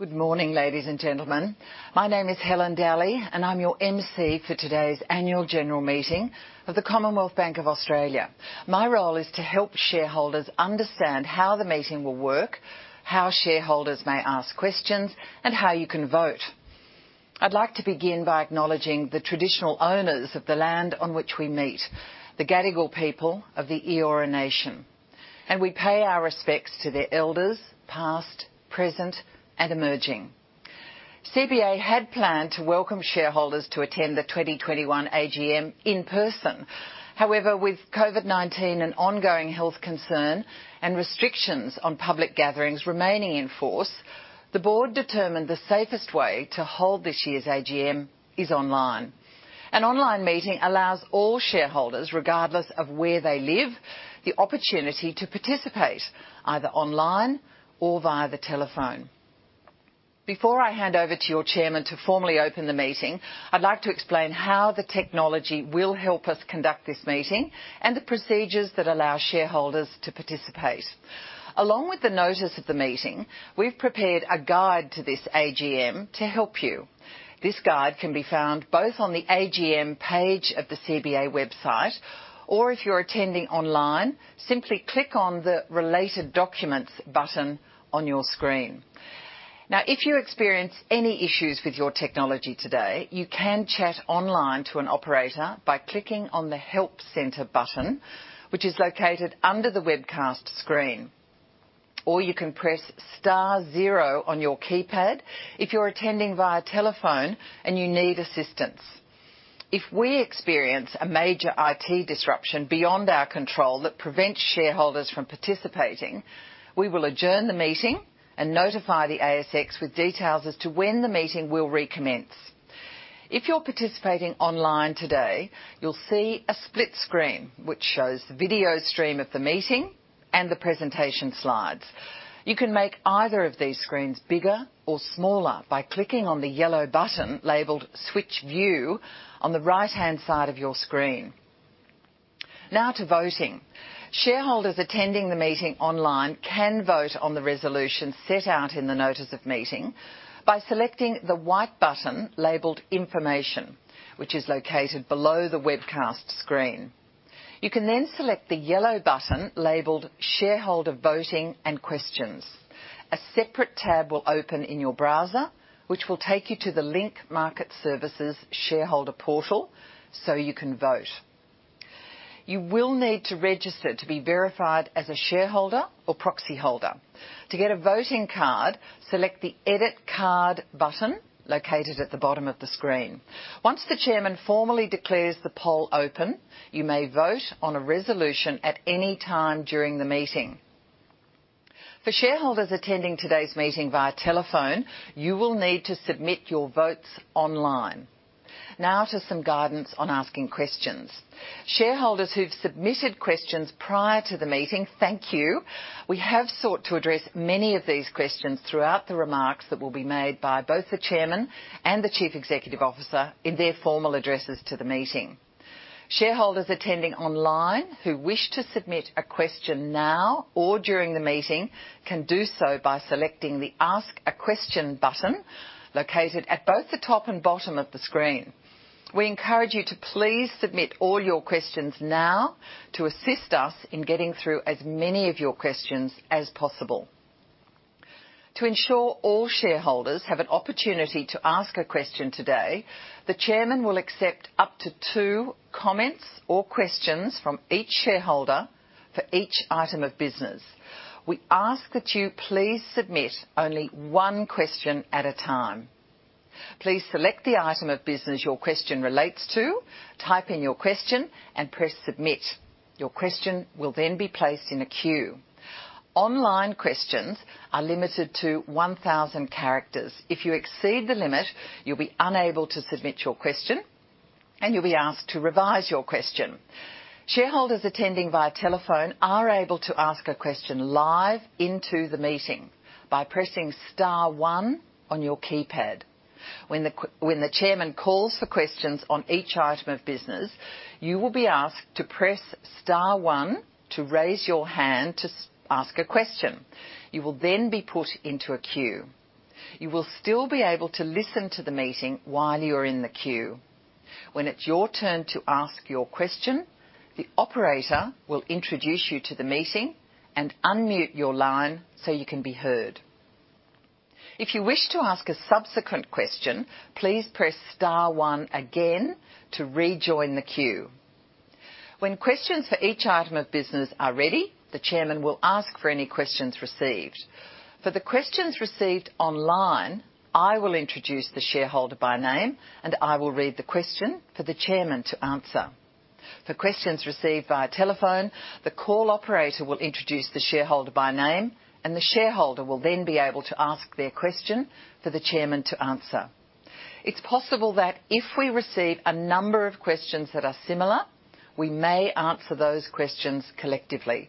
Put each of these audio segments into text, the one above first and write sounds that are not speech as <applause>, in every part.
Good morning, ladies and gentlemen. My name is Helen Dalley, and I'm your MC for today's Annual General Meeting of the Commonwealth Bank of Australia. My role is to help shareholders understand how the meeting will work, how shareholders may ask questions, and how you can vote. I'd like to begin by acknowledging the traditional owners of the land on which we meet, the Gadigal people of the Eora Nation, and we pay our respects to their elders, past, present, and emerging. CBA had planned to welcome shareholders to attend the 2021 AGM in person. However, with COVID-19 an ongoing health concern and restrictions on public gatherings remaining in force, the Board determined the safest way to hold this year's AGM is online. An online meeting allows all shareholders, regardless of where they live, the opportunity to participate either online or via the telephone. Before I hand over to your Chairman to formally open the meeting, I'd like to explain how the technology will help us conduct this meeting and the procedures that allow shareholders to participate. Along with the notice of the meeting, we've prepared a guide to this AGM to help you. This guide can be found both on the AGM page of the CBA website, or if you're attending online, simply click on the Related Documents button on your screen. If you experience any issues with your technology today, you can chat online to an operator by clicking on the Help Center button, which is located under the webcast screen. You can press star zero on your keypad if you're attending via telephone and you need assistance. If we experience a major IT disruption beyond our control that prevents shareholders from participating, we will adjourn the meeting and notify the ASX with details as to when the meeting will recommence. If you're participating online today, you'll see a split screen, which shows the video stream of the meeting and the presentation slides. You can make either of these screens bigger or smaller by clicking on the yellow button labeled Switch View on the right-hand side of your screen. Now to voting. Shareholders attending the meeting online can vote on the resolution set out in the notice of meeting by selecting the white button labeled Information, which is located below the webcast screen. You can then select the yellow button labeled Shareholder Voting and Questions. A separate tab will open in your browser, which will take you to the Link Market Services shareholder portal so you can vote. You will need to register to be verified as a shareholder or proxyholder. To get a voting card, select the Edit Card button located at the bottom of the screen. Once the Chairman formally declares the poll open, you may vote on a resolution at any time during the meeting. For shareholders attending today's meeting via telephone, you will need to submit your votes online. Now to some guidance on asking questions. Shareholders who've submitted questions prior to the meeting, thank you. We have sought to address many of these questions throughout the remarks that will be made by both the Chairman and the Chief Executive Officer in their formal addresses to the meeting. Shareholders attending online who wish to submit a question now or during the meeting can do so by selecting the Ask a Question button, located at both the top and bottom of the screen. We encourage you to please submit all your questions now to assist us in getting through as many of your questions as possible. To ensure all shareholders have an opportunity to ask a question today, the Chairman will accept up to two comments or questions from each shareholder for each item of business. We ask that you please submit only one question at a time. Please select the item of business your question relates to, type in your question, and press Submit. Your question will then be placed in a queue. Online questions are limited to 1,000 characters. If you exceed the limit, you'll be unable to submit your question, and you'll be asked to revise your question. Shareholders attending via telephone are able to ask a question live into the meeting by pressing star one on your keypad. When the Chairman calls for questions on each item of business, you will be asked to press star one to raise your hand to ask a question. You will then be put into a queue. You will still be able to listen to the meeting while you are in the queue. When it's your turn to ask your question, the operator will introduce you to the meeting and unmute your line so you can be heard. If you wish to ask a subsequent question, please press star one again to rejoin the queue. When questions for each item of business are ready, the Chairman will ask for any questions received. For the questions received online, I will introduce the shareholder by name, and I will read the question for the Chairman to answer. For questions received via telephone, the call operator will introduce the shareholder by name, and the shareholder will then be able to ask their question for the Chairman to answer. It's possible that if we receive a number of questions that are similar, we may answer those questions collectively.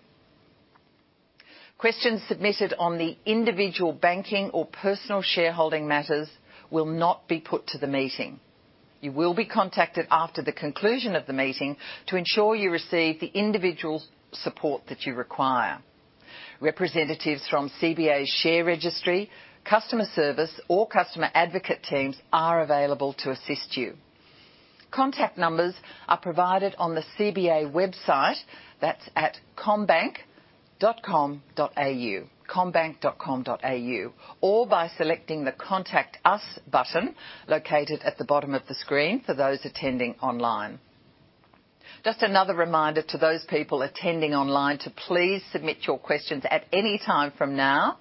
Questions submitted on the individual banking or personal shareholding matters will not be put to the meeting. You will be contacted after the conclusion of the meeting to ensure you receive the individual support that you require. Representatives from CBA Share Registry, customer service, or customer advocate teams are available to assist you. Contact numbers are provided on the CBA website. That's at commbank.com.au or by selecting the Contact Us button located at the bottom of the screen for those attending online. Just another reminder to those people attending online to please submit your questions at any time from now,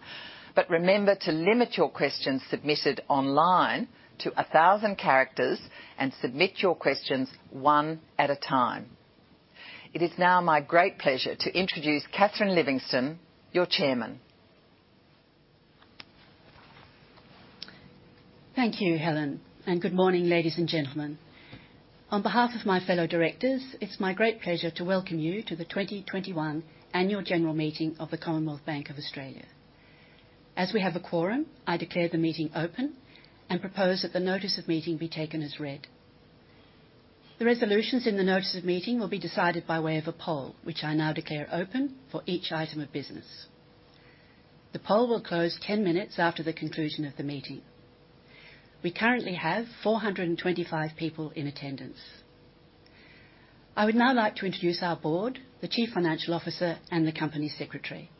but remember to limit your questions submitted online to 1,000 characters, and submit your questions one at a time. It is now my great pleasure to introduce Catherine Livingstone, your Chairman. Thank you, Helen, and good morning, ladies and gentlemen. On behalf of my fellow directors, it's my great pleasure to welcome you to the 2021 Annual General Meeting of the Commonwealth Bank of Australia. As we have a quorum, I declare the meeting open, and propose that the notice of meeting be taken as read. The resolutions in the notice of meeting will be decided by way of a poll, which I now declare open for each item of business. The poll will close 10 minutes after the conclusion of the meeting. We currently have 425 people in attendance. I would now like to introduce our board, the Chief Financial Officer, and the Company Secretary.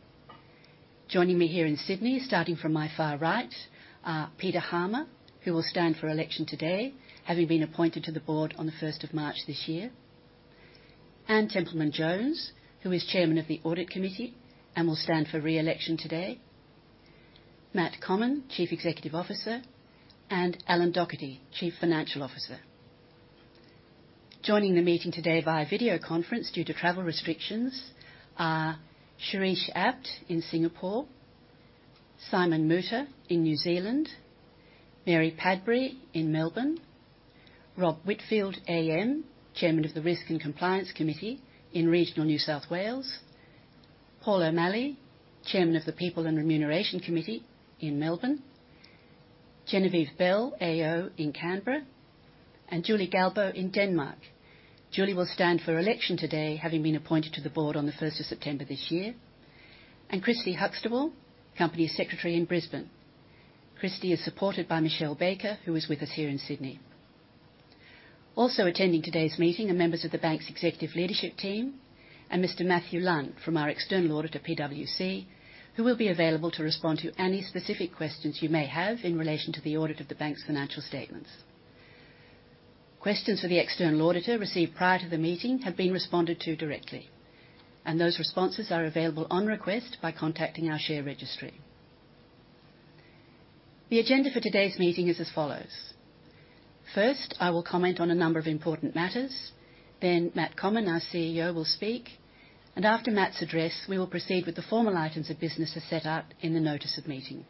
Joining me here in Sydney, starting from my far right, are Peter Harmer, who will stand for election today, having been appointed to the Board on the 1st of March this year. Anne Templeman-Jones, who is Chairman of the Audit Committee and will stand for re-election today. Matt Comyn, Chief Executive Officer, and Alan Docherty, Chief Financial Officer. Joining the meeting today via video conference due to travel restrictions are Shirish Apte in Singapore, Simon Moutter in New Zealand, Mary Padbury in Melbourne, Rob Whitfield AM, Chairman of the Risk and Compliance Committee in regional New South Wales, Paul O'Malley, Chairman of the People and Remuneration Committee in Melbourne, Genevieve Bell AO in Canberra, and Julie Galbo in Denmark. Julie will stand for election today, having been appointed to the Board on the 1st of September this year. Kristy Huxtable, Company Secretary in Brisbane. Kristy is supported by Michelle Baker, who is with us here in Sydney. Also attending today's meeting are members of the bank's executive leadership team and Mr Matthew Lunn from our external auditor, PwC, who will be available to respond to any specific questions you may have in relation to the audit of the bank's financial statements. Questions for the external auditor received prior to the meeting have been responded to directly, and those responses are available on request by contacting our share registry. The agenda for today's meeting is as follows. First, I will comment on a number of important matters, then Matt Comyn, our CEO, will speak, and after Matt's address, we will proceed with the formal items of business as set out in the notice of meeting.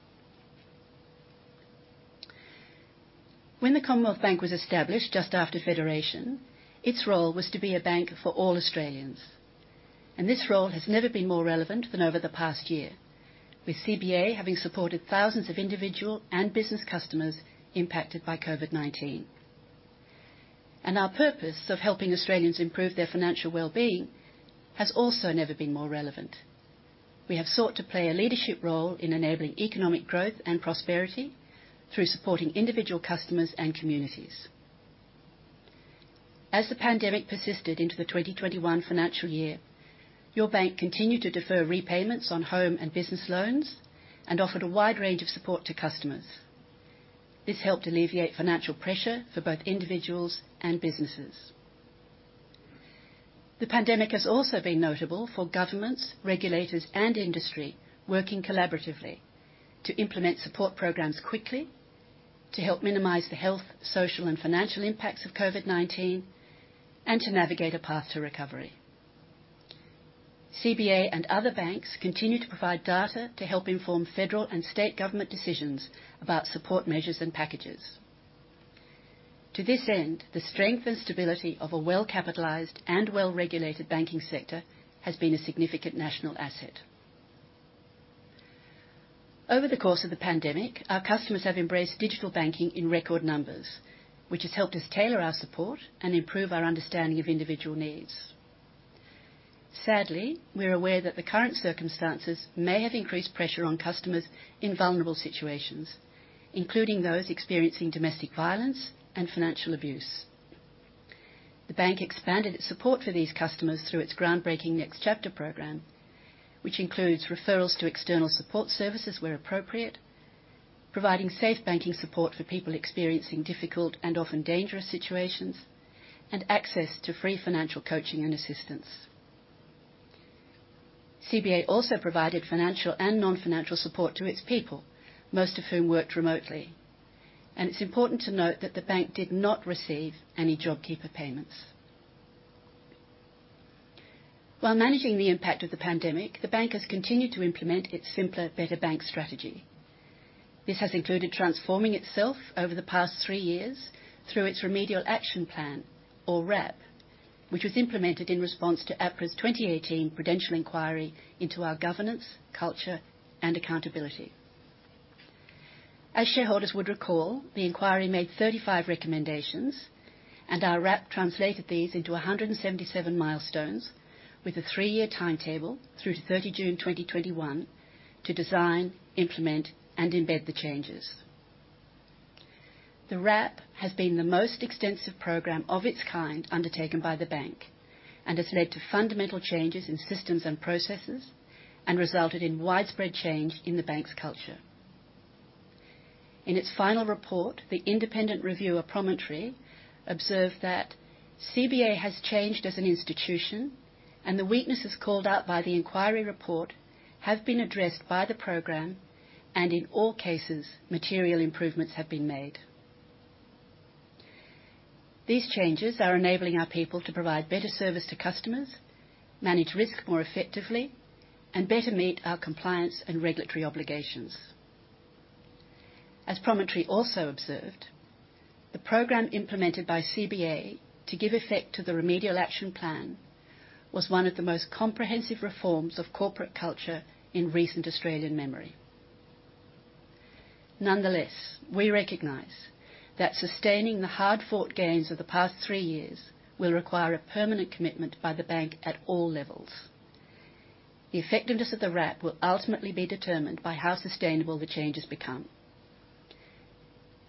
When the Commonwealth Bank was established just after federation, its role was to be a bank for all Australians, this role has never been more relevant than over the past year, with CBA having supported thousands of individual and business customers impacted by COVID-19. Our purpose of helping Australians improve their financial well-being has also never been more relevant. We have sought to play a leadership role in enabling economic growth and prosperity through supporting individual customers and communities. As the pandemic persisted into the 2021 financial year, your bank continued to defer repayments on home and business loans and offered a wide range of support to customers. This helped alleviate financial pressure for both individuals and businesses. The pandemic has also been notable for governments, regulators, and industry working collaboratively to implement support programs quickly, to help minimize the health, social, and financial impacts of COVID-19, and to navigate a path to recovery. CBA and other banks continue to provide data to help inform federal and state government decisions about support measures and packages. To this end, the strength and stability of a well-capitalized and well-regulated banking sector has been a significant national asset. Over the course of the pandemic, our customers have embraced digital banking in record numbers, which has helped us tailor our support and improve our understanding of individual needs. Sadly, we're aware that the current circumstances may have increased pressure on customers in vulnerable situations, including those experiencing domestic violence and financial abuse. The bank expanded its support for these customers through its groundbreaking Next Chapter program, which includes referrals to external support services where appropriate, providing safe banking support for people experiencing difficult and often dangerous situations, and access to free financial coaching and assistance. CBA also provided financial and non-financial support to its people, most of whom worked remotely. It's important to note that the bank did not receive any JobKeeper payments. While managing the impact of the pandemic, the bank has continued to implement its simpler, better bank strategy. This has included transforming itself over the past three years through its Remedial Action Plan, or RAP, which was implemented in response to APRA's 2018 Prudential Inquiry into our governance, culture, and accountability. As shareholders would recall, the inquiry made 35 recommendations, and our RAP translated these into 177 milestones with a three-year timetable through to 30 June 2021 to design, implement, and embed the changes. The RAP has been the most extensive program of its kind undertaken by the bank, and has led to fundamental changes in systems and processes, and resulted in widespread change in the bank's culture. In its final report, the independent reviewer, Promontory, observed that CBA has changed as an institution, and the weaknesses called out by the inquiry report have been addressed by the program, and in all cases, material improvements have been made. These changes are enabling our people to provide better service to customers, manage risk more effectively, and better meet our compliance and regulatory obligations. As Promontory also observed, the program implemented by CBA to give effect to the Remedial Action Plan was one of the most comprehensive reforms of corporate culture in recent Australian memory. Nonetheless, we recognize that sustaining the hard-fought gains of the past three years will require a permanent commitment by the bank at all levels. The effectiveness of the RAP will ultimately be determined by how sustainable the change has become.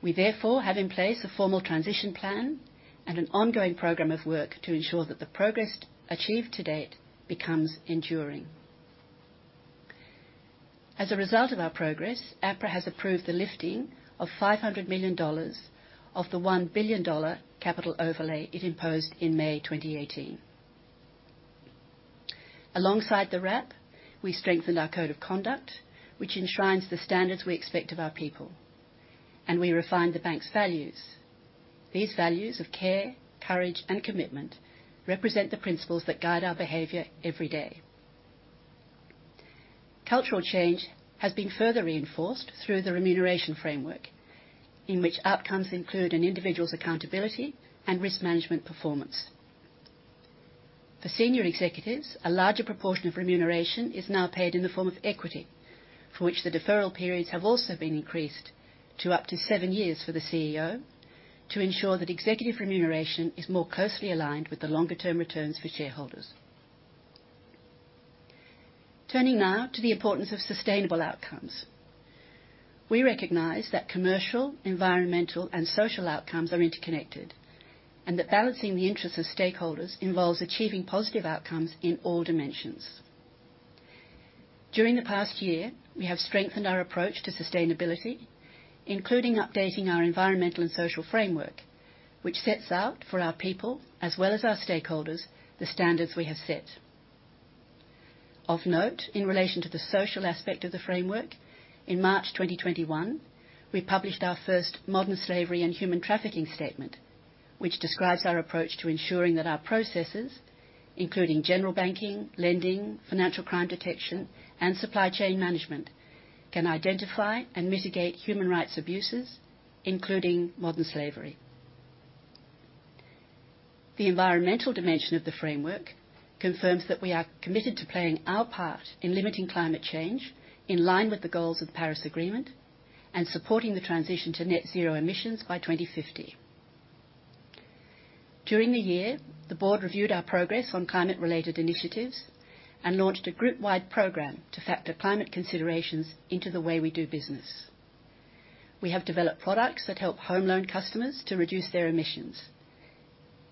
We therefore have in place a formal transition plan and an ongoing program of work to ensure that the progress achieved to date becomes enduring. As a result of our progress, APRA has approved the lifting of 500 million dollars of the 1 billion dollar capital overlay it imposed in May 2018. Alongside the RAP, we strengthened our code of conduct, which enshrines the standards we expect of our people, and we refined the bank's values. These values of care, courage, and commitment represent the principles that guide our behavior every day. Cultural change has been further reinforced through the remuneration framework, in which outcomes include an individual's accountability and risk management performance. For senior executives, a larger proportion of remuneration is now paid in the form of equity, for which the deferral periods have also been increased to up to seven years for the CEO, to ensure that executive remuneration is more closely aligned with the longer-term returns for shareholders. Turning now to the importance of sustainable outcomes. We recognize that commercial, environmental, and social outcomes are interconnected, and that balancing the interests of stakeholders involves achieving positive outcomes in all dimensions. During the past year, we have strengthened our approach to sustainability, including updating our Environmental and Social Framework, which sets out for our people, as well as our stakeholders, the standards we have set. Of note, in relation to the social aspect of the framework, in March 2021, we published our first Modern Slavery and Human Trafficking Statement, which describes our approach to ensuring that our processes, including general banking, lending, financial crime detection, and supply chain management, can identify and mitigate human rights abuses, including modern slavery. The environmental dimension of the framework confirms that we are committed to playing our part in limiting climate change in line with the goals of the Paris Agreement, and supporting the transition to net zero emissions by 2050. During the year, the Board reviewed our progress on climate-related initiatives and launched a group-wide program to factor climate considerations into the way we do business. We have developed products that help home loan customers to reduce their emissions.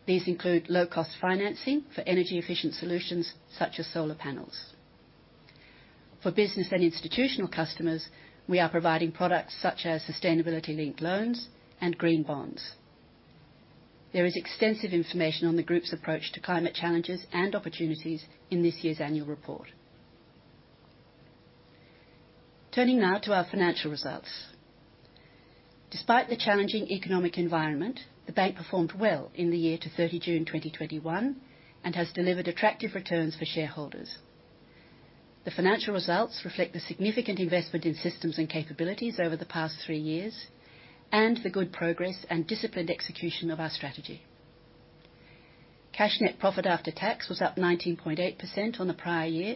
These include low-cost financing for energy-efficient solutions such as solar panels. For business and institutional customers, we are providing products such as sustainability-linked loans and green bonds. There is extensive information on the group's approach to climate challenges and opportunities in this year's annual report. Turning now to our financial results. Despite the challenging economic environment, the bank performed well in the year to 30 June 2021 and has delivered attractive returns for shareholders. The financial results reflect the significant investment in systems and capabilities over the past three years and the good progress and disciplined execution of our strategy. Cash net profit after tax was up 19.8% on the prior year,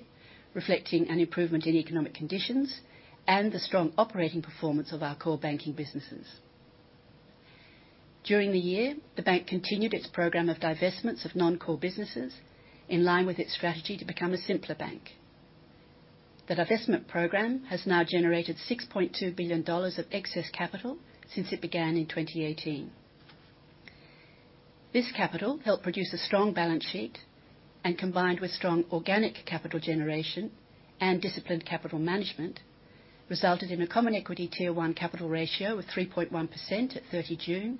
reflecting an improvement in economic conditions and the strong operating performance of our core banking businesses. During the year, the bank continued its program of divestments of non-core businesses in line with its strategy to become a simpler bank. The divestment program has now generated 6.2 billion dollars of excess capital since it began in 2018. This capital helped produce a strong balance sheet, and combined with strong organic capital generation and disciplined capital management, resulted in a Common Equity Tier 1 capital ratio of 3.1% at 30 June,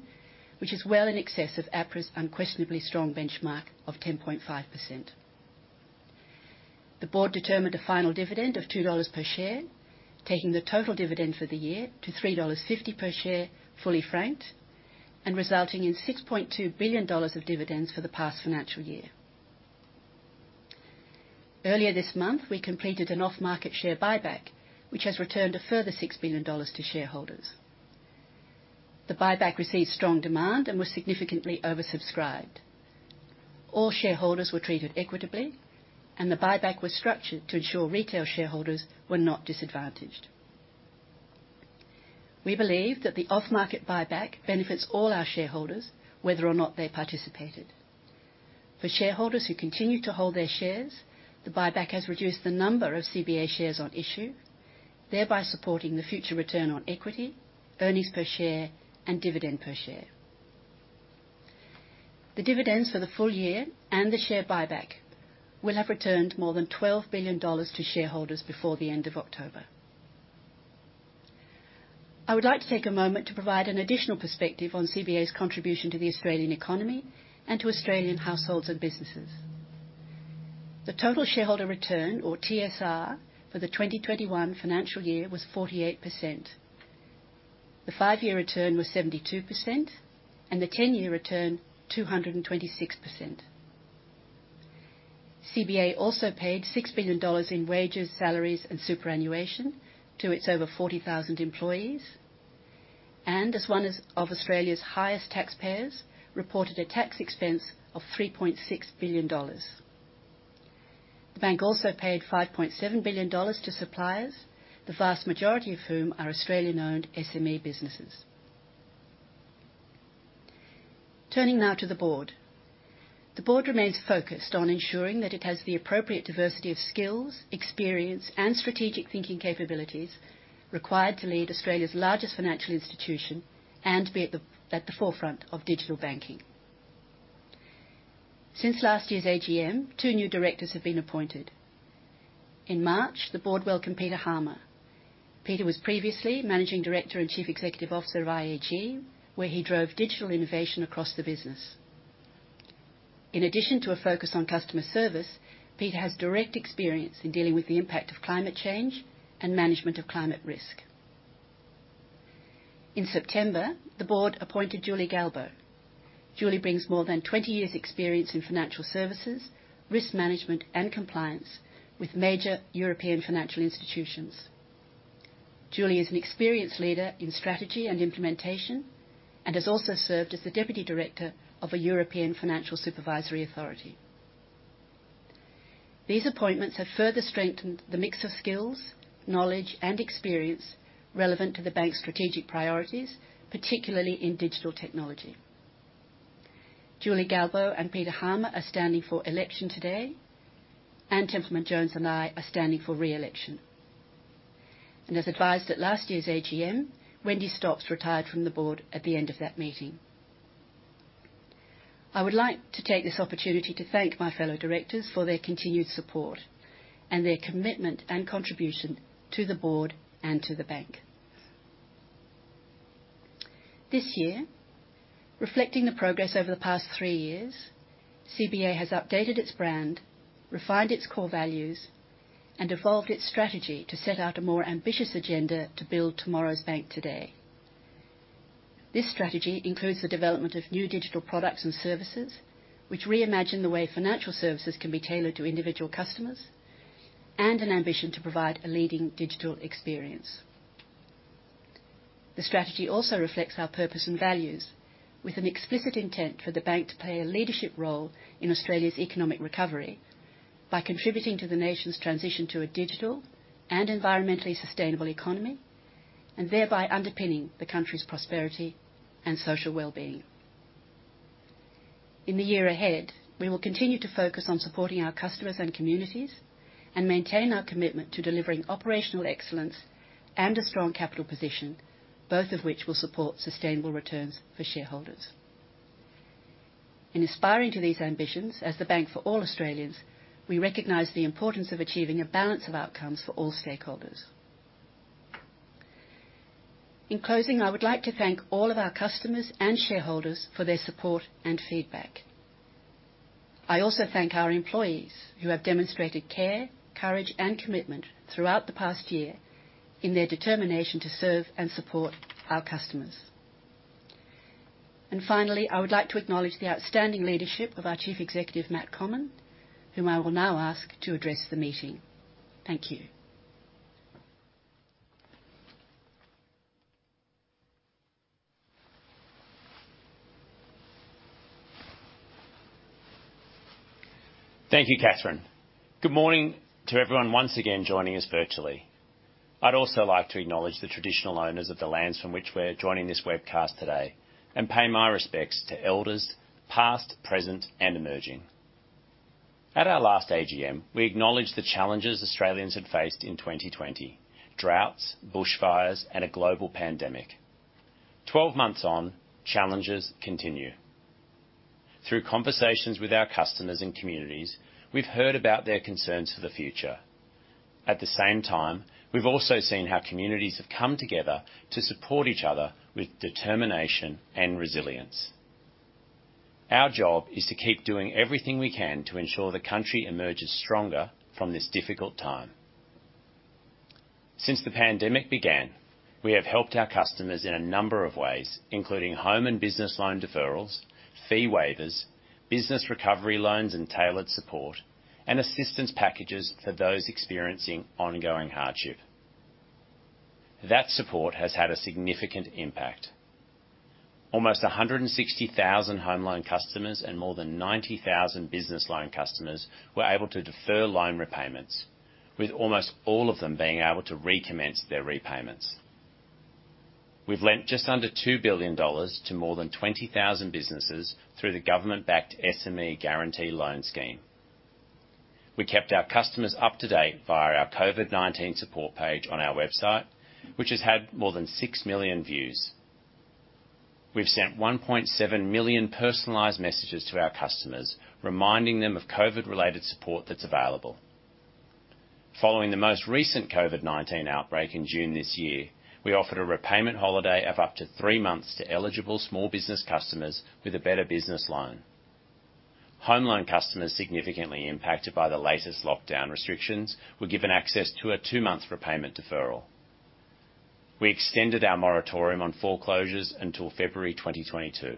which is well in excess of APRA's unquestionably strong benchmark 10.5%. The Board determined a final dividend of 2 dollars per share, taking the total dividend for the year to 3.50 dollars per share, fully franked, and resulting in 6.2 billion dollars of dividends for the past financial year. Earlier this month, we completed an off-market share buyback, which has returned a further 6 billion dollars to shareholders. The buyback received strong demand and was significantly oversubscribed. All shareholders were treated equitably, and the buyback was structured to ensure retail shareholders were not disadvantaged. We believe that the off-market buyback benefits all our shareholders, whether or not they participated. For shareholders who continue to hold their shares, the buyback has reduced the number of CBA shares on issue, thereby supporting the future return on equity, earnings per share, and dividend per share. The dividends for the full year and the share buyback will have returned more than 12 billion dollars to shareholders before the end of October. I would like to take a moment to provide an additional perspective on CBA's contribution to the Australian economy and to Australian households and businesses. The total shareholder return, or TSR, for the 2021 financial year was 48%. The five-year return was 72%, and the 10-year return, 226%. CBA also paid 6 billion dollars in wages, salaries, and superannuation to its over 40,000 employees. As one of Australia's highest taxpayers, reported a tax expense of 3.6 billion dollars. The bank also paid 5.7 billion dollars to suppliers, the vast majority of whom are Australian-owned SME businesses. Turning now the board. The Board remains focused on ensuring that it has the appropriate diversity of skills, experience, and strategic thinking capabilities required to lead Australia's largest financial institution and be at the forefront of digital banking. Since last year's AGM, two new directors have been appointed. In March, the Board welcomed Peter Harmer. Peter was previously Managing Director and Chief Executive Officer of IAG, where he drove digital innovation across the business. In addition to a focus on customer service, Peter has direct experience in dealing with the impact of climate change and management of climate risk. In September, the Board appointed Julie Galbo. Julie brings more than 20 years' experience in financial services, risk management, and compliance with major European financial institutions. Julie is an experienced leader in strategy and implementation and has also served as the deputy director of a European financial supervisory authority. These appointments have further strengthened the mix of skills, knowledge, and experience relevant to the bank's strategic priorities, particularly in digital technology. Julie Galbo and Peter Harmer are standing for election today, Anne Templeman-Jones and I are standing for re-election. As advised at last year's AGM, Wendy Stops retired from the Board at the end of that meeting. I would like to take this opportunity to thank my fellow directors for their continued support and their commitment and contribution to the Board and to the bank. This year, reflecting the progress over the past three years, CBA has updated its brand, refined its core values, and evolved its strategy to set out a more ambitious agenda to build tomorrow's bank today. This strategy includes the development of new digital products and services, which reimagine the way financial services can be tailored to individual customers, and an ambition to provide a leading digital experience. The strategy also reflects our purpose and values with an explicit intent for the bank to play a leadership role in Australia's economic recovery by contributing to the nation's transition to a digital and environmentally sustainable economy, and thereby underpinning the country's prosperity and social well-being. In the year ahead, we will continue to focus on supporting our customers and communities and maintain our commitment to delivering operational excellence and a strong capital position, both of which will support sustainable returns for shareholders. In aspiring to these ambitions as the bank for all Australians, we recognize the importance of achieving a balance of outcomes for all stakeholders. In closing, I would like to thank all of our customers and shareholders for their support and feedback. I also thank our employees, who have demonstrated care, courage, and commitment throughout the past year in their determination to serve and support our customers. Finally, I would like to acknowledge the outstanding leadership of our Chief Executive, Matt Comyn, whom I will now ask to address the meeting. Thank you. Thank you, Catherine. Good morning to everyone once again joining us virtually. I'd also like to acknowledge the traditional owners of the lands from which we're joining this webcast today and pay my respects to elders, past, present, and emerging. At our last AGM, we acknowledged the challenges Australians had faced in 2020. Droughts, bushfires, and a global pandemic. 12 months on, challenges continue. Through conversations with our customers and communities, we've heard about their concerns for the future. At the same time, we've also seen how communities have come together to support each other with determination and resilience. Our job is to keep doing everything we can to ensure the country emerges stronger from this difficult time. Since the pandemic began, we have helped our customers in a number of ways, including home and business loan deferrals, fee waivers, business recovery loans and tailored support, and assistance packages for those experiencing ongoing hardship. That support has had a significant impact. Almost 160,000 home loan customers and more than 90,000 business loan customers were able to defer loan repayments, with almost all of them being able to recommence their repayments. We've lent just under 2 billion dollars to more than 20,000 businesses through the government-backed SME Guarantee Loan Scheme. We kept our customers up to date via our COVID-19 support page on our website, which has had more than 6 million views. We've sent 1.7 million personalized messages to our customers, reminding them of COVID-related support that's available. Following the most recent COVID-19 outbreak in June this year, we offered a repayment holiday of up to three months to eligible small business customers with a better business loan. Home loan customers significantly impacted by the latest lockdown restrictions were given access to a two-month repayment deferral. We extended our moratorium on foreclosures until February 2022.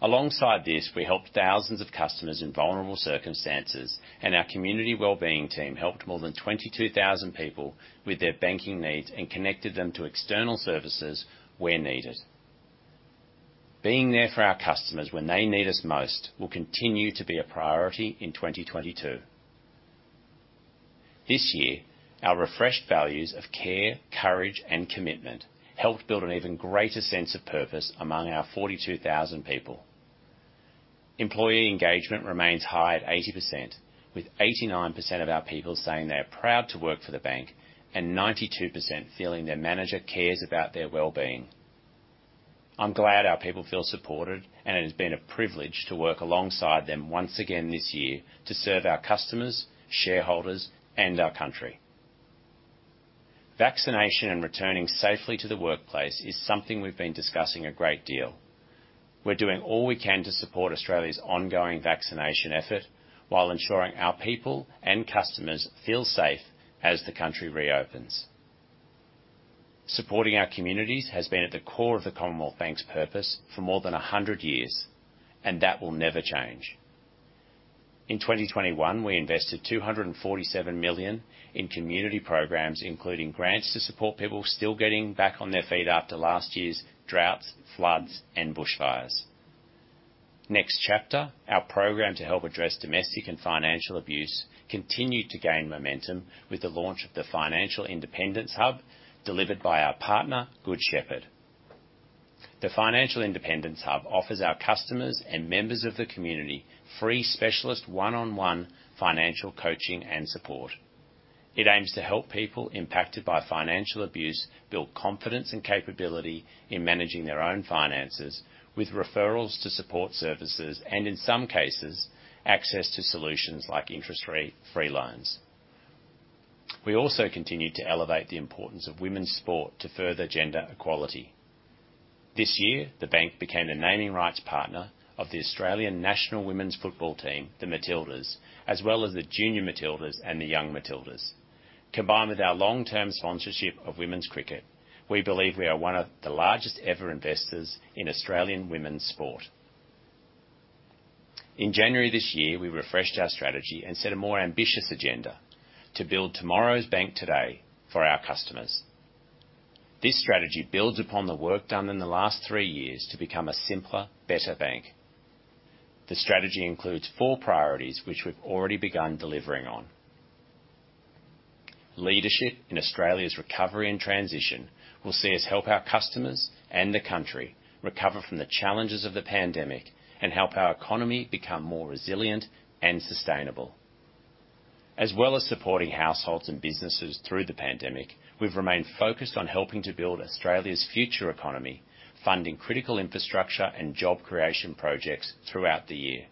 Alongside this, we helped thousands of customers in vulnerable circumstances, and our community wellbeing team helped more than 22,000 people with their banking needs and connected them to external services where needed. Being there for our customers when they need us most will continue to be a priority in 2022. This year, our refreshed values of care, courage, and commitment helped build an even greater sense of purpose among our 42,000 people. Employee engagement remains high at 80%, with 89% of our people saying they are proud to work for the bank, and 92% feeling their manager cares about their wellbeing. I'm glad our people feel supported, and it has been a privilege to work alongside them once again this year to serve our customers, shareholders, and our country. Vaccination and returning safely to the workplace is something we've been discussing a great deal. We're doing all we can to support Australia's ongoing vaccination effort while ensuring our people and customers feel safe as the country reopens. Supporting our communities has been at the core of the Commonwealth Bank's purpose for more than 100 years, and that will never change. In 2021, we invested 247 million in community programs, including grants to support people still getting back on their feet after last year's droughts, floods, and bushfires. Next Chapter, our program to help address domestic and financial abuse, continued to gain momentum with the launch of the Financial Independence Hub delivered by our partner, Good Shepherd. The Financial Independence Hub offers our customers and members of the community free specialist one-on-one financial coaching and support. It aims to help people impacted by financial abuse build confidence and capability in managing their own finances with referrals to support services and, in some cases, access to solutions like interest-free loans. We also continued to elevate the importance of women's sport to further gender equality. This year, the bank became the naming rights partner of the Australian National Women's Football team, the Matildas, as well as the Junior Matildas and the Young Matildas. Combined with our long-term sponsorship of women's cricket, we believe we are one of the largest ever investors in Australian women's sport. In January this year, we refreshed our strategy and set a more ambitious agenda to build tomorrow's bank today for our customers. This strategy builds upon the work done in the last three years to become a simpler, better bank. The strategy includes four priorities, which we've already begun delivering on. Leadership in Australia's recovery and transition will see us help our customers and the country recover from the challenges of the pandemic and help our economy become more resilient and sustainable. As well as supporting households and businesses through the pandemic, we've remained focused on helping to build Australia's future economy, funding critical infrastructure and job creation projects throughout the year.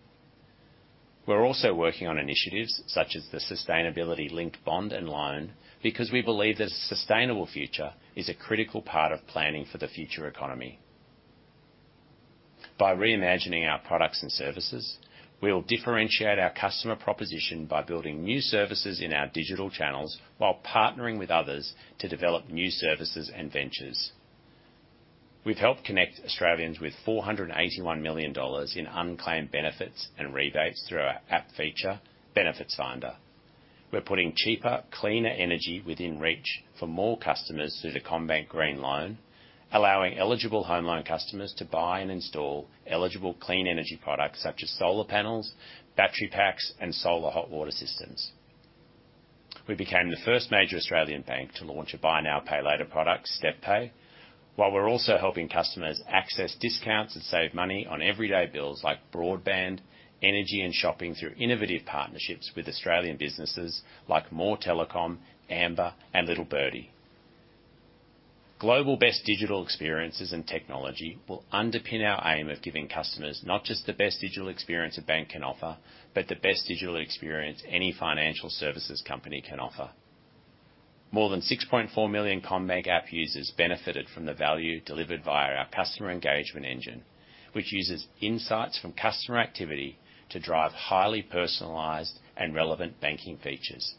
We're also working on initiatives such as the Sustainability-Linked Bond and Loan because we believe that a sustainable future is a critical part of planning for the future economy. By reimagining our products and services, we'll differentiate our customer proposition by building new services in our digital channels while partnering with others to develop new services and ventures. We've helped connect Australians with 481 million dollars in unclaimed benefits and rebates through our app feature, Benefits finder. We're putting cheaper, cleaner energy within reach for more customers through the CommBank Green Loan, allowing eligible home loan customers to buy and install eligible clean energy products such as solar panels, battery packs, and solar hot water systems. We became the first major Australian bank to launch a buy now, pay later product, StepPay. While we're also helping customers access discounts and save money on everyday bills like broadband, energy, and shopping through innovative partnerships with Australian businesses like More Telecom, Amber, and Little Birdie. Global best digital experiences and technology will underpin our aim of giving customers not just the best digital experience a bank can offer, but the best digital experience any financial services company can offer. More than 6.4 million CommBank app users benefited from the value delivered via our customer engagement engine, which uses insights from customer activity to drive highly personalized and relevant banking features.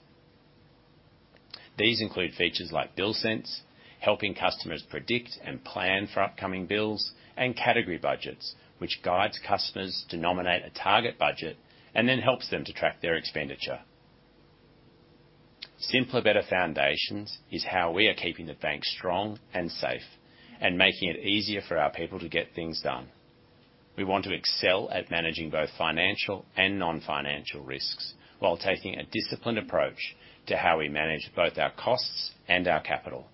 These include features like Bill Sense, helping customers predict and plan for upcoming bills, and Category Budgets, which guides customers to nominate a target budget and then helps them to track their expenditure. Simpler, better foundations is how we are keeping the bank strong and safe and making it easier for our people to get things done. We want to excel at managing both financial and non-financial risks while taking a disciplined approach to how we manage both our costs and our capital.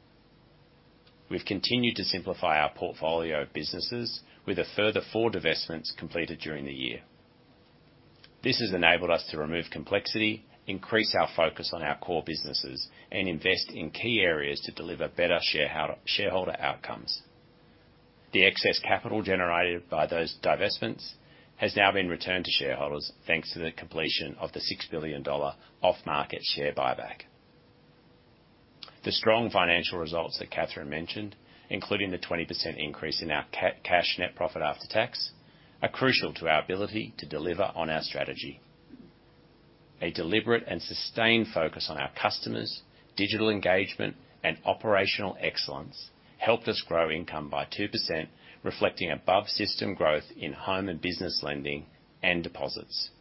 We've continued to simplify our portfolio of businesses with a further four divestments completed during the year. This has enabled us to remove complexity, increase our focus on our core businesses, and invest in key areas to deliver better shareholder outcomes. The excess capital generated by those divestments has now been returned to shareholders, thanks to the completion of the 6 billion dollar off-market share buyback. The strong financial results that Catherine mentioned, including the 20% increase in our cash net profit after tax, are crucial to our ability to deliver on our strategy. A deliberate and sustained focus on our customers, digital engagement, and operational excellence helped us grow income by 2%, reflecting above-system growth in home and business lending and deposits.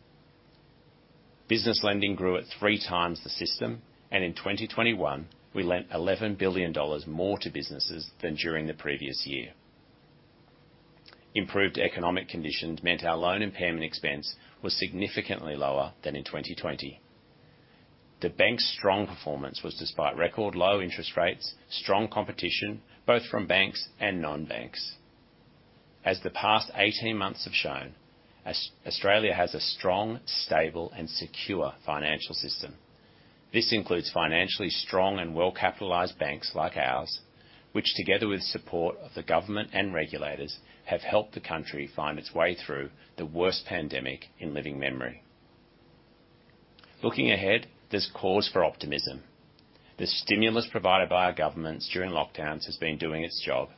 Business lending grew at three times the system. In 2021, we lent 11 billion dollars more to businesses than during the previous year. Improved economic conditions meant our loan impairment expense was significantly lower than in 2020. The bank's strong performance was despite record low interest rates, strong competition, both from banks and non-banks. As the past 18 months have shown, Australia has a strong, stable, and secure financial system. This includes financially strong and well-capitalized banks like ours, which, together with support of the government and regulators, have helped the country find its way through the worst pandemic in living memory. Looking ahead, there's cause for optimism. The stimulus provided by our governments during lockdowns has been doing its job.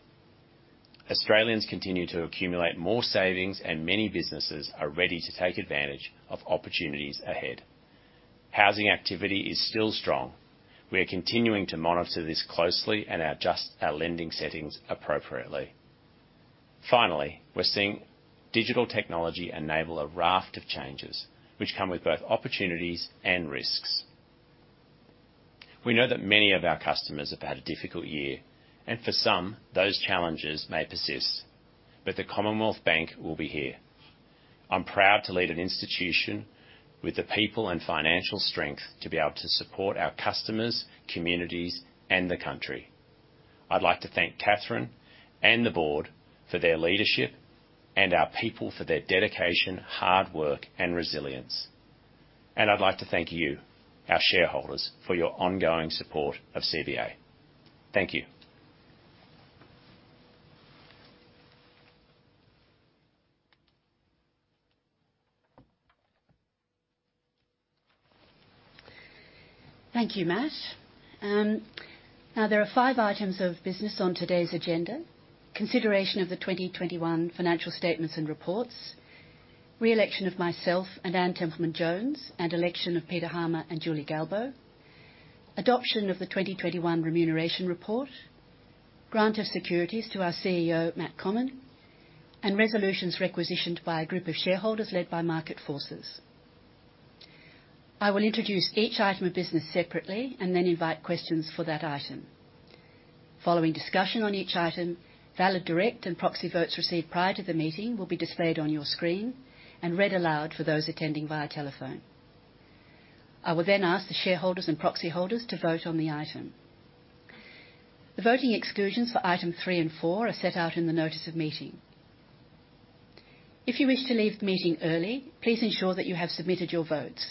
Australians continue to accumulate more savings, and many businesses are ready to take advantage of opportunities ahead. Housing activity is still strong. We are continuing to monitor this closely and adjust our lending settings appropriately. Finally, we're seeing digital technology enable a raft of changes, which come with both opportunities and risks. We know that many of our customers have had a difficult year, and for some, those challenges may persist. The Commonwealth Bank will be here. I'm proud to lead an institution with the people and financial strength to be able to support our customers, communities, and the country. I'd like to thank Catherine and the Board for their leadership and our people for their dedication, hard work, and resilience. I'd like to thank you, our shareholders, for your ongoing support of CBA. Thank you. Thank you, Matt. There are five items of business on today's agenda. Consideration of the 2021 financial statements and reports. Re-election of myself and Anne Templeman-Jones, election of Peter Harmer and Julie Galbo. Adoption of the 2021 remuneration report. Grant of securities to our CEO, Matt Comyn, resolutions requisitioned by a group of shareholders led by Market Forces. I will introduce each item of business separately then invite questions for that item. Following discussion on each item, valid direct and proxy votes received prior to the meeting will be displayed on your screen and read aloud for those attending via telephone. I will ask the shareholders and proxy holders to vote on the item. The voting exclusions for Item 3 and 4 are set out in the notice of meeting. If you wish to leave the meeting early, please ensure that you have submitted your votes.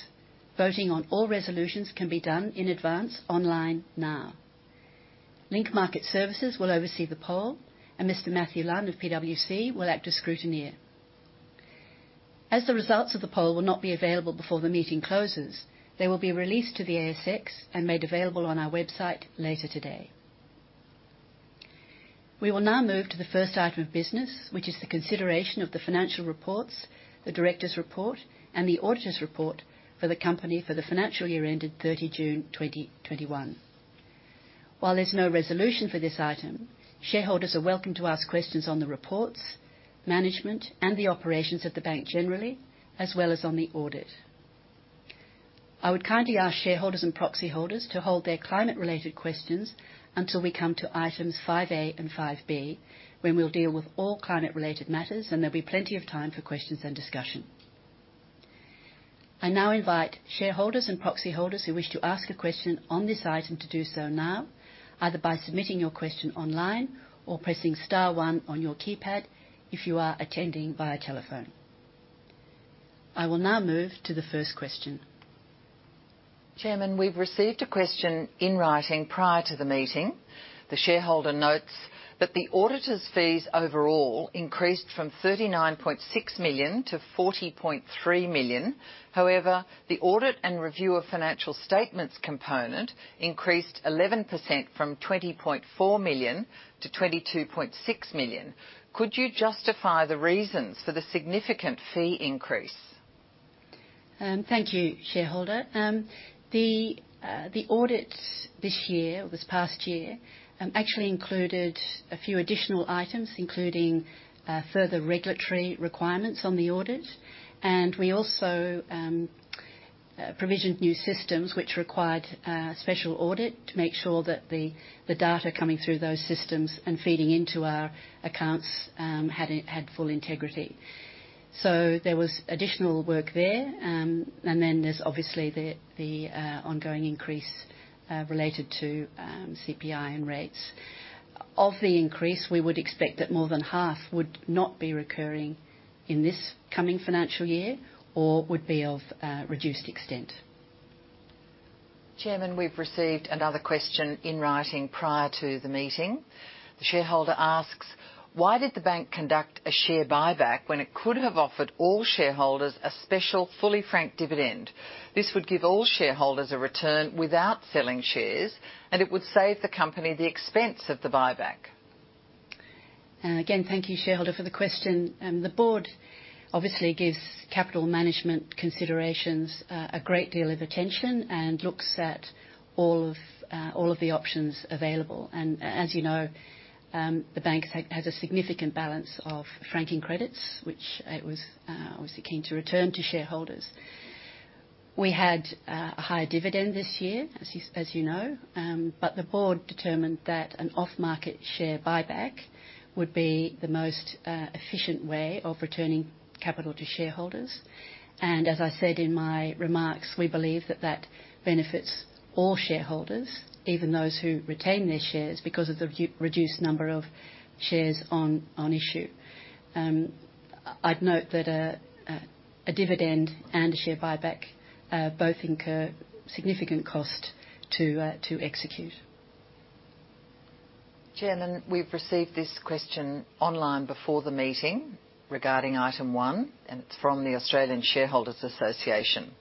Voting on all resolutions can be done in advance online now. Link Market Services will oversee the poll, and Mr. Matthew Lunn of PwC will act as scrutineer. As the results of the poll will not be available before the meeting closes, they will be released to the ASX and made available on our website later today. We will now move to the first item of business, which is the consideration of the financial reports, the directors' report, and the auditors' report for the company for the financial year ended 30 June 2021. While there's no resolution for this item, shareholders are welcome to ask questions on the reports, management, and the operations of the bank generally, as well as on the audit. I would kindly ask shareholders and proxy holders to hold their climate-related questions until we come to items 5A and 5B, when we'll deal with all climate-related matters and there'll be plenty of time for questions and discussion. I now invite shareholders and proxy holders who wish to ask a question on this item to do so now, either by submitting your question online or pressing star one on your keypad if you are attending via telephone. I will now move to the first question. Chairman, we've received a question in writing prior to the meeting. The shareholder notes that the auditors' fees overall increased from 39.6 million to 40.3 million. However, the audit and review of financial statements component increased 11% from 20.4 million to 22.6 million. Could you justify the reasons for the significant fee increase? Thank you, shareholder. The audit. This year, this past year, actually included a few additional items, including further regulatory requirements on the audit. We also provisioned new systems which required a special audit to make sure that the data coming through those systems and feeding into our accounts had full integrity. There was additional work there. There's obviously the ongoing increase related to CPI and rates. Of the increase, we would expect that more than half would not be recurring in this coming financial year or would be of reduced extent. Chairman, we've received another question in writing prior to the meeting. The shareholder asks: "Why did the bank conduct a share buyback when it could have offered all shareholders a special, fully franked dividend? This would give all shareholders a return without selling shares, and it would save the company the expense of the buyback." Again, thank you, shareholder, for question. The Board obviously gives capital management considerations a great deal of attention and looks at all of the options available. As you know, the bank has a significant balance of franking credits, which it was obviously keen to return to shareholders. We had a higher dividend this year, as know. The Board determined that an off-market share buyback would be the most efficient way of returning capital to shareholders. As I said in my remarks, we believe that that benefits all shareholders, even those who retain their shares, because of the reduced number of shares on issue. I'd note that a dividend and a share buyback both incur significant cost to execute. Chairman, we've received this question online before the meeting regarding Item 1, and it's from the Australian Shareholders' Association.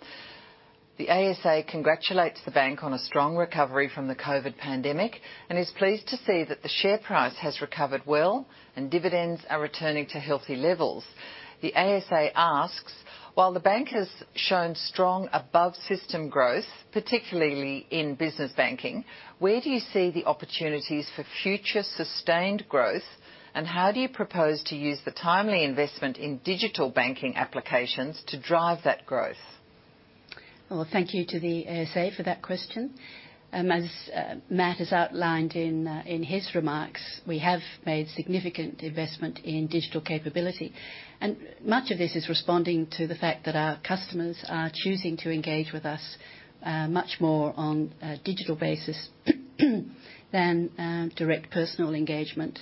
The ASA congratulates the bank on a strong recovery from the COVID pandemic and is pleased to see that the share price has recovered well and dividends are returning to healthy levels. The ASA asks: "While the bank has shown strong above-system growth, particularly in business banking, where do you see the opportunities for future sustained growth, and how do you propose to use the timely investment in digital banking applications to drive that growth?" Well, thank you to the ASA for that question. As Matt has outlined in his remarks, we have made significant investment in digital capability. Much of this is responding to the fact that our customers are choosing to engage with us much more on a digital basis than direct personal engagement.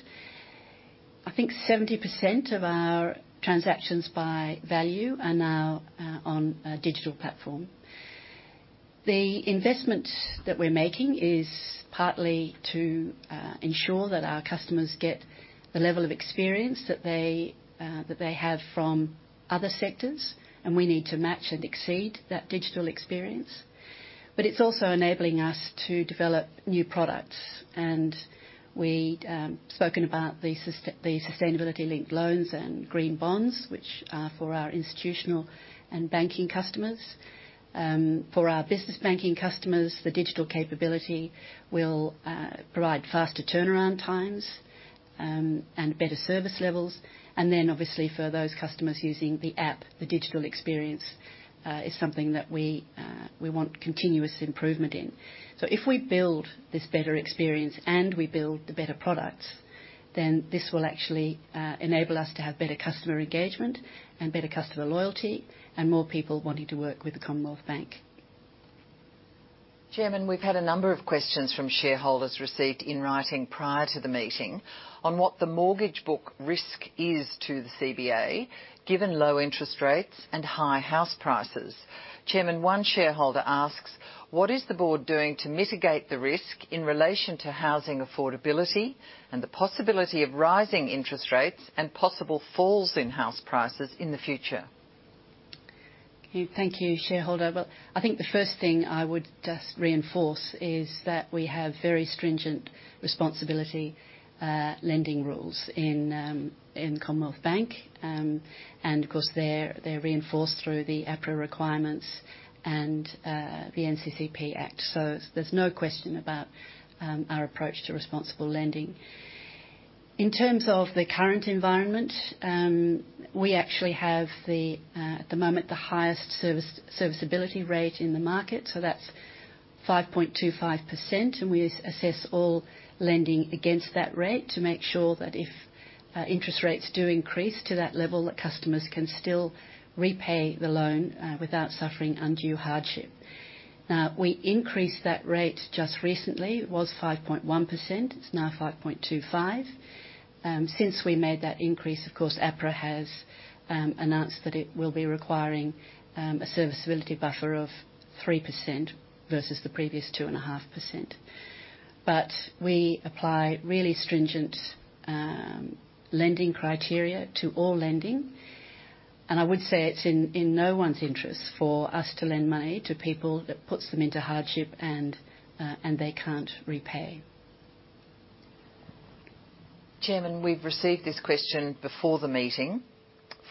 I think 70% of our transactions by value are now on a digital platform. The investment that we're making is partly to ensure that our customers get the level of experience that they have from other sectors, and we need to match and exceed that digital experience. It's also enabling us to develop new products. We've spoken about the sustainability linked loans and green bonds, which are for our institutional and banking customers. For our business banking customers, the digital capability will provide faster turnaround times and better service levels. Obviously for those customers using the app, the digital experience is something that we want continuous improvement in. If we build this better experience and we build the better products, this will actually enable us to have better customer engagement and better customer loyalty and more people wanting to work with the Commonwealth Bank. Chairman, we've had a number of questions from shareholders received in writing prior to the meeting on what the mortgage book risk is to the CBA, given low interest rates and high house prices. Chairman, one shareholder asks: "What is the Board doing to mitigate the risk in relation to housing affordability and the possibility of rising interest rates and possible falls in house prices in the future?" Thank you, shareholder. I think the first thing I would just reinforce is that we have very stringent responsibility lending rules in Commonwealth Bank. Of course, they're reinforced through the APRA requirements and the NCCP Act. There's no question about our approach to responsible lending. In terms of the current environment, we actually have, at the moment, the highest serviceability rate in the market, so that's 5.25%, and we assess all lending against that rate to make sure that if interest rates do increase to that level, that customers can still repay the loan without suffering undue hardship. Now, we increased that rate just recently. It was 5.1%. It's now 5.25%. Since we made that increase, of course, APRA has announced that it will be requiring a serviceability buffer of 3% versus the previous 2.5%. We apply really stringent lending criteria to all lending. I would say it's in no one's interest for us to lend money to people that puts them into hardship and they can't repay. Chairman, we've received this question before the meeting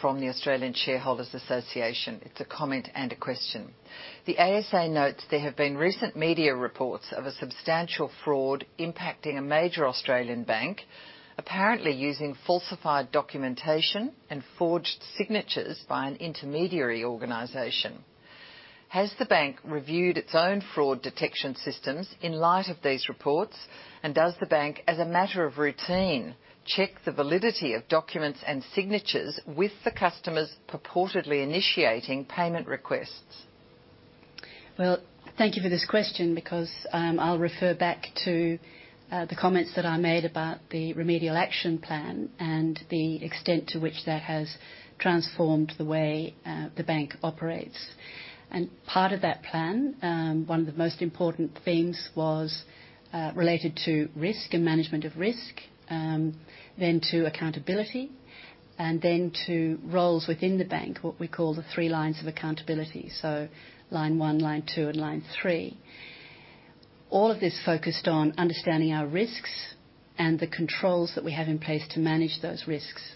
from the Australian Shareholders' Association. It's a comment and a question. The ASA notes there have been recent media reports of a substantial fraud impacting a major Australian bank, apparently using falsified documentation and forged signatures by an intermediary organization. Has the bank reviewed its own fraud detection systems in light of these reports? Does the bank, as a matter of routine, check the validity of documents and signatures with the customers purportedly initiating payment requests? Well, thank you for this question because I will refer back to the comments that I made about the Remedial Action Plan and the extent to which that has transformed the way the bank operates. Part of that plan, one of the most important themes was related to risk and management of risk, then to accountability, and then to roles within the bank, what we call the Three Lines of Accountability, so Line One, Line Two, and Line Three. All of this focused on understanding our risks and the controls that we have in place to manage those risks.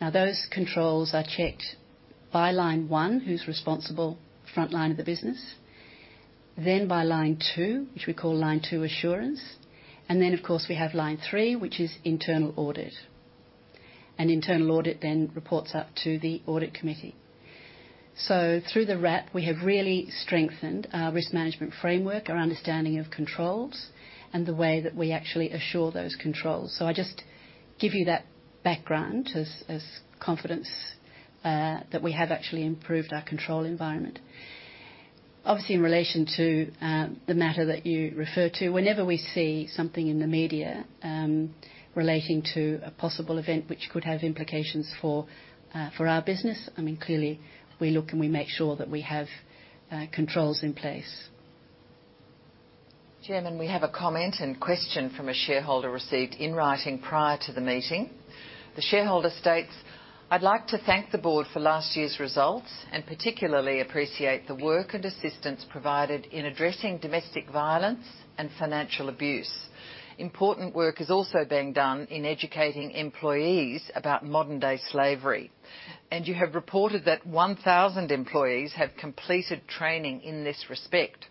Now, those controls are checked by Line One, who is responsible front line of the business, then by Line Two, which we call Line Two Assurance, and then of course we have Line Three, which is Internal Audit. Internal Audit then reports up to the Audit Committee. Through the RAP, we have really strengthened our risk management framework, our understanding of controls, and the way that we actually assure those controls. I just give you that background as confidence that we have actually improved our control environment. Obviously, in relation to the matter that you refer to, whenever we see something in the media relating to a possible event which could have implications for our business, clearly, we look and we make sure that we have controls in place. Chairman, we have a comment and question from a shareholder received in writing prior to the meeting. The shareholder states: "I'd like to thank the Board for last year's results, and particularly appreciate the work and assistance provided in addressing domestic violence and financial abuse. Important work is also being done in educating employees about modern-day slavery, and you have reported that 1,000 employees have completed training in this respect.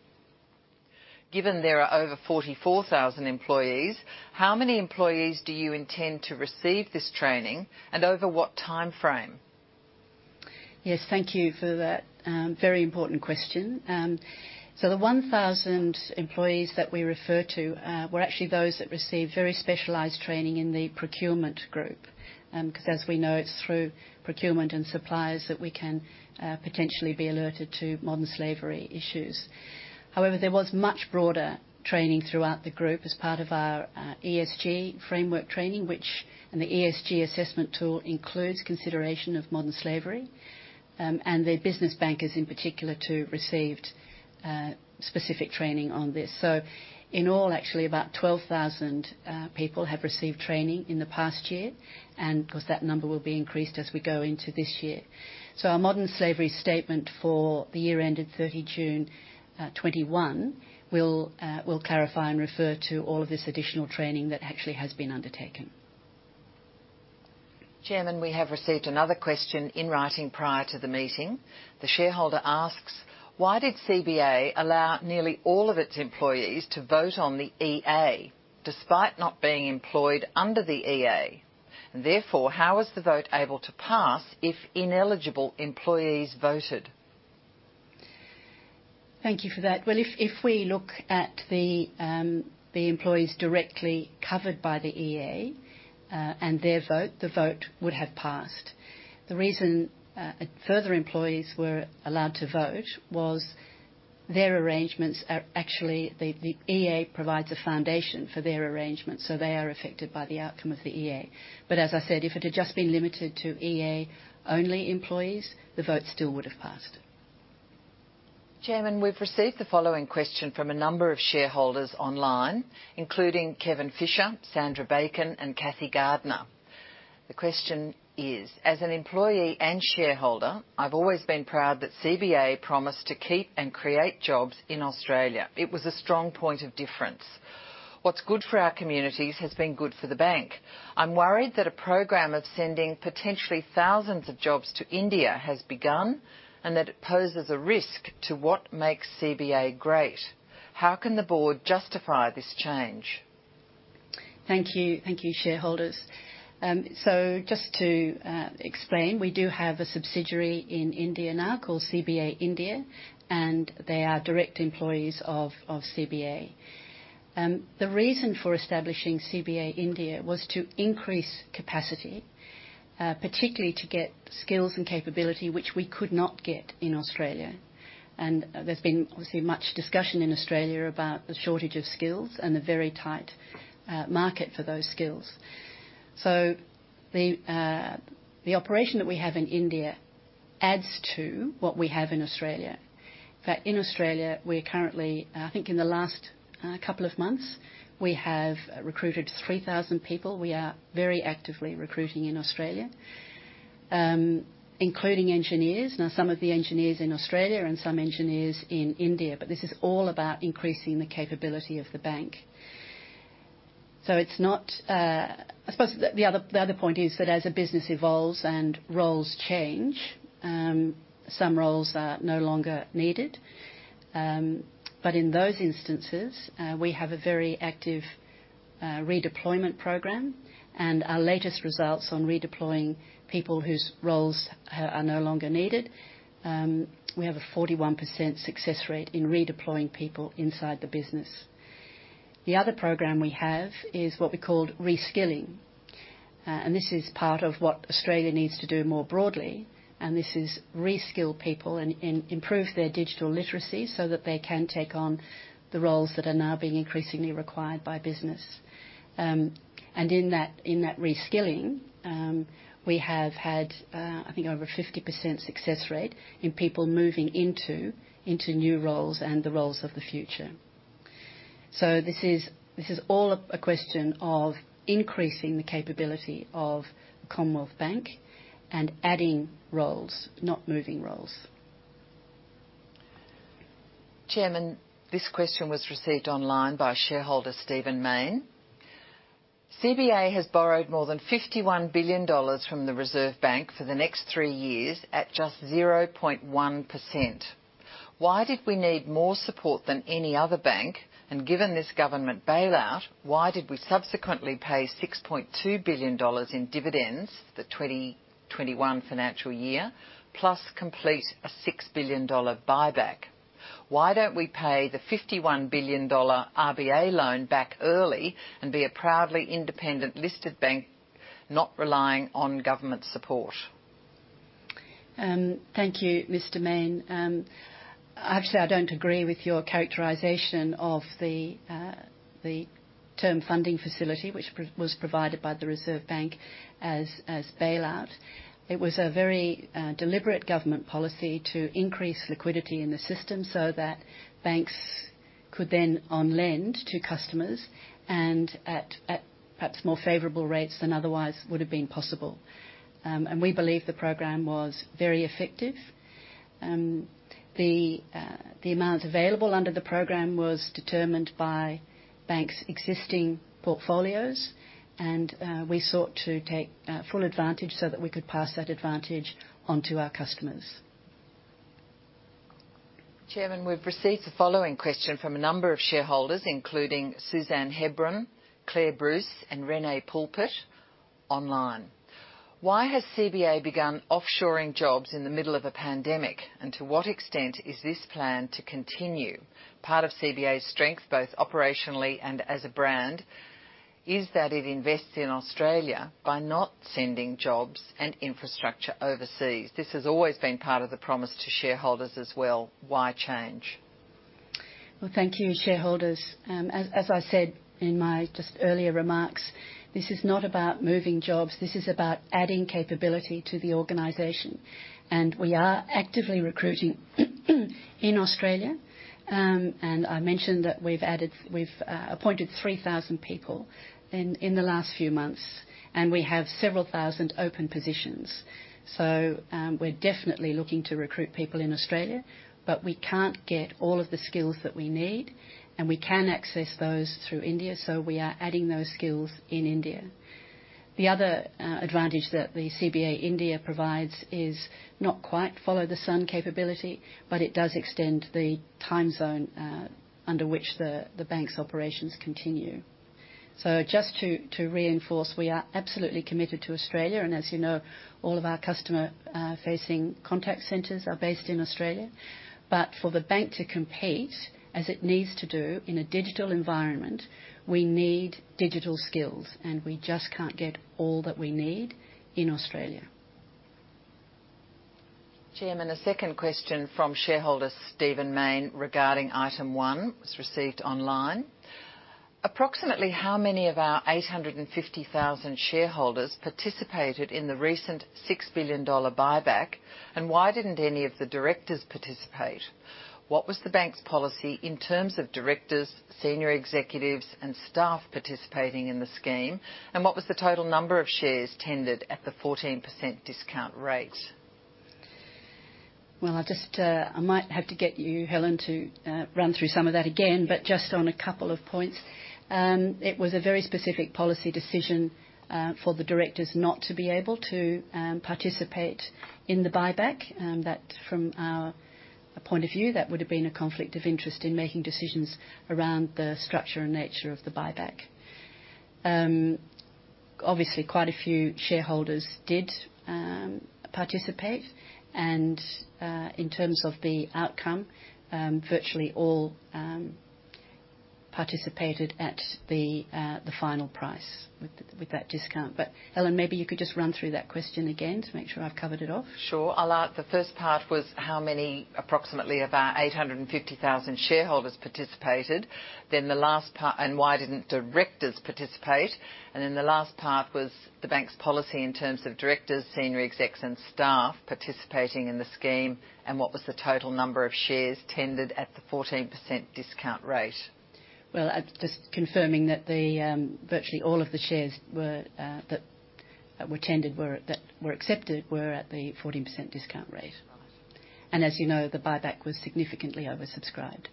Given there are over 44,000 employees, how many employees do you intend to receive this training, and over what timeframe?" Yes, thank you for that very important question. The 1,000 employees that we refer to were actually those that received very specialized training in the procurement group, because as we know, it's through procurement and suppliers that we can potentially be alerted to modern slavery issues. However, there was much broader training throughout the group as part of our ESG framework training, and the ESG assessment tool includes consideration of modern slavery, and the business bankers, in particular, too, received specific training on this. In all, actually about 12,000 people have received training in the past year, and of course, that number will be increased as we go into this year. Our modern slavery statement for the year ended 30 June 2021 will clarify and refer to all of this additional training that actually has been undertaken. Chairman, we have received another question in writing prior to the meeting. The shareholder asks: "Why did CBA allow nearly all of its employees to vote on the EA despite not being employed under the EA? Therefore, how was the vote able to pass if ineligible employees voted?" Thank you for that. If we look at the employees directly covered by the EA and their vote, the vote would have passed. The reason further employees were allowed to vote was their arrangements are actually, the EA provides a foundation for their arrangements, so they are affected by the outcome of the EA. As I said, if it had just been limited to EA-only employees, the vote still would have passed. Chairman, we've received the following question from a number of shareholders online, including Kevin Fisher, Sandra Bacon, and Cathy Gardner. The question is: "As an employee and shareholder, I've always been proud that CBA promised to keep and create jobs in Australia. It was a strong point of difference. What's good for our communities has been good for the bank. I'm worried that a program of sending potentially thousands of jobs to India has begun, and that it poses a risk to what makes CBA great. How can the Board justify this change?" Thank you. Thank you, shareholders. Just to explain, we do have a subsidiary in India now called CommBank India, and they are direct employees of CBA. The reason for establishing CommBank India was to increase capacity, particularly to get skills and capability which we could not get in Australia. There's been obviously much discussion in Australia about the shortage of skills and the very tight market for those skills. The operation that we have in India adds to what we have in Australia. In fact, in Australia, we are currently, I think in the last couple of months, we have recruited 3,000 people. We are very actively recruiting in Australia. Including engineers. Some of the engineers in Australia and some engineers in India, but this is all about increasing the capability of the bank. I suppose the other point is that as a business evolves and roles change, some roles are no longer needed. In those instances, we have a very active redeployment program, and our latest results on redeploying people whose roles are no longer needed, we have a 41% success rate in redeploying people inside the business. The other program we have is what we called reskilling. This is part of what Australia needs to do more broadly, and this is reskill people and improve their digital literacy so that they can take on the roles that are now being increasingly required by business. In that reskilling, we have had, I think, over 50% success rate in people moving into new roles and the roles of the future. This is all a question of increasing the capability of Commonwealth Bank and adding roles, not moving roles. Chairman, this question was received online by shareholder Stephen Mayne. CBA has borrowed more than 51 billion dollars from the Reserve Bank for the next three years at just 0.1%. Why did we need more support than any other bank, and given this government bailout, why did we subsequently pay 6.2 billion dollars in dividends the 2021 financial year, plus complete an 6 billion dollar buyback? Why don't we pay the 51 billion dollar RBA loan back early and be a proudly independent listed bank, not relying on government support? Thank you, Mr. Mayne. Actually, I don't agree with your characterization of the term funding facility, which was provided by the Reserve Bank as bailout. It was a very deliberate government policy to increase liquidity in the system so that banks could then on-lend to customers and at perhaps more favorable rates than otherwise would have been possible. We believe the program was very effective. The amount available under the program was determined by banks' existing portfolios, and we sought to take full advantage so that we could pass that advantage on to our customers. Chairman, we've received the following question from a number of shareholders, including Suzanne Hebron, Claire Bruce, and Renee Pulpit online. Why has CBA begun offshoring jobs in the middle of a pandemic, and to what extent is this plan to continue? Part of CBA's strength, both operationally and as a brand, is that it invests in Australia by not sending jobs and infrastructure overseas. This has always been part of the promise to shareholders as well. Why change? Well, thank you, shareholders. As I said in my just earlier remarks, this is not about moving jobs. This is about adding capability to the organization. We are actively recruiting in Australia. I mentioned that we've appointed 3,000 people in the last few months, and we have several thousand open positions. We're definitely looking to recruit people in Australia, but we can't get all of the skills that we need, and we can access those through India. We are adding those skills in India. The other advantage that the CommBank India provides is not quite follow-the-sun capability, but it does extend the time zone under which the bank's operations continue. Just to reinforce, we are absolutely committed to Australia, and as you know, all of our customer-facing contact centers are based in Australia. For the bank to compete as it needs to do in a digital environment, we need digital skills, and we just can't get all that we need in Australia. Chairman, a second question from shareholder Stephen Mayne regarding Item 1 was received online. Approximately how many of our 850,000 shareholders participated in the recent 6 billion dollar buyback, and why didn't any of the directors participate? What was the bank's policy in terms of directors, senior executives, and staff participating in the scheme, and what was the total number of shares tendered at the 14% discount rate? Well, I might have to get you, Helen, to run through some of that again. Just on a couple of points, it was a very specific policy decision for the directors not to be able to participate in the buyback. That from our point of view, that would have been a conflict of interest in making decisions around the structure and nature of the buyback. Obviously, quite a few shareholders did participate, and in terms of the outcome, virtually all participated at the final price with that discount. Helen, maybe you could just run through that question again to make sure I've covered it off. Sure. The first part was how many approximately of our 850,000 shareholders participated. Why didn't directors participate? The last part was the bank's policy in terms of directors, senior executives, and staff participating in the scheme, and what was the total number of shares tendered at the 14% discount rate? Well, just confirming that virtually all of the shares that were tendered, that were accepted, were at the 14% discount rate. As you know, the buyback was significantly oversubscribed.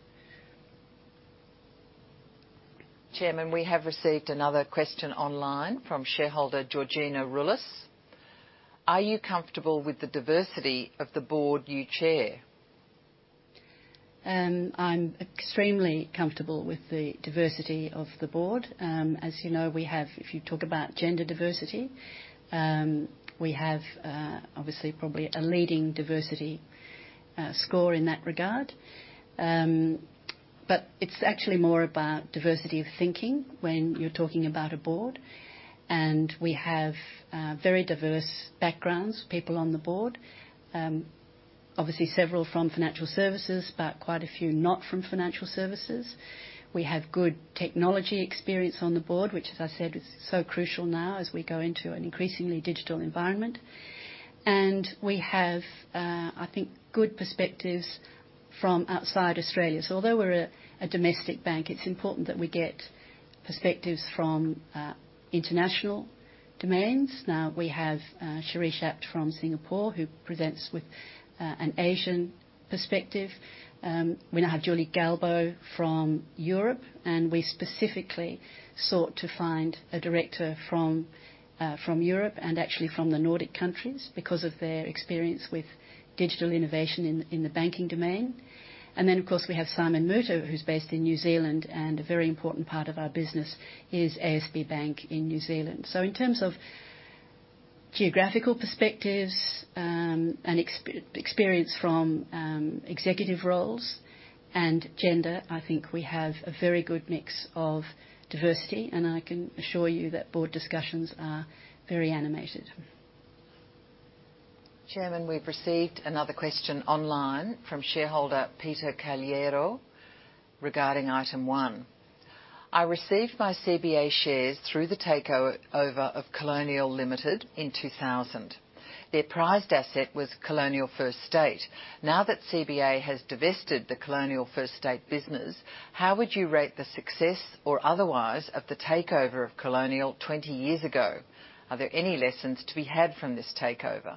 Chairman, we have received another question online from shareholder Georgina Rulis. Are you comfortable with the diversity of the Board you chair? I'm extremely comfortable with the diversity of the Board. As you know, if you talk about gender diversity, we have, obviously, probably a leading diversity score in that regard. But it's actually more about diversity of thinking when you're talking about a board, and we have very diverse backgrounds, people on the Board. Obviously, several from financial services, but quite a few not from financial services. We have good technology experience on the Board, which as I said, is so crucial now as we go into an increasingly digital environment. And we have, I think, good perspectives from outside Australia. So although we're a domestic bank, it's important that we get perspectives from international domains. Now, we have Shirish Apte from Singapore, who presents with an Asian perspective. We now have Julie Galbo from Europe. We specifically sought to find a director from Europe, and actually from the Nordic countries, because of their experience with digital innovation in the banking domain. Of course, we have Simon Moutter, who's based in New Zealand, and a very important part of our business is ASB Bank in New Zealand. In terms of geographical perspectives, and experience from executive roles, and gender, I think we have a very good mix of diversity, and I can assure you that board discussions are very animated. Chairman, we've received another question online from shareholder Peter Caliendo regarding Item 1. I received my CBA shares through the takeover of Colonial Limited in 2000. Their prized asset was Colonial First State. Now that CBA has divested the Colonial First State business, how would you rate the success or otherwise of the takeover of Colonial 20 years ago? Are there any lessons to be had from this takeover?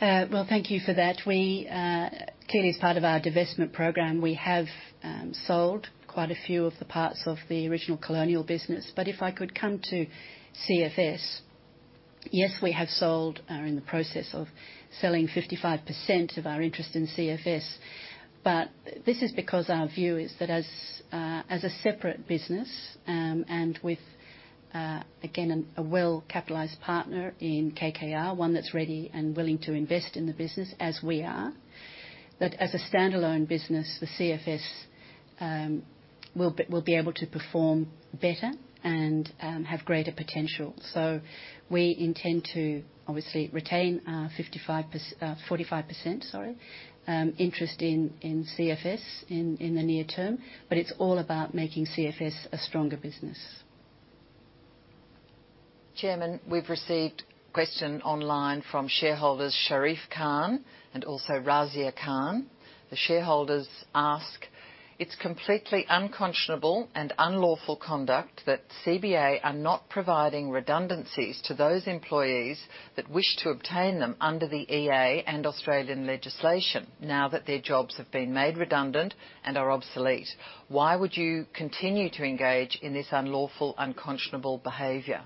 Well, thank you for that. Clearly, as part of our divestment program, we have sold quite a few of the parts of the original Colonial business. If I could come to CFS. Yes, we have sold, or are in the process of selling 55% of our interest in CFS. This is because our view is that as a separate business, and with, again, a well-capitalized partner in KKR, one that's ready and willing to invest in the business as we are, that as a standalone business, the CFS will be able to perform better and have greater potential. We intend to obviously retain our 45% interest in CFS in the near term, but it's all about making CFS a stronger business. Chairman, we've received a question online from shareholders Sharif Khan and also Razia Khan. The shareholders ask; "It's completely unconscionable and unlawful conduct that CBA are not providing redundancies to those employees that wish to obtain them under the EA and Australian legislation now that their jobs have been made redundant and are obsolete. Why would you continue to engage in this unlawful, unconscionable behavior?"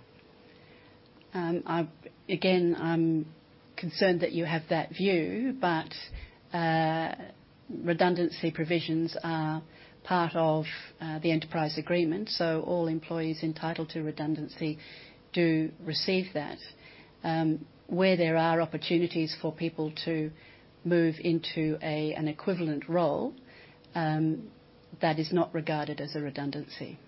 Again, I'm concerned that you have that view, but redundancy provisions are part of the enterprise agreement, so all employees entitled to redundancy do receive that. Where there are opportunities for people to move into an equivalent role, that is not regarded as a redundancy.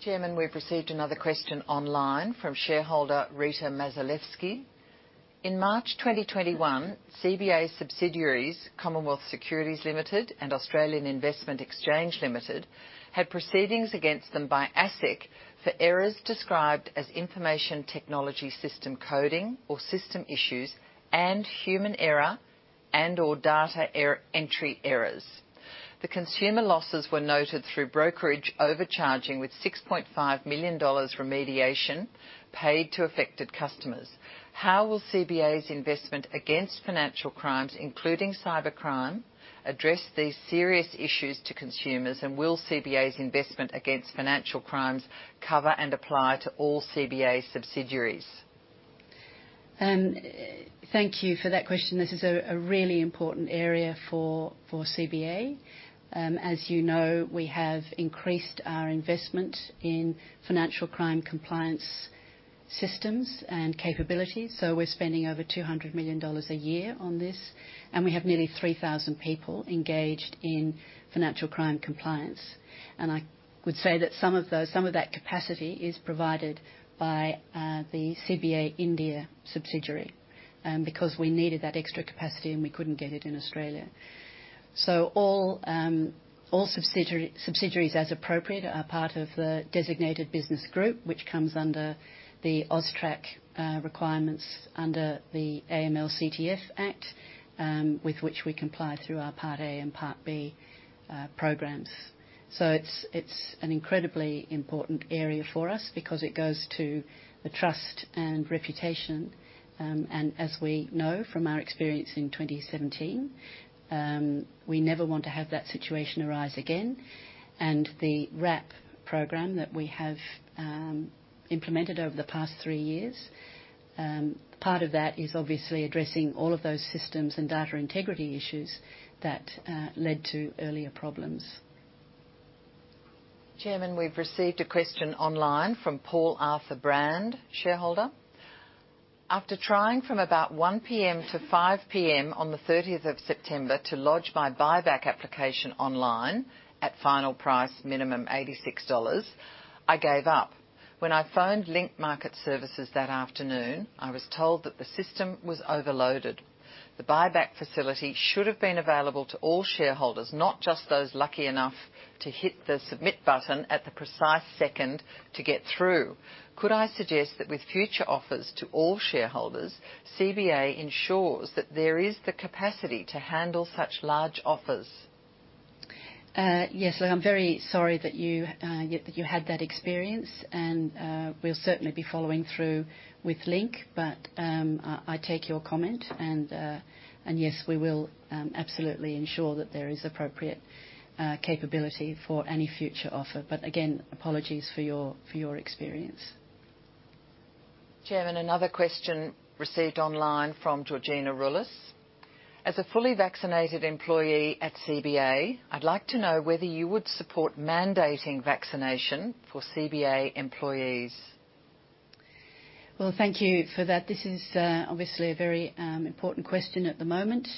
Chairman, we've received another question online from shareholder Rita Mazalevskis. In March 2021, CBA subsidiaries, Commonwealth Securities Limited and Australian Investment Exchange Limited, had proceedings against them by ASIC for errors described as information technology system coding or system issues and human error and/or data entry errors. The consumer losses were noted through brokerage overcharging, with 6.5 million dollars remediation paid to affected customers. How will CBA's investment against financial crimes, including cybercrime, address these serious issues to consumers, and will CBA's investment against financial crimes cover and apply to all CBA subsidiaries? Thank you for that question. This is a really important area for CBA. As you know, we have increased our investment in financial crime compliance systems and capabilities. We're spending over 200 million dollars a year on this, and we have nearly 3,000 people engaged in financial crime compliance. I would say that some of that capacity is provided by the CBA India subsidiary, because we needed that extra capacity and we couldn't get it in Australia. All subsidiaries, as appropriate, are part of the designated business group, which comes under the AUSTRAC requirements under the AML/CTF Act, with which we comply through our Part A and Part B programs. It's an incredibly important area for us because it goes to the trust and reputation. As we know from our experience in 2017, we never want to have that situation arise again. The RAP program that we have implemented over the past three years, part of that is obviously addressing all of those systems and data integrity issues that led to earlier problems. Chairman, we've received a question online from Paul Arthur Brand, shareholder: "After trying from about 1:00 P.M. to 5:00 P.M. on the 30th of September to lodge my buyback application online at final price minimum 86 dollars, I gave up. When I phoned Link Market Services that afternoon, I was told that the system was overloaded. The buyback facility should have been available to all shareholders, not just those lucky enough to hit the submit button at the precise second to get through. Could I suggest that with future offers to all shareholders, CBA ensures that there is the capacity to handle such large offers?" Yes. Look, I'm very sorry that you had that experience, and we'll certainly be following through with Link. I take your comment and, yes, we will absolutely ensure that there is appropriate capability for any future offer. Again, apologies for your experience. Chairman, another question received online from Georgina Rulis: "As a fully vaccinated employee at CBA, I'd like to know whether you would support mandating vaccination for CBA employees." Well, thank you for that. This is obviously a very important question at the moment.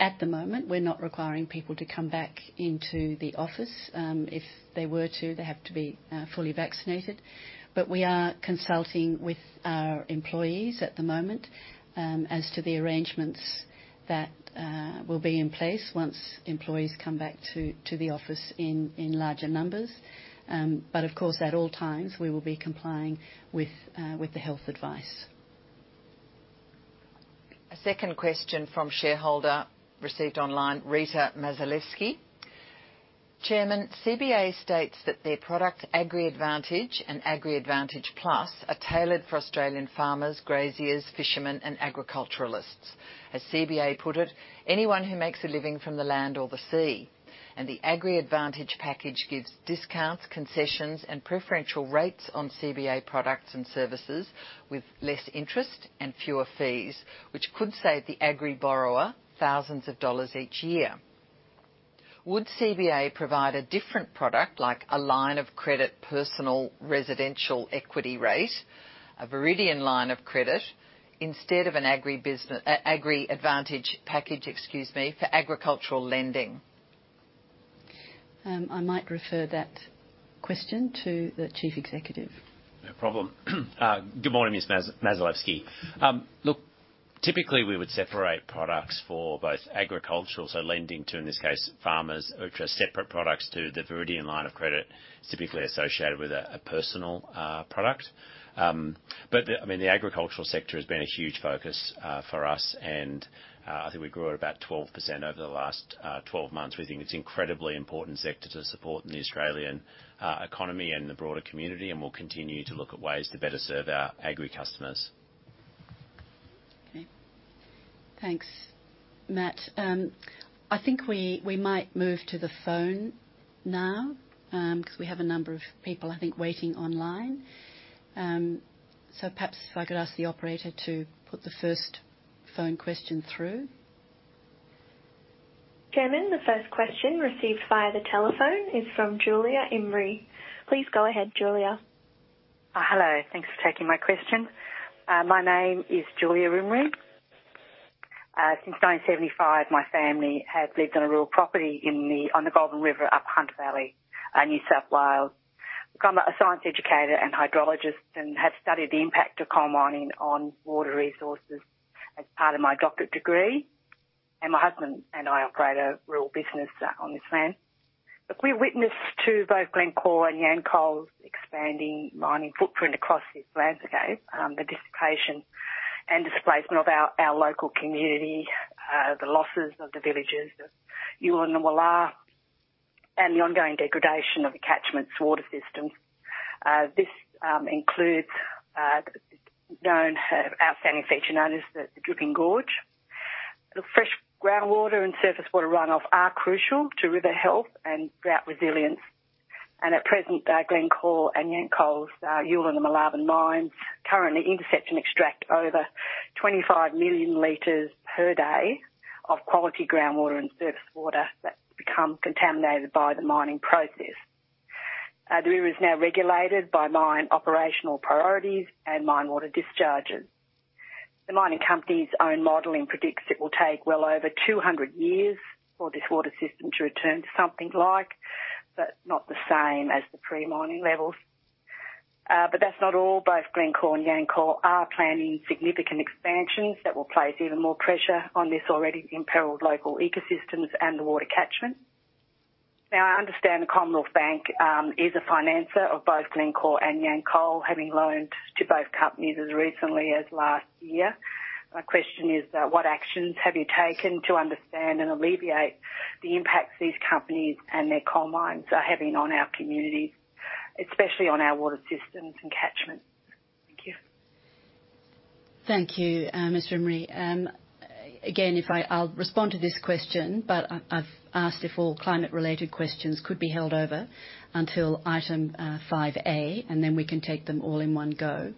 At the moment, we're not requiring people to come back into the office. If they were to, they have to be fully vaccinated. We are consulting with our employees at the moment as to the arrangements that will be in place once employees come back to the office in larger numbers. Of course, at all times, we will be complying with the health advice. A second question from shareholder received online, Rita Mazalevskis: "Chairman, CBA states that their product AgriAdvantage and AgriAdvantage Plus are tailored for Australian farmers, graziers, fishermen, and agriculturalists. As CBA put it, anyone who makes a living from the land or the sea, and the AgriAdvantage package gives discounts, concessions, and preferential rates on CBA products and services with less interest and fewer fees, which could save the agri borrower thousands of dollars each year. Would CBA provide a different product, like a line of credit personal residential equity rate, a Viridian Line of Credit, instead of an AgriAdvantage package, excuse me, for agricultural lending?" I might refer that question to the Chief Executive. No problem. Good morning, Ms. Mazalevskis. Look, typically, we would separate products for both agricultural, so lending to, in this case, farmers, which are separate products to the Viridian Line of Credit, is typically associated with a personal product. The agricultural sector has been a huge focus for us, and I think we grew at about 12% over the last 12 months. We think it's incredibly important sector to support in the Australian economy and the broader community, and we'll continue to look at ways to better serve our agri customers. Okay. Thanks, Matt. I think we might move to the phone now, because we have a number of people, I think, waiting online. Perhaps if I could ask the operator to put the first phone question through. Chairman, the first question received via the telephone is from Julia Imrie. Please go ahead, Julia. Hello. Thanks for taking my question. My name is Julia Imrie. Since 1975, my family have lived on a rural property on the Goulburn River up Hunter Valley, New South Wales. I'm a science educator and hydrologist and have studied the impact of coal mining on water resources as part of my doctorate degree. My husband and I operate a rural business on this land. Look, we've witnessed to both Glencore and Yancoal's expanding mining footprint across this landscape, the dislocation and displacement of our local community, the losses of the villages of Ulan and Moolarben, and the ongoing degradation of the catchment's water systems. This includes a known outstanding feature known as The Drip Gorge. Look, fresh groundwater and surface water runoff are crucial to river health and drought resilience. At present, Glencore and Yancoal's Ulan and Millmerran mines currently intercept and extract over 25 million liters per day of quality groundwater and surface water that's become contaminated by the mining process. The river is now regulated by mine operational priorities and mine water discharges. The mining company's own modeling predicts it will take well over 200 years for this water system to return to something like, but not the same as, the pre-mining levels. That's not all, both Glencore and Yancoal are planning significant expansions that will place even more pressure on this already imperiled local ecosystems and the water catchment. I understand Commonwealth Bank is a financer of both Glencore and Yancoal, having loaned to both companies as recently as last year. My question is, what actions have you taken to understand and alleviate the impacts these companies and their coal mines are having on our communities, especially on our water systems and catchments? Thank you. Thank you, Ms. Imrie. Again, I'll respond to this question. I've asked if all climate-related questions could be held over until Item 5A, and then we can take them all in one go.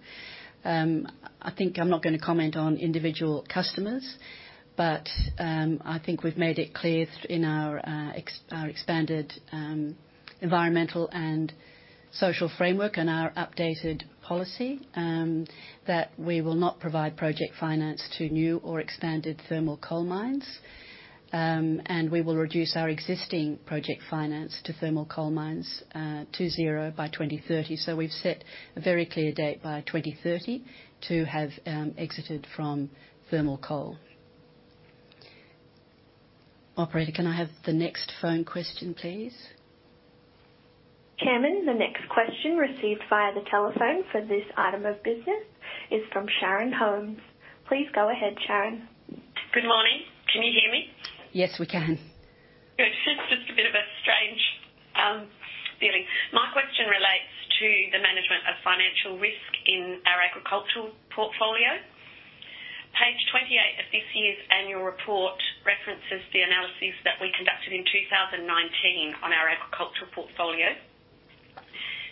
I think I'm not going to comment on individual customers. I think we've made it clear in our expanded environmental and social framework and our updated policy that we will not provide project finance to new or expanded thermal coal mines. We will reduce our existing project finance to thermal coal mines to zero by 2030. We've set a very clear date by 2030 to have exited from thermal coal. Operator, can I have the next phone question, please? Chairman, the next question received via the telephone for this item of business is from Sharon Holmes. Please go ahead, Sharon. Good morning. Can you hear me? Yes, we can. Good. Just a bit of a strange feeling. My question relates to the management of financial risk in our agricultural portfolio. Page 28 of this year's annual report references the analysis that we conducted in 2019 on our agricultural portfolio.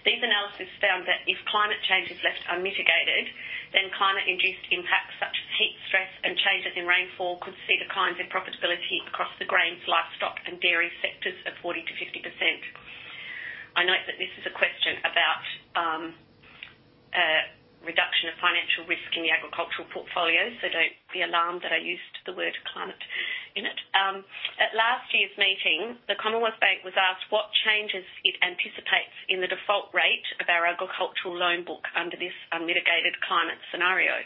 This analysis found that if climate change is left unmitigated, then climate-induced impacts such as heat stress and changes in rainfall could see declines in profitability across the grains, livestock, and dairy sectors of 40%-50%. I note that this is a question about reduction of financial risk in the agricultural portfolio, so don't be alarmed that I used the word climate in it. At last year's meeting, the Commonwealth Bank was asked what changes it anticipates in the default rate of our agricultural loan book under this unmitigated climate scenario.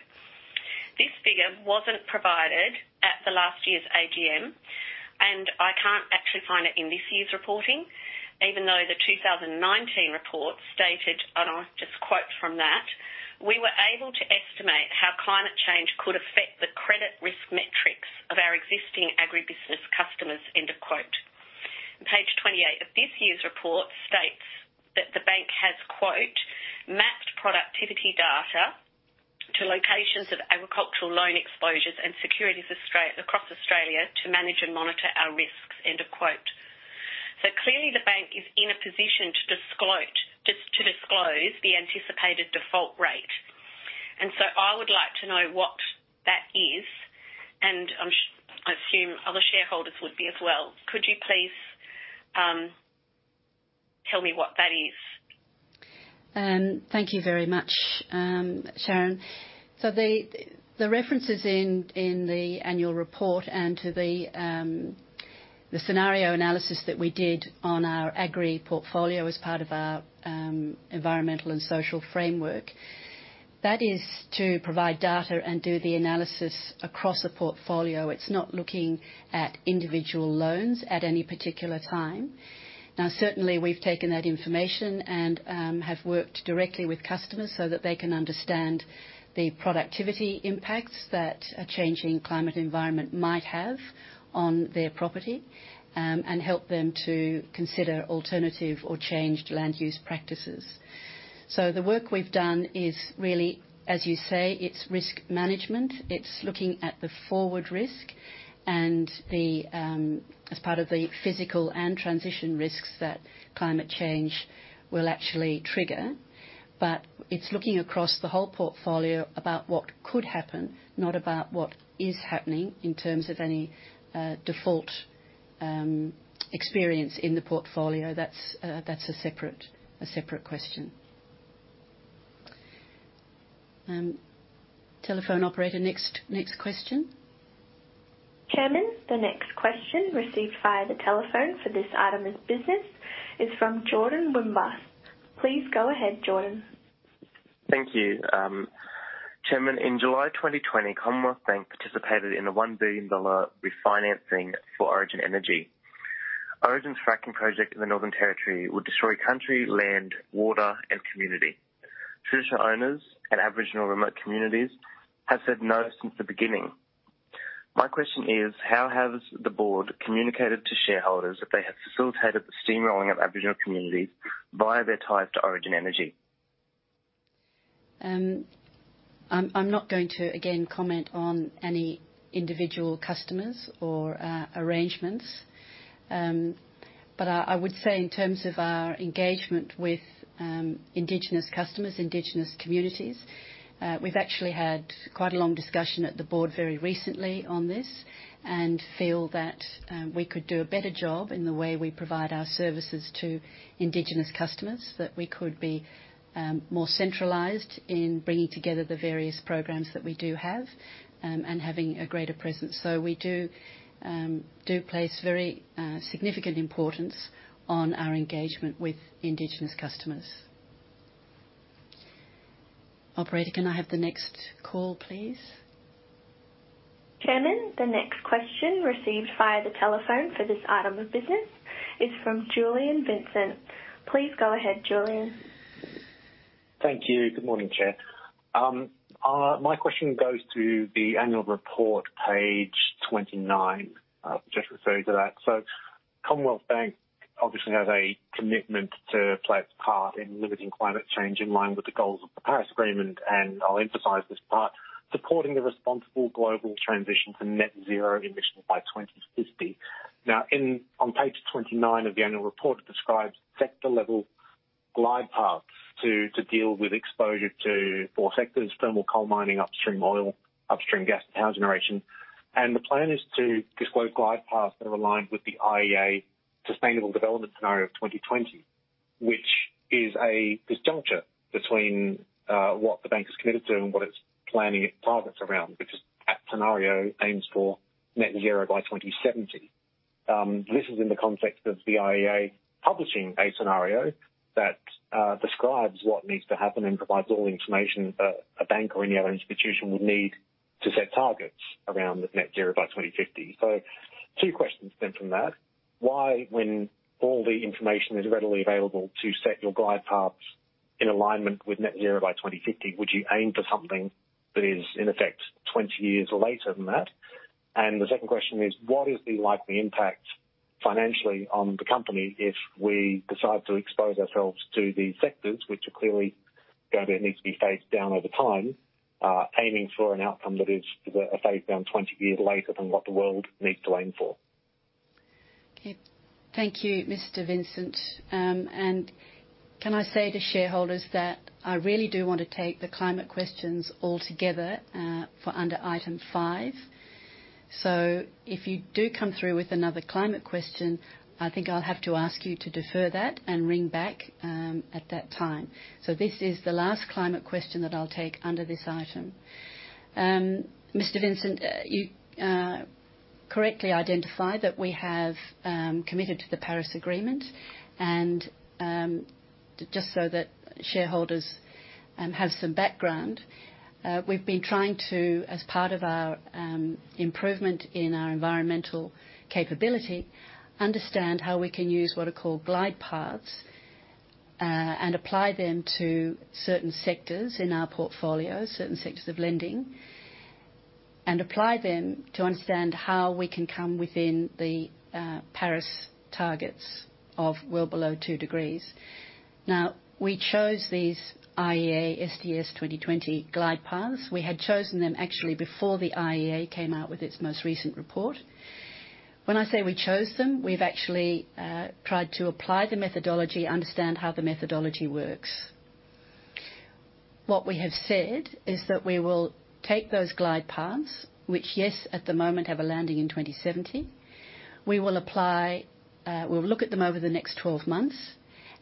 This figure wasn't provided at the last year's AGM, and I can't actually find it in this year's reporting, even though the 2019 report stated, and I'll just quote from that, "We were able to estimate how climate change could affect the credit risk metrics of our existing agribusiness customers." Page 28 of this year's report states that the bank has, "Mapped productivity data to locations of agricultural loan exposures and securities across Australia to manage and monitor our risks." Clearly the bank is in a position to disclose the anticipated default rate. I would like to know what that is, and I assume other shareholders would be as well. Could you please tell me what that is? Thank you very much, Sharon. The references in the annual report and to the scenario analysis that we did on our agri-portfolio as part of our environmental and social framework, that is to provide data and do the analysis across a portfolio. It's not looking at individual loans at any particular time. Certainly, we've taken that information and have worked directly with customers so that they can understand the productivity impacts that a changing climate environment might have on their property, and help them to consider alternative or changed land use practices. The work we've done is really, as you say, it's risk management. It's looking at the forward risk and as part of the physical and transition risks that climate change will actually trigger. It's looking across the whole portfolio about what could happen, not about what is happening in terms of any default experience in the portfolio. That's a separate question. Telephone operator, next question. Chairman, the next question received via the telephone for this item of business is from Jordan Boombas. Please go ahead, Jordan. Thank you. Chairman, in July 2020, Commonwealth Bank participated in a 1 billion dollar refinancing for Origin Energy. Origin's fracking project in the Northern Territory would destroy country, land, water, and community. Traditional owners and Aboriginal remote communities have said no since the beginning. My question is, how has the Board communicated to shareholders that they have facilitated the steamrolling of Aboriginal communities via their ties to Origin Energy? I'm not going to, again, comment on any individual customers or arrangements. I would say in terms of our engagement with Indigenous customers, Indigenous communities, we've actually had quite a long discussion at the Board very recently on this, and feel that we could do a better job in the way we provide our services to Indigenous customers, that we could be more centralized in bringing together the various programs that we do have, and having a greater presence. We do place very significant importance on our engagement with Indigenous customers. Operator, can I have the next call, please? Chairman, the next question received via the telephone for this item of business is from Julien Vincent. Please go ahead, Julien. Thank you. Good morning, Chair. My question goes to the annual report, page 29. I'll just refer to that. Commonwealth Bank obviously has a commitment to play its part in limiting climate change in line with the goals of the Paris Agreement, and I'll emphasize this part, supporting the responsible global transition to net zero emissions by 2050. On page 29 of the annual report, it describes sector level glide paths to deal with exposure to four sectors, thermal coal mining, upstream oil, upstream gas, and power generation. The plan is to disclose glide paths that are aligned with the IEA Sustainable Development Scenario of 2020, which is a disjuncture between what the bank is committed to and what it's planning its targets around, because that scenario aims for net zero by 2070. This is in the context of the IEA publishing a scenario that describes what needs to happen and provides all the information that a bank or any other institution would need to set targets around net zero by 2050. Two questions then from that. Why, when all the information is readily available to set your glide paths in alignment with net zero by 2050, would you aim for something that is in effect 20 years later than that? The second question is, what is the likely impact financially on the company if we decide to expose ourselves to these sectors, which are clearly going to need to be phased down over time, aiming for an outcome that is phased down 20 years later than what the world needs to aim for? Okay. Thank you, Mr. Vincent. Can I say to shareholders that I really do want to take the climate questions all together for under Item 5. If you do come through with another climate question, I think I'll have to ask you to defer that and ring back at that time. This is the last climate question that I'll take under this item. Mr. Vincent, you correctly identify that we have committed to the Paris Agreement. Just so that shareholders have some background, we've been trying to, as part of our improvement in our environmental capability, understand how we can use what are called glide paths and apply them to certain sectors in our portfolio, certain sectors of lending. Apply them to understand how we can come within the Paris targets of well below two degrees. Now, we chose these IEA SDS 2020 glide paths. We had chosen them actually before the IEA came out with its most recent report. When I say we chose them, we've actually tried to apply the methodology, understand how the methodology works. What we have said is that we will take those glide paths, which, yes, at the moment have a landing in 2070. We will look at them over the next 12 months.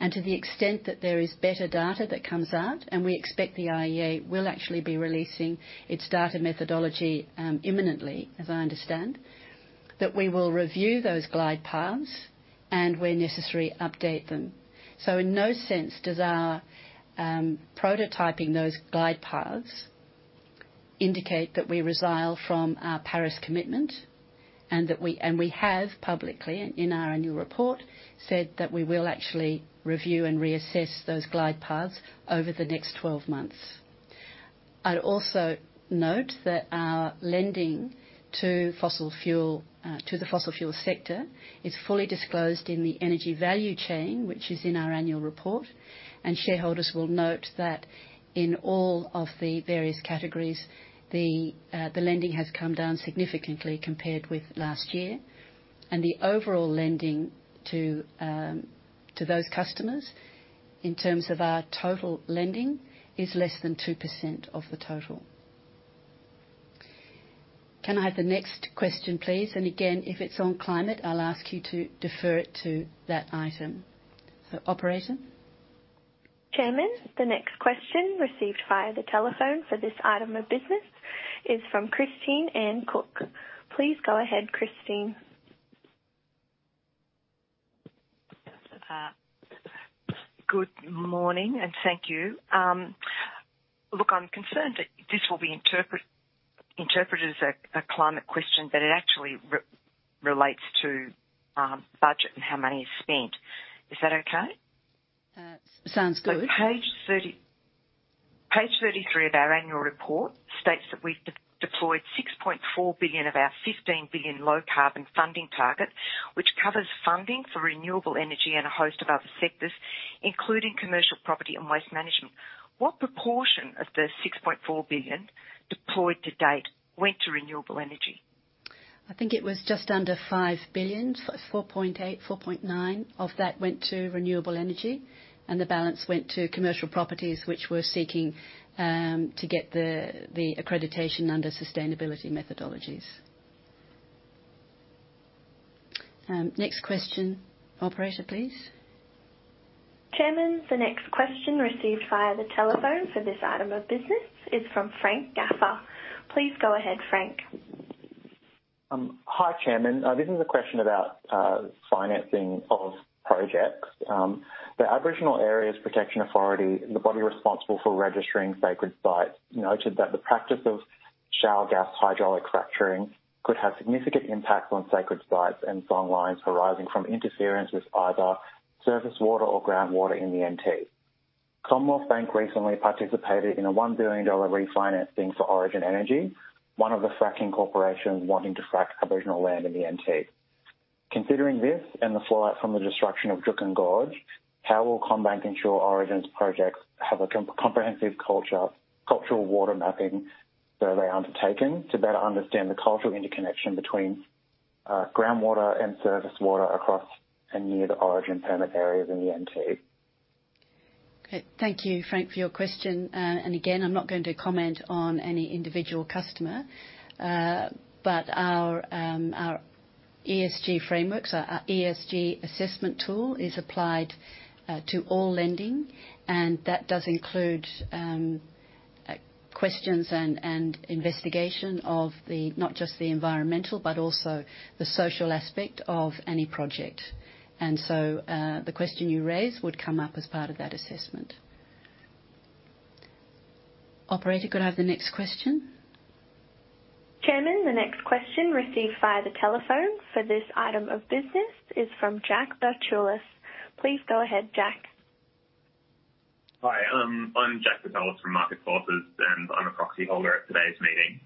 To the extent that there is better data that comes out, and we expect the IEA will actually be releasing its data methodology imminently, as I understand, that we will review those glide paths and where necessary, update them. In no sense does our prototyping those glide paths indicate that we resile from our Paris commitment. We have publicly, in our annual report, said that we will actually review and reassess those glide paths over the next 12 months. I'd also note that our lending to the fossil fuel sector is fully disclosed in the energy value chain, which is in our annual report, and shareholders will note that in all of the various categories, the lending has come down significantly compared with last year. The overall lending to those customers, in terms of our total lending, is less than 2% of the total. Can I have the next question, please? Again, if it's on climate, I'll ask you to defer it to that item. Operator? Chairman, the next question received via the telephone for this item of business is from Christine Anne Cook. Please go ahead, Christine. Good morning. Thank you. Look, I'm concerned that this will be interpreted as a climate question, but it actually relates to budget and how money is spent. Is that okay? Sounds good. Page 33 of our annual report states that we've deployed 6.4 billion of our 15 billion low carbon funding target, which covers funding for renewable energy and a host of other sectors, including commercial property and waste management. What proportion of the 6.4 billion deployed to date went to renewable energy? I think it was just under 5 billion. 4.8 billion, 4.9 billion of that went to renewable energy, and the balance went to commercial properties, which were seeking to get the accreditation under sustainability methodologies. Next question, operator, please. Chairman, the next question received via the telephone for this item of business is from Frank Gaffer. Please go ahead, Frank. Hi, Chairman. This is a question about financing of projects. The Aboriginal Areas Protection Authority, the body responsible for registering sacred sites, noted that the practice of shale gas hydraulic fracturing could have significant impacts on sacred sites and songlines arising from interference with either surface water or groundwater in the NT. Commonwealth Bank recently participated in a 1 billion dollar refinancing for Origin Energy, one of the fracking corporations wanting to frack Aboriginal land in the NT. Considering this and the fallout from the destruction of Juukan Gorge, how will CommBank ensure Origin's projects have a comprehensive cultural water mapping survey undertaken to better understand the cultural interconnection between groundwater and surface water across and near the Origin permit areas in the NT? Okay. Thank you, Frank, for your question. Again, I'm not going to comment on any individual customer. Our ESG frameworks, our ESG assessment tool is applied to all lending, and that does include questions and investigation of not just the environmental, but also the social aspect of any project. The question you raised would come up as part of that assessment. Operator, could I have the next question? Chairman, the next question received via the telephone for this item of business is from Jack Bertolus. Please go ahead, Jack. Hi. I'm Jack Bertolus from Market Forces, and I'm a proxy holder at today's meeting.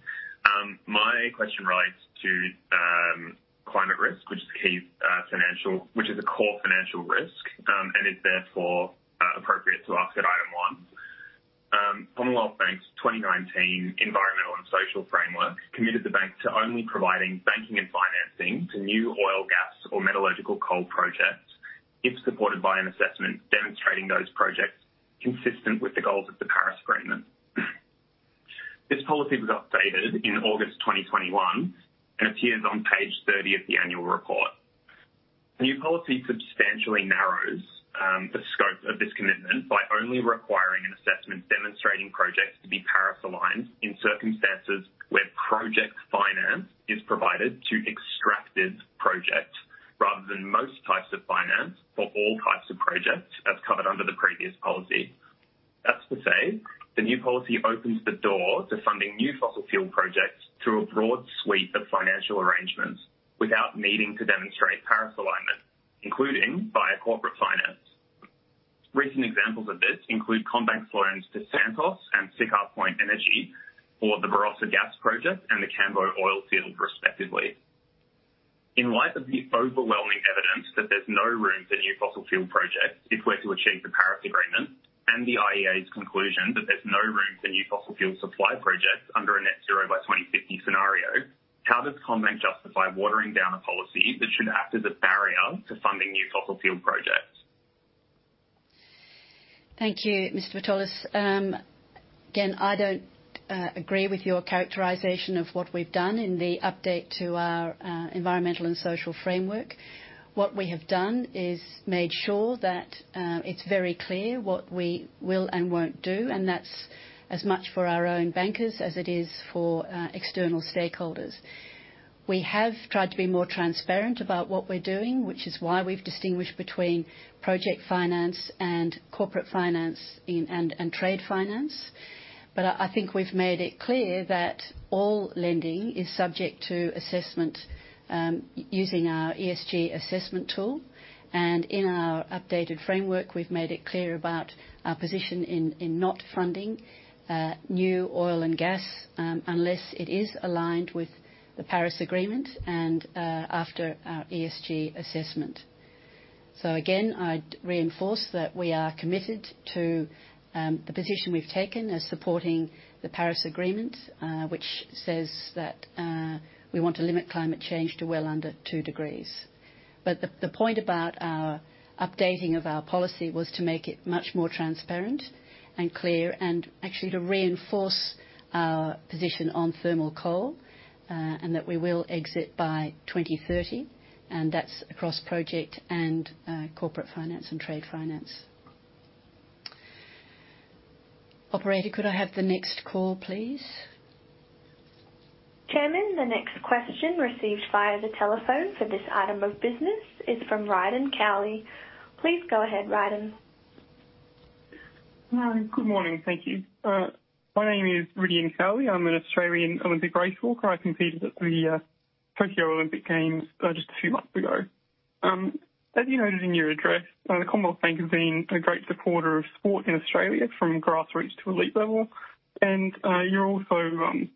My question relates to climate risk, which is a core financial risk, and is therefore, appropriate to ask at Item 1. Commonwealth Bank's 2019 Environmental and Social Framework committed the bank to only providing banking and financing to new oil, gas, or metallurgical coal projects if supported by an assessment demonstrating those projects consistent with the goals of the Paris Agreement. This policy was updated in August 2021 and appears on page 30 of the annual report. The new policy substantially narrows the scope of this commitment by only requiring an assessment demonstrating projects to be Paris-aligned in circumstances where project finance is provided to extractive projects, rather than most types of finance for all types of projects as covered under the previous policy. That's to say, the new policy opens the door to funding new fossil fuel projects through a broad suite of financial arrangements without needing to demonstrate Paris alignment, including via corporate finance. Recent examples of this include CommBank's loans to Santos and Siccar Point Energy for the Barossa Gas Project and the Cambo oil field respectively. In light of the overwhelming evidence that there's no room for new fossil fuel projects if we're to achieve the Paris Agreement and the IEA's conclusion that there's no room for new fossil fuel supply projects under a net zero by 2050 scenario, how does CommBank justify watering down a policy that should act as a barrier to funding new fossil fuel projects? Thank you, Mr. Bertolus. I don't agree with your characterization of what we've done in the update to our Environmental and Social Framework. What we have done is made sure that it's very clear what we will and won't do, and that's as much for our own bankers as it is for external stakeholders. We have tried to be more transparent about what we're doing, which is why we've distinguished between project finance and corporate finance and trade finance. I think we've made it clear that all lending is subject to assessment using our ESG assessment tool. In our updated framework, we've made it clear about our position in not funding new oil and gas, unless it is aligned with the Paris Agreement and after our ESG assessment. Again, I'd reinforce that we are committed to the position we've taken as supporting the Paris Agreement, which says that we want to limit climate change to well under two degrees. The point about our updating of our policy was to make it much more transparent and clear and actually to reinforce our position on thermal coal, and that we will exit by 2030. That's across project and corporate finance and trade finance. Operator, could I have the next call, please? Chairman, the next question received via the telephone for this item of business is from Rhydian Cowley. Please go ahead, Rhydian. Good morning. Thank you. My name is Rhydian Cowley. I'm an Australian Olympic race walker. I competed at the Tokyo Olympic Games just a few months ago. As you noted in your address, the Commonwealth Bank has been a great supporter of sport in Australia from grassroots to elite level. You're also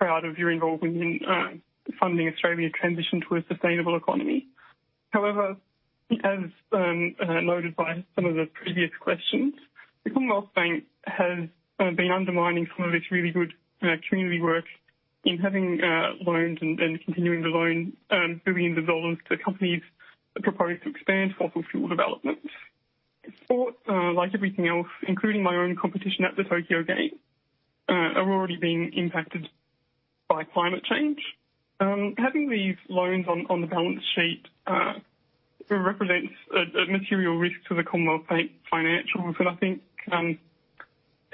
proud of your involvement in funding Australia's transition to a sustainable economy. However, as noted by some of the previous questions, the Commonwealth Bank has been undermining some of its really good community work in having loans and continuing to loan billions of dollars to companies that propose to expand fossil fuel developments. Sport, like everything else, including my own competition at the Tokyo Games, are already being impacted by climate change. Having these loans on the balance sheet represents a material risk to the Commonwealth Bank financially, and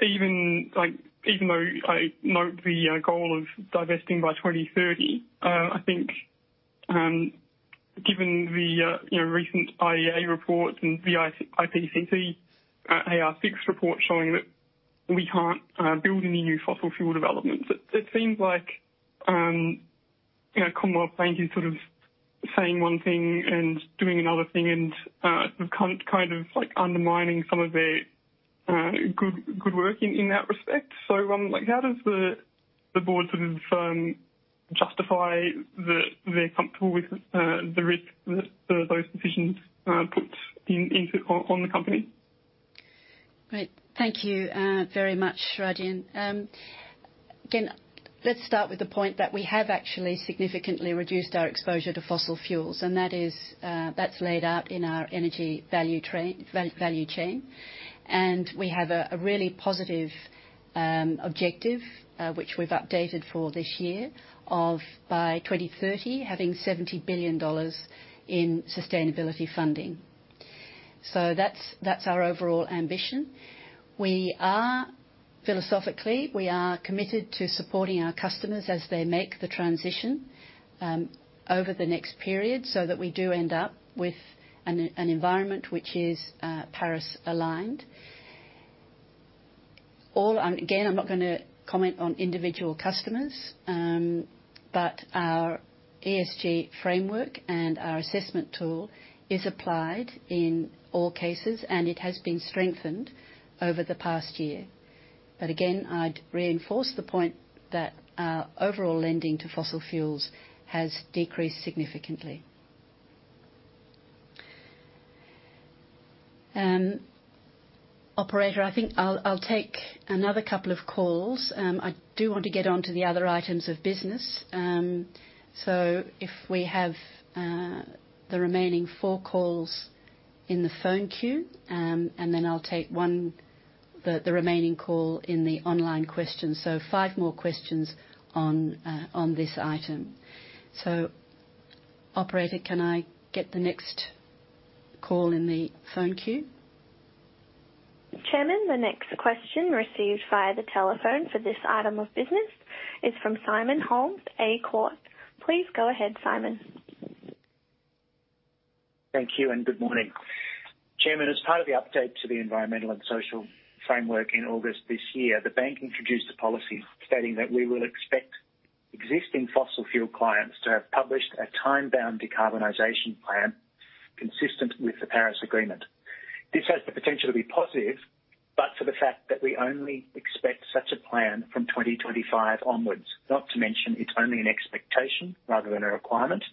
even though I note the goal of divesting by 2030, I think, given the recent IEA report and the IPCC AR6 report showing that we can't build any new fossil fuel developments, it seems like Commonwealth Bank is sort of saying one thing and doing another thing and kind of undermining some of their good work in that respect. How does the Board sort of justify that they're comfortable with the risk that those decisions put on the company? Great. Thank you very much, Rhydian. Let's start with the point that we have actually significantly reduced our exposure to fossil fuels, and that's laid out in our energy value chain. We have a really positive objective, which we've updated for this year of, by 2030, having 70 billion dollars in sustainability funding. That's our overall ambition. Philosophically, we are committed to supporting our customers as they make the transition over the next period so that we do end up with an environment which is Paris aligned. I'm not going to comment on individual customers. Our ESG framework and our assessment tool is applied in all cases, and it has been strengthened over the past year. Again, I'd reinforce the point that our overall lending to fossil fuels has decreased significantly. Operator, I think I'll take another couple of calls. I do want to get onto the other items of business. If we have the remaining four calls in the phone queue, and then I'll take the remaining call in the online questions. Five more questions on this item. Operator, can I get the next call in the phone queue? Chairman, the next question received via the telephone for this item of business is from Simon Holmes à Court. Please go ahead, Simon. Thank you and good morning. Chairman, as part of the update to the Environmental and Social Framework in August this year, the bank introduced a policy stating that we will expect existing fossil fuel clients to have published a time-bound decarbonization plan consistent with the Paris Agreement. This has the potential to be positive, but for the fact that we only expect such a plan from 2025 onwards, not to mention it's only an expectation rather than a requirement,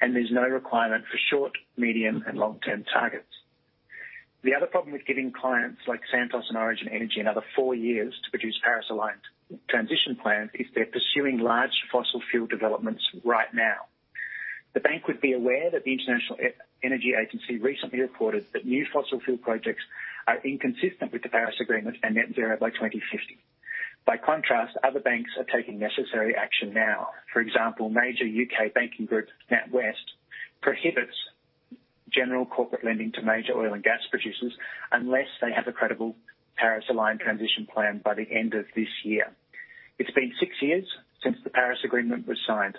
and there's no requirement for short, medium, and long-term targets. The other problem with giving clients like Santos and Origin Energy another four years to produce Paris-aligned transition plans is they're pursuing large fossil fuel developments right now. The bank would be aware that the International Energy Agency recently reported that new fossil fuel projects are inconsistent with the Paris Agreement and net zero by 2050. By contrast, other banks are taking necessary action now. For example, major U.K. banking group NatWest prohibits general corporate lending to major oil and gas producers unless they have a credible Paris-aligned transition plan by the end of this year. It's been six years since the Paris Agreement was signed.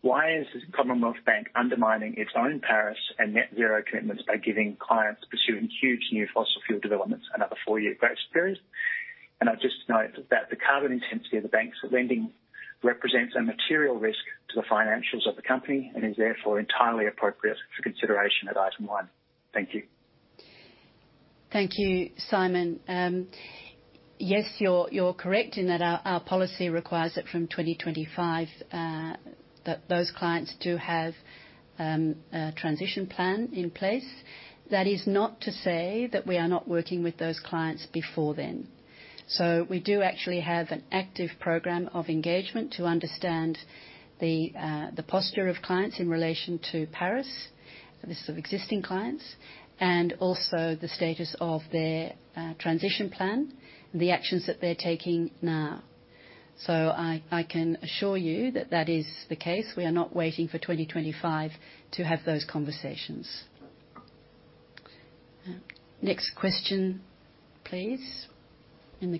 Why is Commonwealth Bank undermining its own Paris and net zero commitments by giving clients pursuing huge new fossil fuel developments another four-year grace period? I'd just note that the carbon intensity of the bank's lending represents a material risk to the financials of the company and is therefore entirely appropriate for consideration at Item 1. Thank you. Thank you, Simon. You're correct in that our policy requires that from 2025, that those clients do have a transition plan in place. That is not to say that we are not working with those clients before then. We do actually have an active program of engagement to understand the posture of clients in relation to Paris, this is of existing clients, and also the status of their transition plan and the actions that they're taking now. I can assure you that that is the case. We are not waiting for 2025 to have those conversations. Next question, please, in the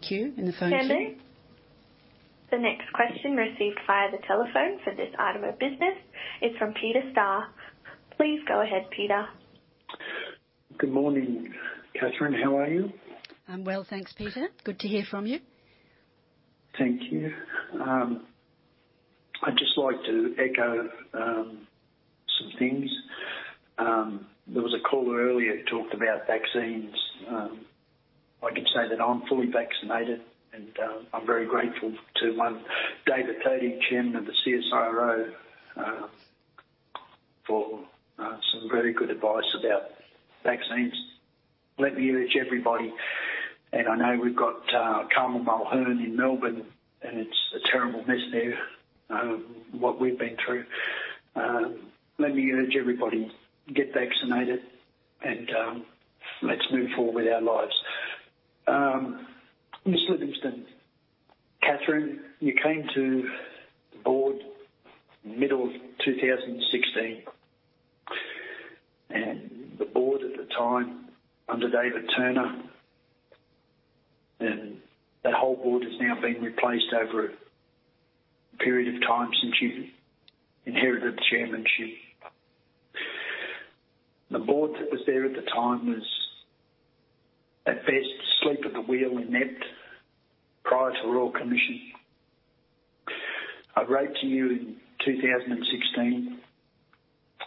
phone queue. Chairman, the next question received via the telephone for this item of business is from Peter Starr. Please go ahead, Peter. Good morning, Catherine. How are you? I'm well, thanks, Peter. Good to hear from you. Thank you. I'd just like to echo some things. There was a caller earlier who talked about vaccines. I can say that I'm fully vaccinated, and I'm very grateful to one David Thodey, Chairman of the CSIRO, for some very good advice about vaccines. Let me urge everybody, and I know we've got Carmel Mulhern in Melbourne, and it's a terrible mess there, what we've been through. Let me urge everybody, get vaccinated and let's move forward with our lives. Ms. Livingstone, Catherine, you came to board 2016. The Board at the time, under David Turner, and that whole board has now been replaced over a period of time since you inherited chairmanship. The Board that was there at the time was, at best, asleep at the wheel and inept prior to the Royal Commission. I wrote to you in 2016,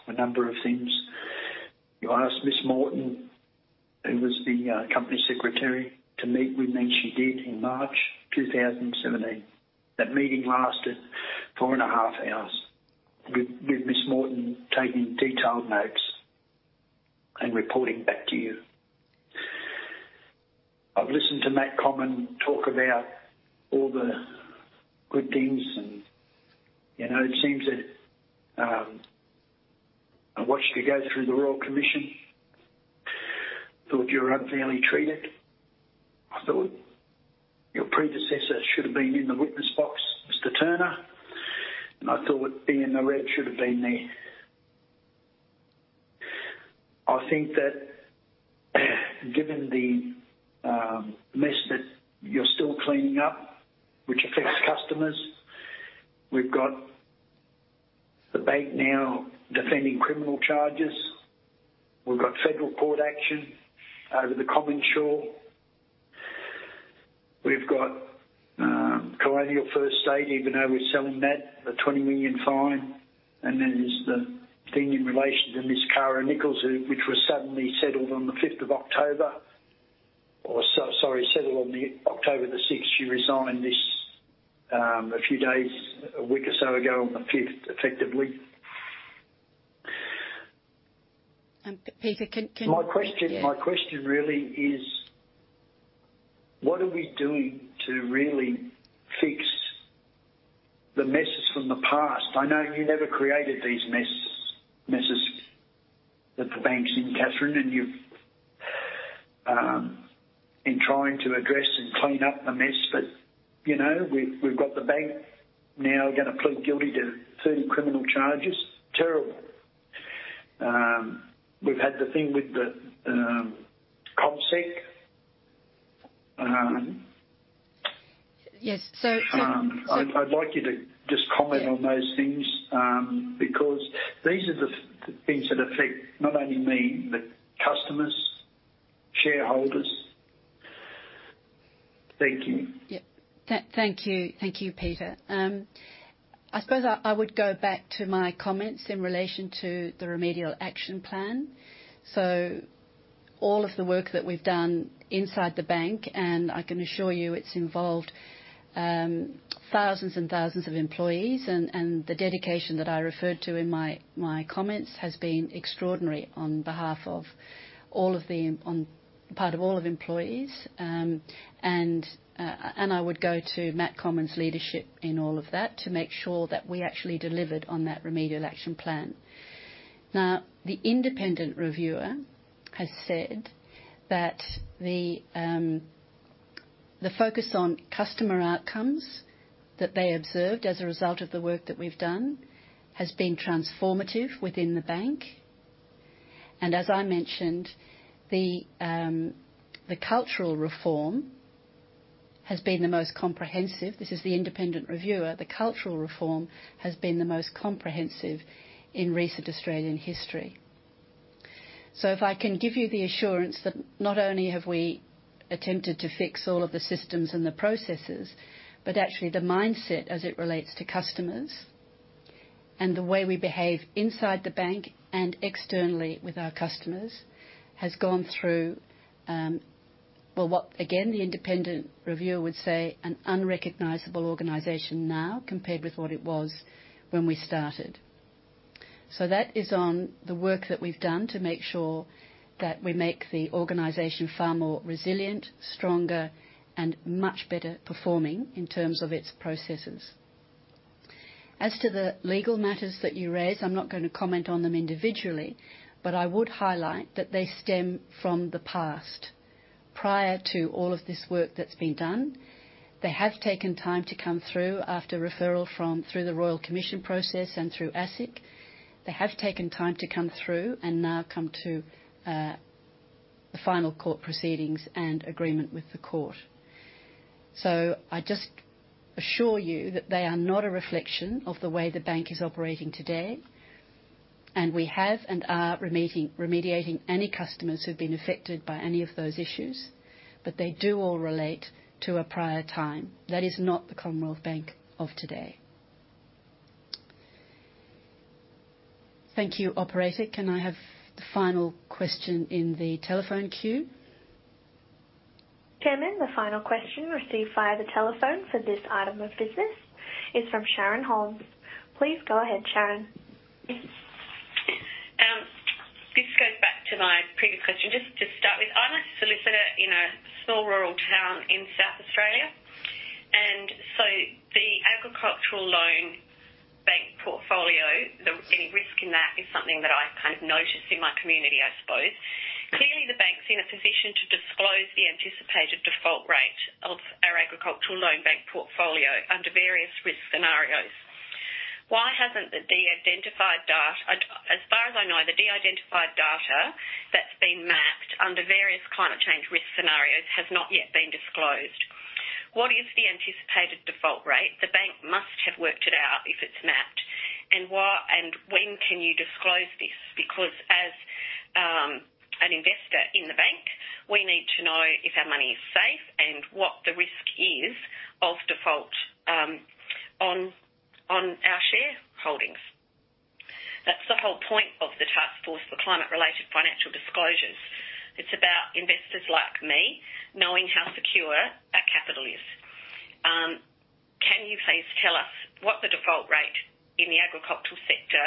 a number of things. You asked Ms. Morton, who was the Company Secretary, to meet with me, and she did in March 2017. That meeting lasted 4.5 hours, with Ms. Morton taking detailed notes and reporting back to you. I've listened to Matt Comyn talk about all the good things, and it seems that I watched you go through the Royal Commission, thought you were unfairly treated. I thought your predecessor should have been in the witness box, Mr. Turner, and I thought Ian Narev should have been there. I think that given the mess that you're still cleaning up, which affects customers, we've got the bank now defending criminal charges. We've got federal court action over the CommInsure. We've got Colonial First State, even though we're selling that, the 20 million fine, and then there's the thing in relation to Ms. Kara Nicholls, which was suddenly settled on the 5th of October. Sorry, settled on October the 6th. She resigned a few days, a week or so ago, on the 5th, effectively. Peter <crosstalk> My question really is, what are we doing to really fix the messes from the past? I know you never created these messes that the bank's in, Catherine, and you've been trying to address and clean up the mess. We've got the bank now going to plead guilty to 13 criminal charges. Terrible. We've had the thing with the CommSec. Yes. I'd like you to just comment on those things, because these are the things that affect not only me, but customers, shareholders. Thank you. Yep. Thank you, Peter. I suppose I would go back to my comments in relation to the Remedial Action Plan. All of the work that we've done inside the bank, and I can assure you it's involved thousands and thousands of employees, and the dedication that I referred to in my comments has been extraordinary on behalf of all of the employees. I would go to Matt Comyn's leadership in all of that to make sure that we actually delivered on that Remedial Action Plan. Now, the independent reviewer has said that the focus on customer outcomes that they observed as a result of the work that we've done has been transformative within the bank. As I mentioned, the cultural reform has been the most comprehensive. This is the independent reviewer. The cultural reform has been the most comprehensive in recent Australian history. If I can give you the assurance that not only have we attempted to fix all of the systems and the processes, but actually the mindset as it relates to customers and the way we behave inside the bank and externally with our customers has gone through, well, what again, the independent reviewer would say an unrecognizable organization now compared with what it was when we started. That is on the work that we've done to make sure that we make the organization far more resilient, stronger, and much better performing in terms of its processes. As to the legal matters that you raised, I'm not going to comment on them individually, but I would highlight that they stem from the past. Prior to all of this work that's been done, they have taken time to come through after referral through the Royal Commission process and through ASIC. They have taken time to come through and now come to the final court proceedings and agreement with the court. I just assure you that they are not a reflection of the way the bank is operating today, and we have and are remediating any customers who've been affected by any of those issues, but they do all relate to a prior time. That is not the Commonwealth Bank of today. Thank you. Operator, can I have the final question in the telephone queue? Chairman, the final question received via the telephone for this item of business is from Sharon Holmes. Please go ahead, Sharon. This goes back to my previous question. Just to start with, I'm a solicitor in a small rural town in South Australia, and so the agricultural loan bank portfolio, any risk in that is something that I've kind of noticed in my community, I suppose. Clearly, the bank's in a position to disclose the anticipated default rate of our agricultural loan bank portfolio under various risk scenarios. Why hasn't the de-identified data, as far as I know, the de-identified data that's been mapped under various climate change risk scenarios has not yet been disclosed. What is the anticipated default rate? The bank must have worked it out if it's mapped. When can you disclose this? Because as an investor in the bank, we need to know if our money is safe and what the risk is of default on our share holdings. That's the whole point of the Task Force for Climate-related Financial Disclosures. It's about investors like me knowing how secure our capital is. Can you please tell us what the default rate in the agricultural sector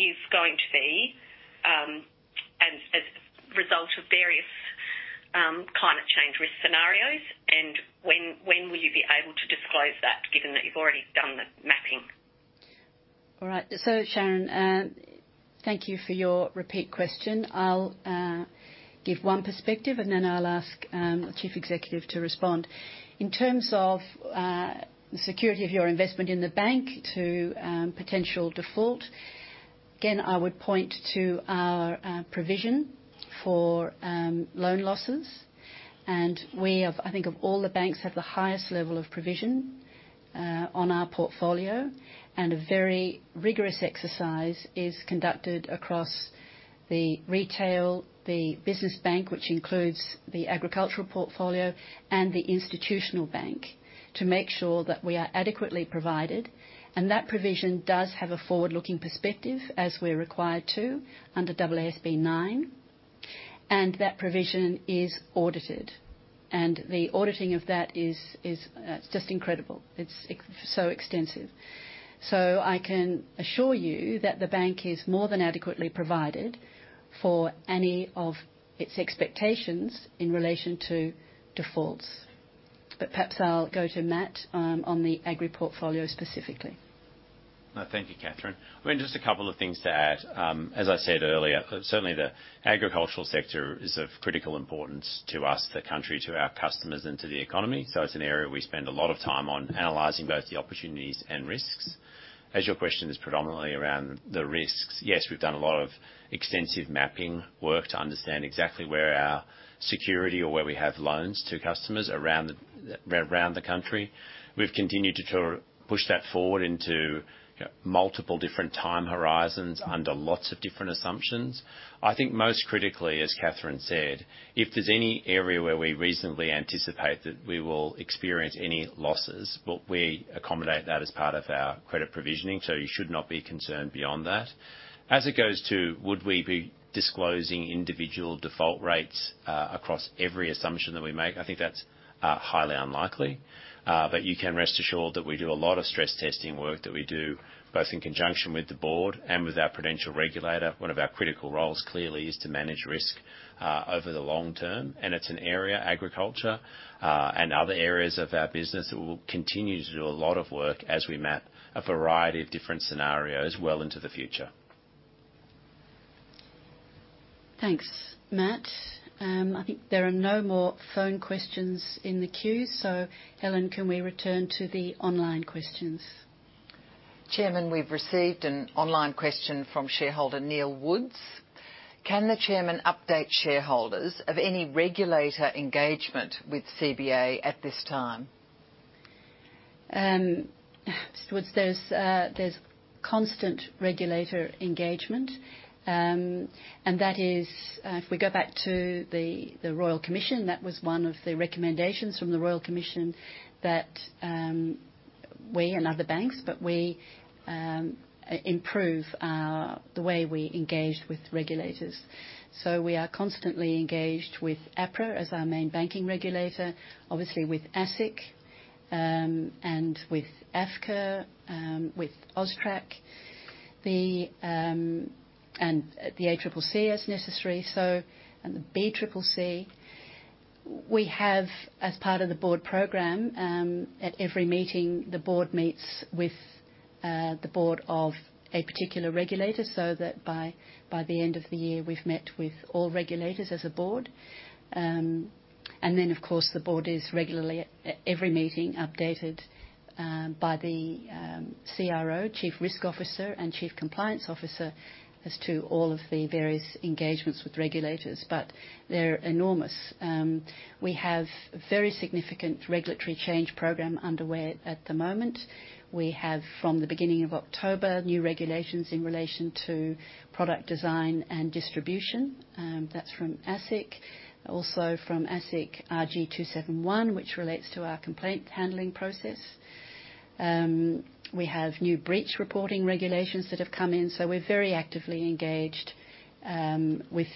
is going to be, as a result of various climate change risk scenarios, and when will you be able to disclose that, given that you've already done the mapping? All right. Sharon, thank you for your repeat question. I'll give one perspective, and then I'll ask the chief executive to respond. In terms of the security of your investment in the bank to potential default, again, I would point to our provision for loan losses. We, I think, of all the banks, have the highest level of provision on our portfolio, and a very rigorous exercise is conducted across the retail, the business bank, which includes the agricultural portfolio and the institutional bank, to make sure that we are adequately provided. That provision does have a forward-looking perspective as we're required to under AASB 9. That provision is audited. The auditing of that is just incredible. It's so extensive. I can assure you that the bank is more than adequately provided for any of its expectations in relation to defaults. Perhaps I'll go to Matt on the agri portfolio specifically. No. Thank you, Catherine. I mean, just a couple of things to add. As I said earlier, certainly the agricultural sector is of critical importance to us, the country, to our customers, and to the economy. It's an area we spend a lot of time on analyzing both the opportunities and risks. As your question is predominantly around the risks, yes, we've done a lot of extensive mapping work to understand exactly where our security or where we have loans to customers around the country. We've continued to push that forward into multiple different time horizons under lots of different assumptions. I think most critically, as Catherine said, if there's any area where we reasonably anticipate that we will experience any losses, we accommodate that as part of our credit provisioning. You should not be concerned beyond that. As it goes to, would we be disclosing individual default rates across every assumption that we make, I think that's highly unlikely. You can rest assured that we do a lot of stress testing work that we do, both in conjunction with the Board and with our prudential regulator. One of our critical roles, clearly, is to manage risk over the long term, and it's an area, agriculture, and other areas of our business that we'll continue to do a lot of work as we map a variety of different scenarios well into the future. Thanks, Matt. I think there are no more phone questions in the queue. Helen, can we return to the online questions? Chairman, we've received an online question from shareholder Neil Woods. Can the Chairman update shareholders of any regulator engagement with CBA at this time? Mr. Woods, there's constant regulator engagement, and that is, if we go back to the Royal Commission, that was one of the recommendations from the Royal Commission that we and other banks, but we improve the way we engaged with regulators. We are constantly engaged with APRA as our main banking regulator, obviously with ASIC, with AFCA, with AUSTRAC, and the ACCC as necessary, and the BCCC. We have, as part of the Board program, at every meeting, the Board meets with the Board of a particular regulator, so that by the end of the year, we've met with all regulators as a board. Then, of course, the Board is regularly at every meeting, updated by the CRO, Chief Risk Officer, and Chief Compliance Officer as to all of the various engagements with regulators, but they're enormous. We have a very significant regulatory change program underway at the moment. We have, from the beginning of October, new regulations in relation to product design and distribution. That's from ASIC. Also from ASIC, RG 271, which relates to our complaint handling process. We have new breach reporting regulations that have come in, so we're very actively engaged with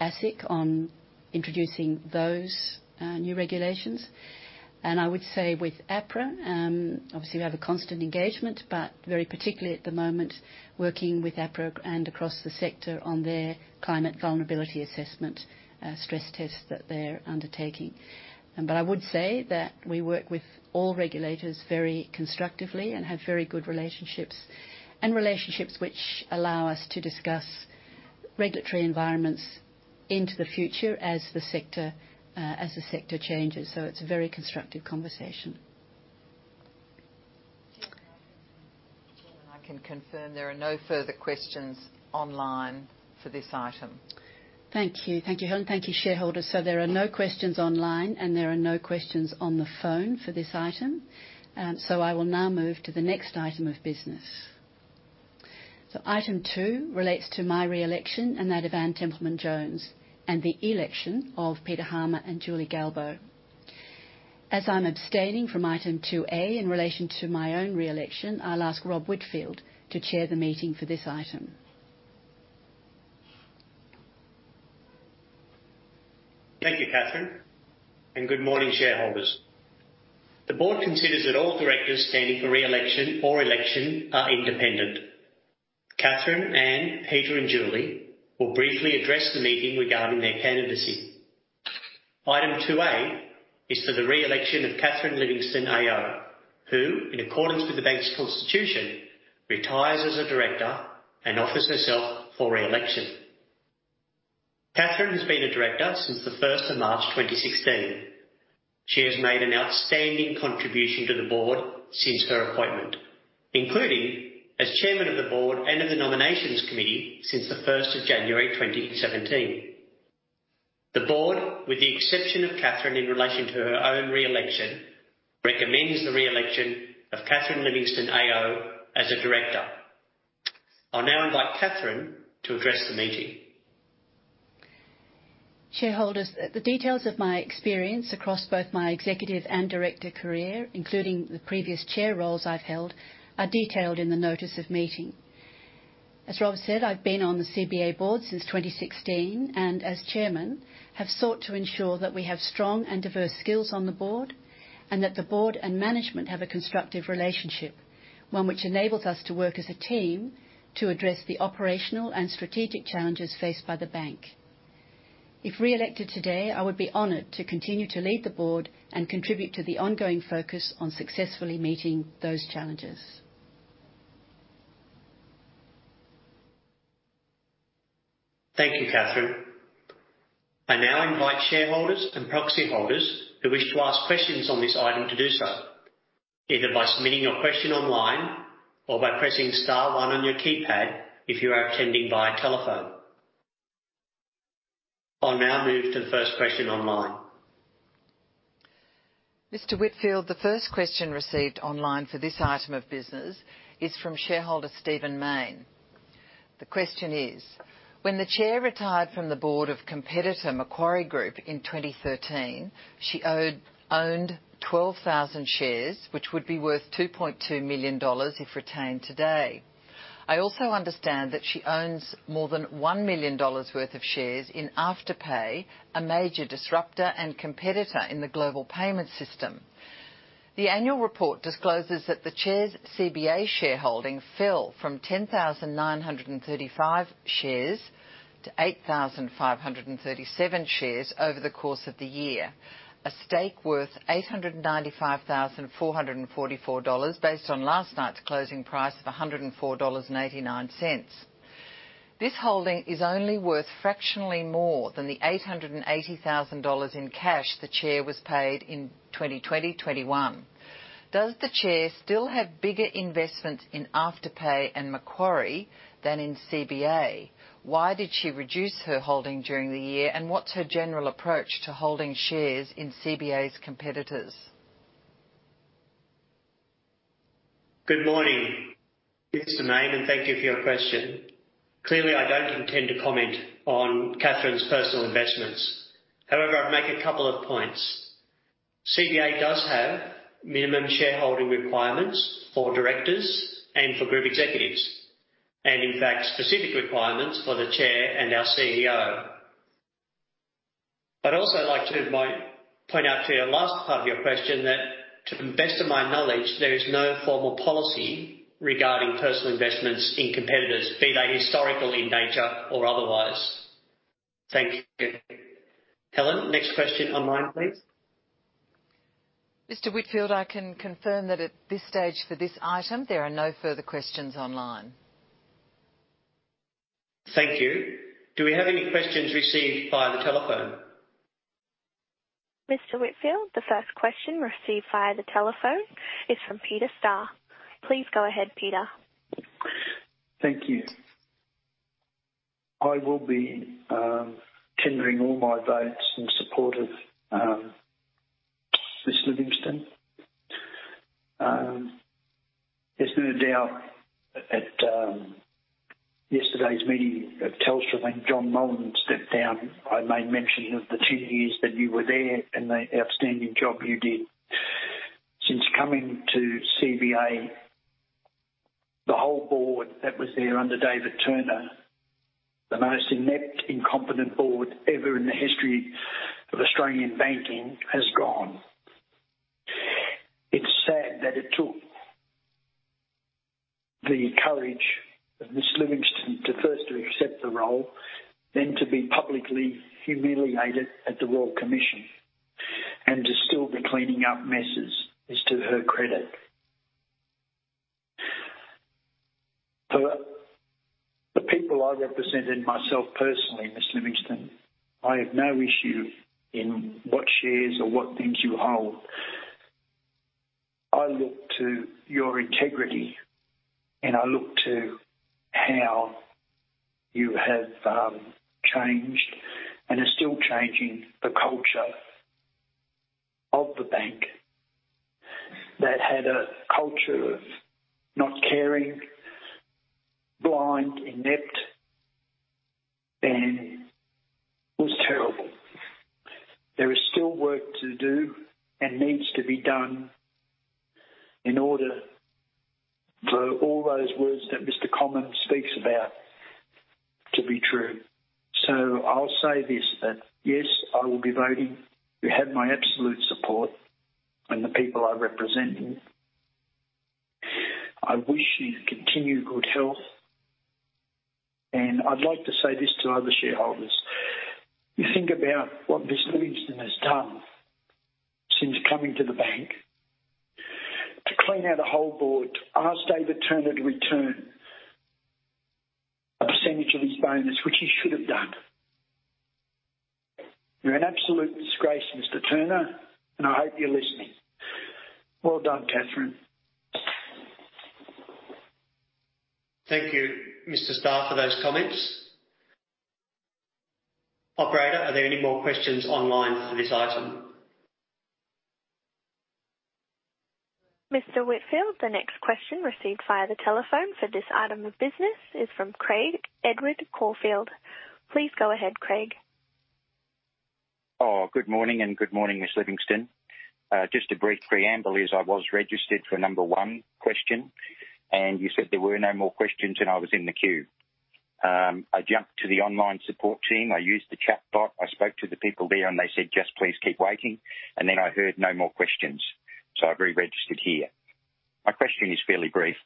ASIC on introducing those new regulations. I would say with APRA, obviously, we have a constant engagement, but very particularly at the moment, working with APRA and across the sector on their Climate Vulnerability Assessment Stress Test that they're undertaking. I would say that we work with all regulators very constructively and have very good relationships, and relationships which allow us to discuss regulatory environments into the future as the sector changes. It's a very constructive conversation. I can confirm there are no further questions online for this item. Thank you. Thank you, Helen. Thank you, shareholders. There are no questions online, and there are no questions on the phone for this item. I will now move to the next item of business. Item 2 relates to my re-election, and that of Anne Templeman-Jones, and the election of Peter Harmer and Julie Galbo. As I'm abstaining from Item 2A in relation to my own re-election, I'll ask Rob Whitfield to chair the meeting for this item. Thank you, Catherine. Good morning, shareholders. The Board considers that all directors standing for re-election or election are independent. Catherine, Peter, and Julie will briefly address the meeting regarding their candidacy. Item 2A is for the re-election of Catherine Livingstone AO, who, in accordance with the bank's constitution, retires as a director and offers herself for re-election. Catherine has been a director since the 1st of March 2016. She has made an outstanding contribution to the Board since her appointment, including as Chairman of the Board and of the Nominations Committee since the 1st of 2017. The Board, with the exception of Catherine in relation to her own re-election, recommends the re-election of Catherine Livingstone AO as a director. I'll now invite Catherine to address the meeting. Shareholders, the details of my experience across both my executive and director career, including the previous chair roles I've held, are detailed in the notice of meeting. As Rob said, I've been on the CBA Board since 2016 and as Chairman, have sought to ensure that we have strong and diverse skills on the Board and that the Board and management have a constructive relationship, one which enables us to work as a team to address the operational and strategic challenges faced by the bank. If re-elected today, I would be honored to continue to lead the Board and contribute to the ongoing focus on successfully meeting those challenges. Thank you, Catherine. I now invite shareholders and proxy holders who wish to ask questions on this item to do so, either by submitting your question online or by pressing star one on your keypad if you are attending via telephone. I will now move to the first question online. Mr. Whitfield, the first question received online for this item of business is from shareholder Stephen Mayne. The question is: When the chair retired from the Board of competitor Macquarie Group in 2013, she owned 12,000 shares, which would be worth 2.2 million dollars if retained today. I also understand that she owns more than 1 million dollars worth of shares in Afterpay, a major disruptor and competitor in the global payment system. The annual report discloses that the Chair's CBA shareholding fell from 10,935 shares to 8,537 shares over the course of the year, a stake worth 895,444 dollars based on last night's closing price of 104.89 dollars. This holding is only worth fractionally more than the 880,000 dollars in cash the chair was paid in 2020, 2021. Does the chair still have bigger investments in Afterpay and Macquarie than in CBA? Why did she reduce her holding during the year, and what's her general approach to holding shares in CBA's competitors? Good morning, Mr. Mayne, and thank you for your question. Clearly, I don't intend to comment on Catherine's personal investments. However, I'd make a couple of points. CBA does have minimum shareholding requirements for directors and for group executives, and in fact, specific requirements for the Chair and our CEO. I'd also like to point out to your last part of your question that, to the best of my knowledge, there is no formal policy regarding personal investments in competitors, be they historical in nature or otherwise. Thank you. Helen, next question online, please. Mr. Whitfield, I can confirm that at this stage, for this item, there are no further questions online. Thank you. Do we have any questions received via the telephone? Mr. Whitfield, the first question received via the telephone is from Peter Starr. Please go ahead, Peter. Thank you. I will be tendering all my votes in support of Ms. Livingstone. There's no doubt that at yesterday's meeting at Telstra, when John Mullen stepped down, I made mention of the two years that you were there and the outstanding job you did. Since coming to CBA, the whole board that was there under David Turner, the most inept, incompetent board ever in the history of Australian banking, has gone. It's sad that it took the courage of Ms. Livingstone to first to accept the role, then to be publicly humiliated at the Royal Commission, and to still be cleaning up messes is to her credit. For the people I represented and myself personally, Ms. Livingstone, I have no issue in what shares or what things you hold. I look to your integrity. I look to how you have changed and are still changing the culture of the bank that had a culture of not caring, blind, inept, and was terrible. There is still work to do and needs to be done in order for all those words that Mr. Comyn speaks about to be true. I'll say this, that yes, I will be voting. You have my absolute support and the people I represent. I wish you continued good health. I'd like to say this to other shareholders. You think about what Ms. Livingstone has done since coming to the bank to clean out a whole board, to ask David Turner to return a percentage of his bonus, which he should have done. You're an absolute disgrace, Mr. Turner. I hope you're listening. Well done, Catherine. Thank you, Mr. Starr, for those comments. Operator, are there any more questions online for this item? Mr. Whitfield, the next question received via the telephone for this item of business is from Craig Edward Caulfield. Please go ahead, Craig. Good morning, good morning, Ms. Livingstone. Just a brief preamble as I was registered for number one question. You said there were no more questions, and I was in the queue. I jumped to the online support team. I used the chat bot. I spoke to the people there. They said, "Just please keep waiting." I heard no more questions. I re-registered here. My question is fairly brief.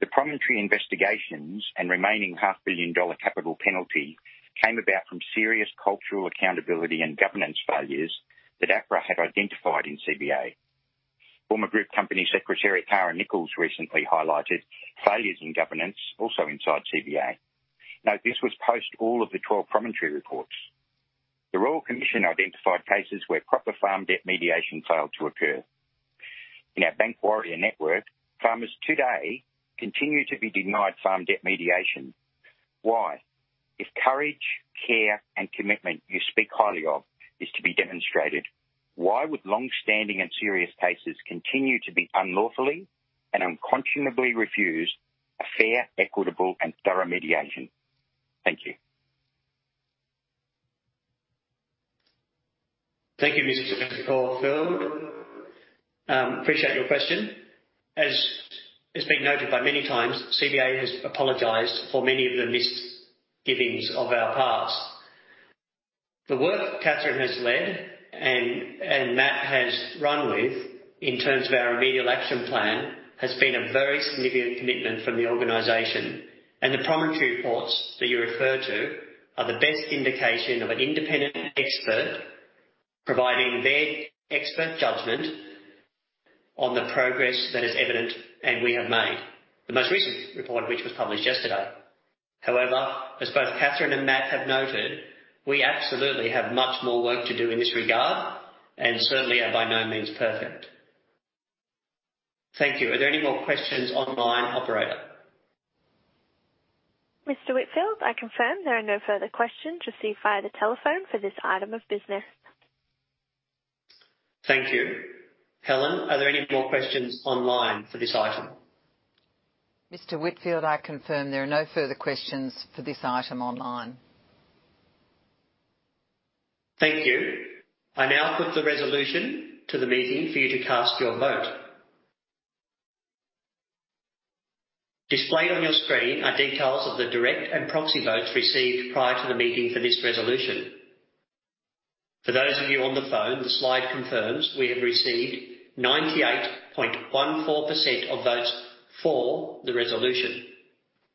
The Promontory investigations and remaining 500 million dollar capital penalty came about from serious cultural accountability and governance failures that APRA had identified in CBA. Former Group Company Secretary Kara Nicholls recently highlighted failures in governance also inside CBA. This was post all of the 12 Promontory reports. The Royal Commission identified cases where proper farm debt mediation failed to occur. In our Bank Warrior network, farmers today continue to be denied farm debt mediation. Why? If courage, care, and commitment you speak highly of is to be demonstrated, why would longstanding and serious cases continue to be unlawfully and unconscionably refused a fair, equitable, and thorough mediation? Thank you. Thank you, Mr. Caulfield. Appreciate your question. As has been noted many times, CBA has apologized for many of the misgivings of our past. The work Catherine has led and Matt has run with in terms of our remedial action plan has been a very significant commitment from the organization. The Promontory reports that you refer to are the best indication of an independent expert providing their expert judgment on the progress that is evident and we have made. The most recent report, which was published yesterday. However, as both Catherine and Matt have noted, we absolutely have much more work to do in this regard and certainly are by no means perfect. Thank you. Are there any more questions online, operator? Mr. Whitfield, I confirm there are no further questions received via the telephone for this item of business. Thank you. Helen, are there any more questions online for this item? Mr. Whitfield, I confirm there are no further questions for this item online. Thank you. I now put the resolution to the meeting for you to cast your vote. Displayed on your screen are details of the direct and proxy votes received prior to the meeting for this resolution. For those of you on the phone, the slide confirms we have received 98.14% of votes for the resolution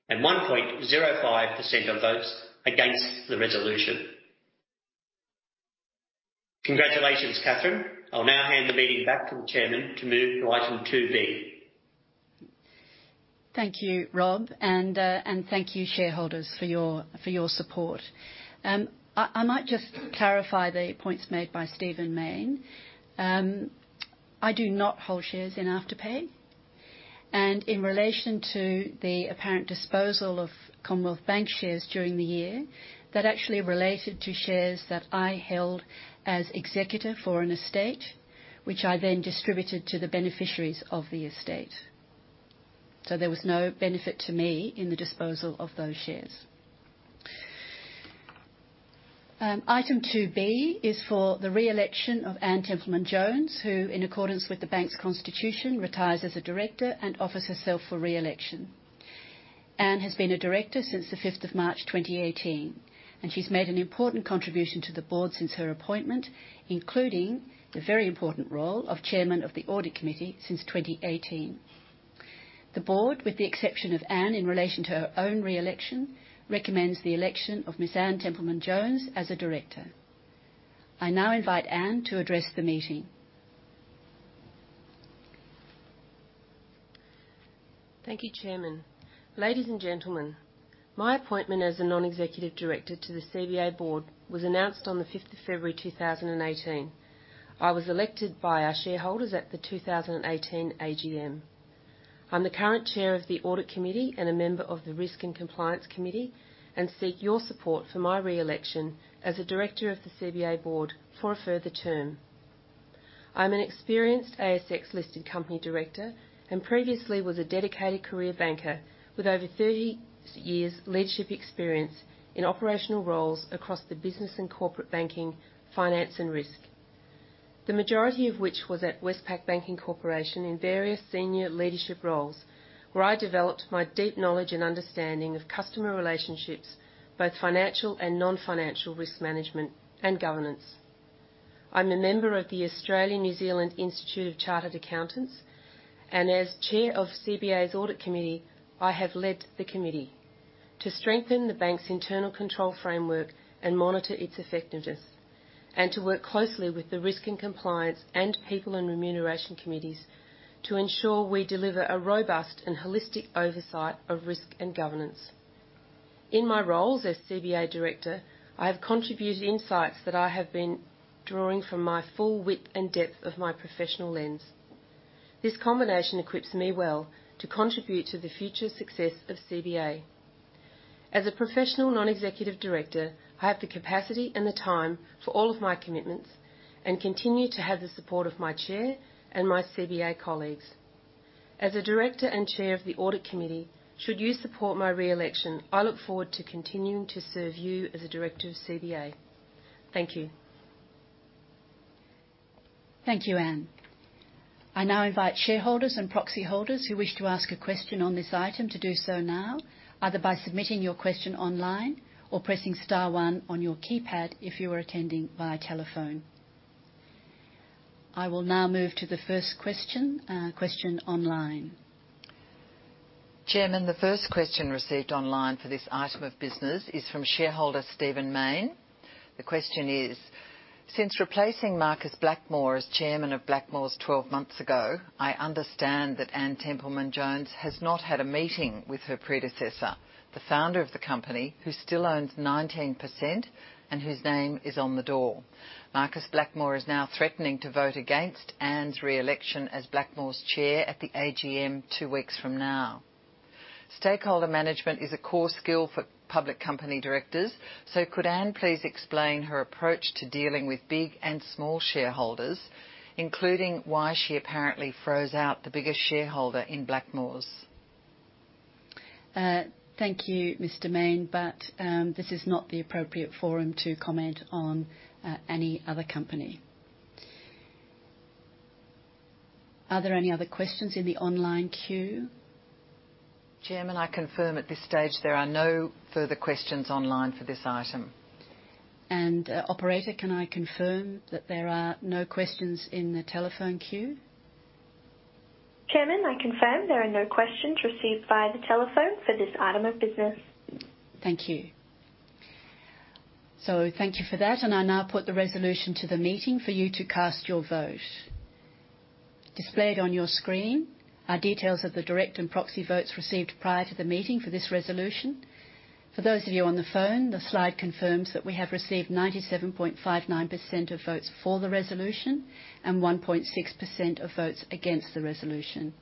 and 1.05% of votes against the resolution. Congratulations, Catherine. I'll now hand the meeting back to the Chairman to move to Item 2B. Thank you, Rob. Thank you, shareholders, for your support. I might just clarify the points made by Stephen Mayne. I do not hold shares in Afterpay and in relation to the apparent disposal of Commonwealth Bank shares during the year, that actually related to shares that I held as executive for an estate, which I then distributed to the beneficiaries of the estate. There was no benefit to me in the disposal of those shares. Item 2B is for the re-election of Anne Templeman-Jones, who, in accordance with the bank's constitution, retires as a director and offers herself for re-election. Anne has been a director since the 5th of March 2018, and she's made an important contribution to the Board since her appointment, including the very important role of Chairman of the Audit Committee since 2018. The Board, with the exception of Anne in relation to her own re-election, recommends the election of Ms. Anne Templeman-Jones as a director. I now invite Anne to address the meeting. Thank you, Chairman. Ladies and gentlemen, my appointment as a non-executive director to the CBA Board was announced on the 5th of February 2018. I was elected by our shareholders at the 2018 AGM. I'm the current Chair of the Audit Committee and a member of the Risk and Compliance Committee, and seek your support for my re-election as a director of the CBA Board for a further term. I'm an experienced ASX-listed company director, and previously was a dedicated career banker with over 30 years' leadership experience in operational roles across the business and corporate banking, finance and risk. The majority of which was at Westpac Banking Corporation in various senior leadership roles, where I developed my deep knowledge and understanding of customer relationships, both financial and non-financial risk management and governance. I'm a member of the Australian New Zealand Institute of Chartered Accountants. As Chair of CBA's Audit Committee, I have led the committee to strengthen the bank's internal control framework and monitor its effectiveness. To work closely with the Risk and Compliance and People and Remuneration Committees to ensure we deliver a robust and holistic oversight of risk and governance. In my roles as CBA director, I have contributed insights that I have been drawing from my full width and depth of my professional lens. This combination equips me well to contribute to the future success of CBA. As a professional non-executive director, I have the capacity and the time for all of my commitments and continue to have the support of my chair and my CBA colleagues. As a Director and Chair of the Audit Committee, should you support my re-election, I look forward to continuing to serve you as a director of CBA. Thank you. Thank you, Anne. I now invite shareholders and proxy holders who wish to ask a question on this item to do so now, either by submitting your question online or pressing star one on your keypad if you are attending via telephone. I will now move to the first question online. Chairman, the first question received online for this item of business is from shareholder Stephen Mayne. The question is: "Since replacing Marcus Blackmore as Chairman of Blackmores 12 months ago, I understand that Anne Templeman-Jones has not had a meeting with her predecessor, the founder of the company, who still owns 19% and whose name is on the door. Marcus Blackmore is now threatening to vote against Anne's re-election as Blackmores chair at the AGM two weeks from now. Stakeholder management is a core skill for public company directors. Could Anne please explain her approach to dealing with big and small shareholders, including why she apparently froze out the biggest shareholder in Blackmores?" Thank you, Mr. Mayne, but this is not the appropriate forum to comment on any other company. Are there any other questions in the online queue? Chairman, I confirm at this stage there are no further questions online for this item. Operator, can I confirm that there are no questions in the telephone queue? Chairman, I confirm there are no questions received via the telephone for this item of business. Thank you. Thank you for that, and I now put the resolution to the meeting for you to cast your vote. Displayed on your screen are details of the direct and proxy votes received prior to the meeting for this resolution. For those of you on the phone, the slide confirms that we have received 97.59% of votes for the resolution and 1.6% of votes against the resolution.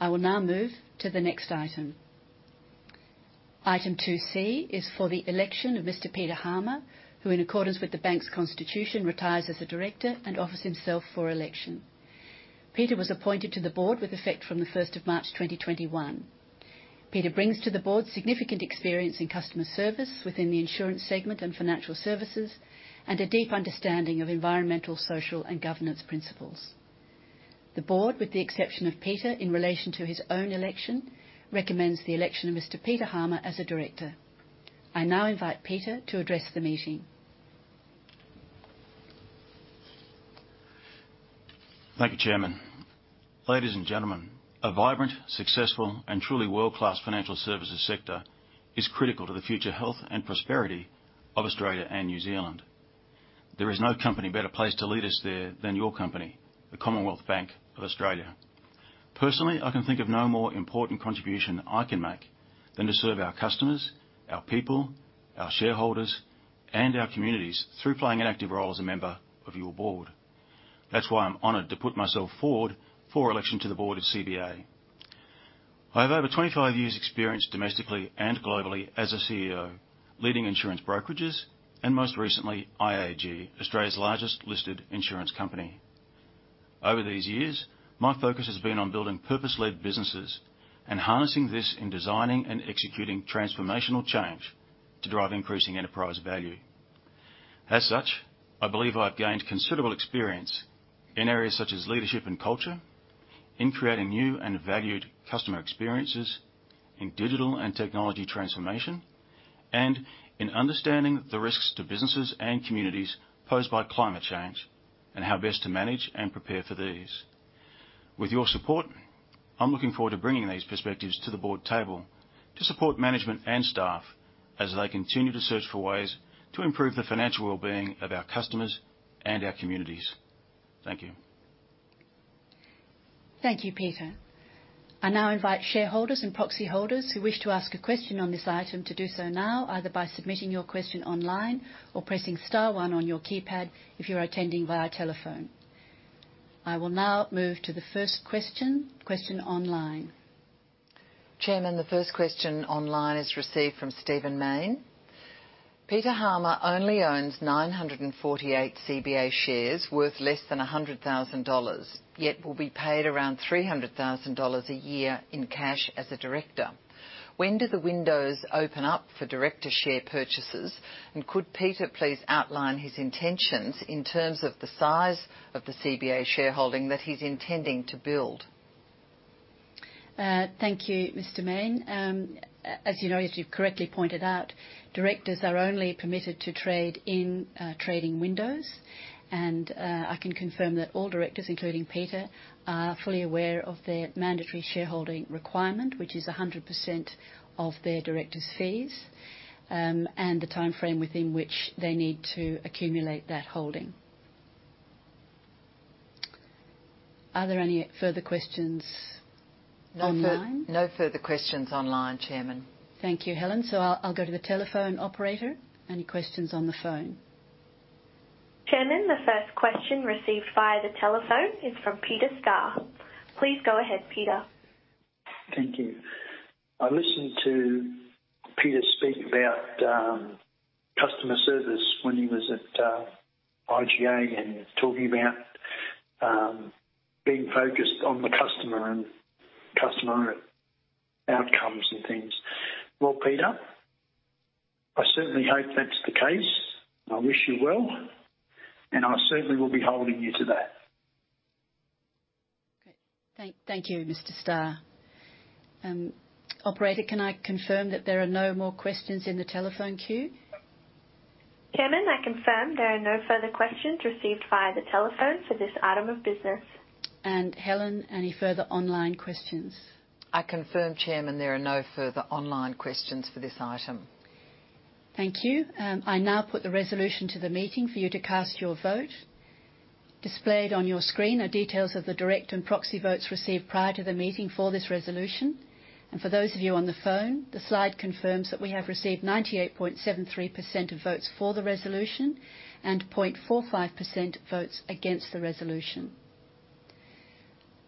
I will now move to the next item. Item 2C is for the election of Mr. Peter Harmer, who in accordance with the bank's constitution, retires as a director and offers himself for election. Peter was appointed to the Board with effect from the 1st of March 2021. Peter brings to the Board significant experience in customer service within the insurance segment and financial services, and a deep understanding of environmental, social, and governance principles. The Board, with the exception of Peter in relation to his own election, recommends the election of Mr. Peter Harmer as a director. I now invite Peter to address the meeting. Thank you, Chairman. Ladies and gentlemen, a vibrant, successful and truly world-class financial services sector is critical to the future health and prosperity of Australia and New Zealand. There is no company better placed to lead us there than your company, the Commonwealth Bank of Australia. Personally, I can think of no more important contribution I can make than to serve our customers, our people, our shareholders, and our communities through playing an active role as a member of your board. That's why I'm honored to put myself forward for election to the Board of CBA. I have over 25 years' experience domestically and globally as a CEO, leading insurance brokerages, and most recently, IAG, Australia's largest listed insurance company. Over these years, my focus has been on building purpose-led businesses and harnessing this in designing and executing transformational change to drive increasing enterprise value. As such, I believe I've gained considerable experience in areas such as leadership and culture, in creating new and valued customer experiences, in digital and technology transformation, and in understanding the risks to businesses and communities posed by climate change and how best to manage and prepare for these. With your support, I'm looking forward to bringing these perspectives to the board table to support management and staff as they continue to search for ways to improve the financial wellbeing of our customers and our communities. Thank you. Thank you, Peter. I now invite shareholders and proxy holders who wish to ask a question on this item to do so now, either by submitting your question online or pressing star one on your keypad if you're attending via telephone. I will now move to the first question. Question online. Chairman, the first question online is received from Stephen Mayne. Peter Harmer only owns 948 CBA shares worth less than 100,000 dollars, yet will be paid around 300,000 dollars a year in cash as a director. When do the windows open up for director share purchases? Could Peter please outline his intentions in terms of the size of the CBA shareholding that he's intending to build? Thank you, Mr. Mayne. As you know, as you've correctly pointed out, directors are only permitted to trade in trading windows. I can confirm that all directors, including Peter, are fully aware of their mandatory shareholding requirement, which is 100% of their director's fees, and the timeframe within which they need to accumulate that holding. Are there any further questions online? No further questions online, Chairman. Thank you, Helen. I'll go to the telephone operator. Any questions on the phone? Chairman, the first question received via the telephone is from Peter Starr. Please go ahead, Peter. Thank you. I listened to Peter speak about customer service when he was at IAG and talking about being focused on the customer and customer outcomes and things. Well, Peter, I certainly hope that's the case. I wish you well, and I certainly will be holding you to that. Okay. Thank you, Mr. Starr. Operator, can I confirm that there are no more questions in the telephone queue? Chairman, I confirm there are no further questions received via the telephone for this item of business. Helen, any further online questions? I confirm, Chairman, there are no further online questions for this item. Thank you. I now put the resolution to the meeting for you to cast your vote. Displayed on your screen are details of the direct and proxy votes received prior to the meeting for this resolution. For those of you on the phone, the slide confirms that we have received 98.73% of votes for the resolution and 0.45% votes against the resolution.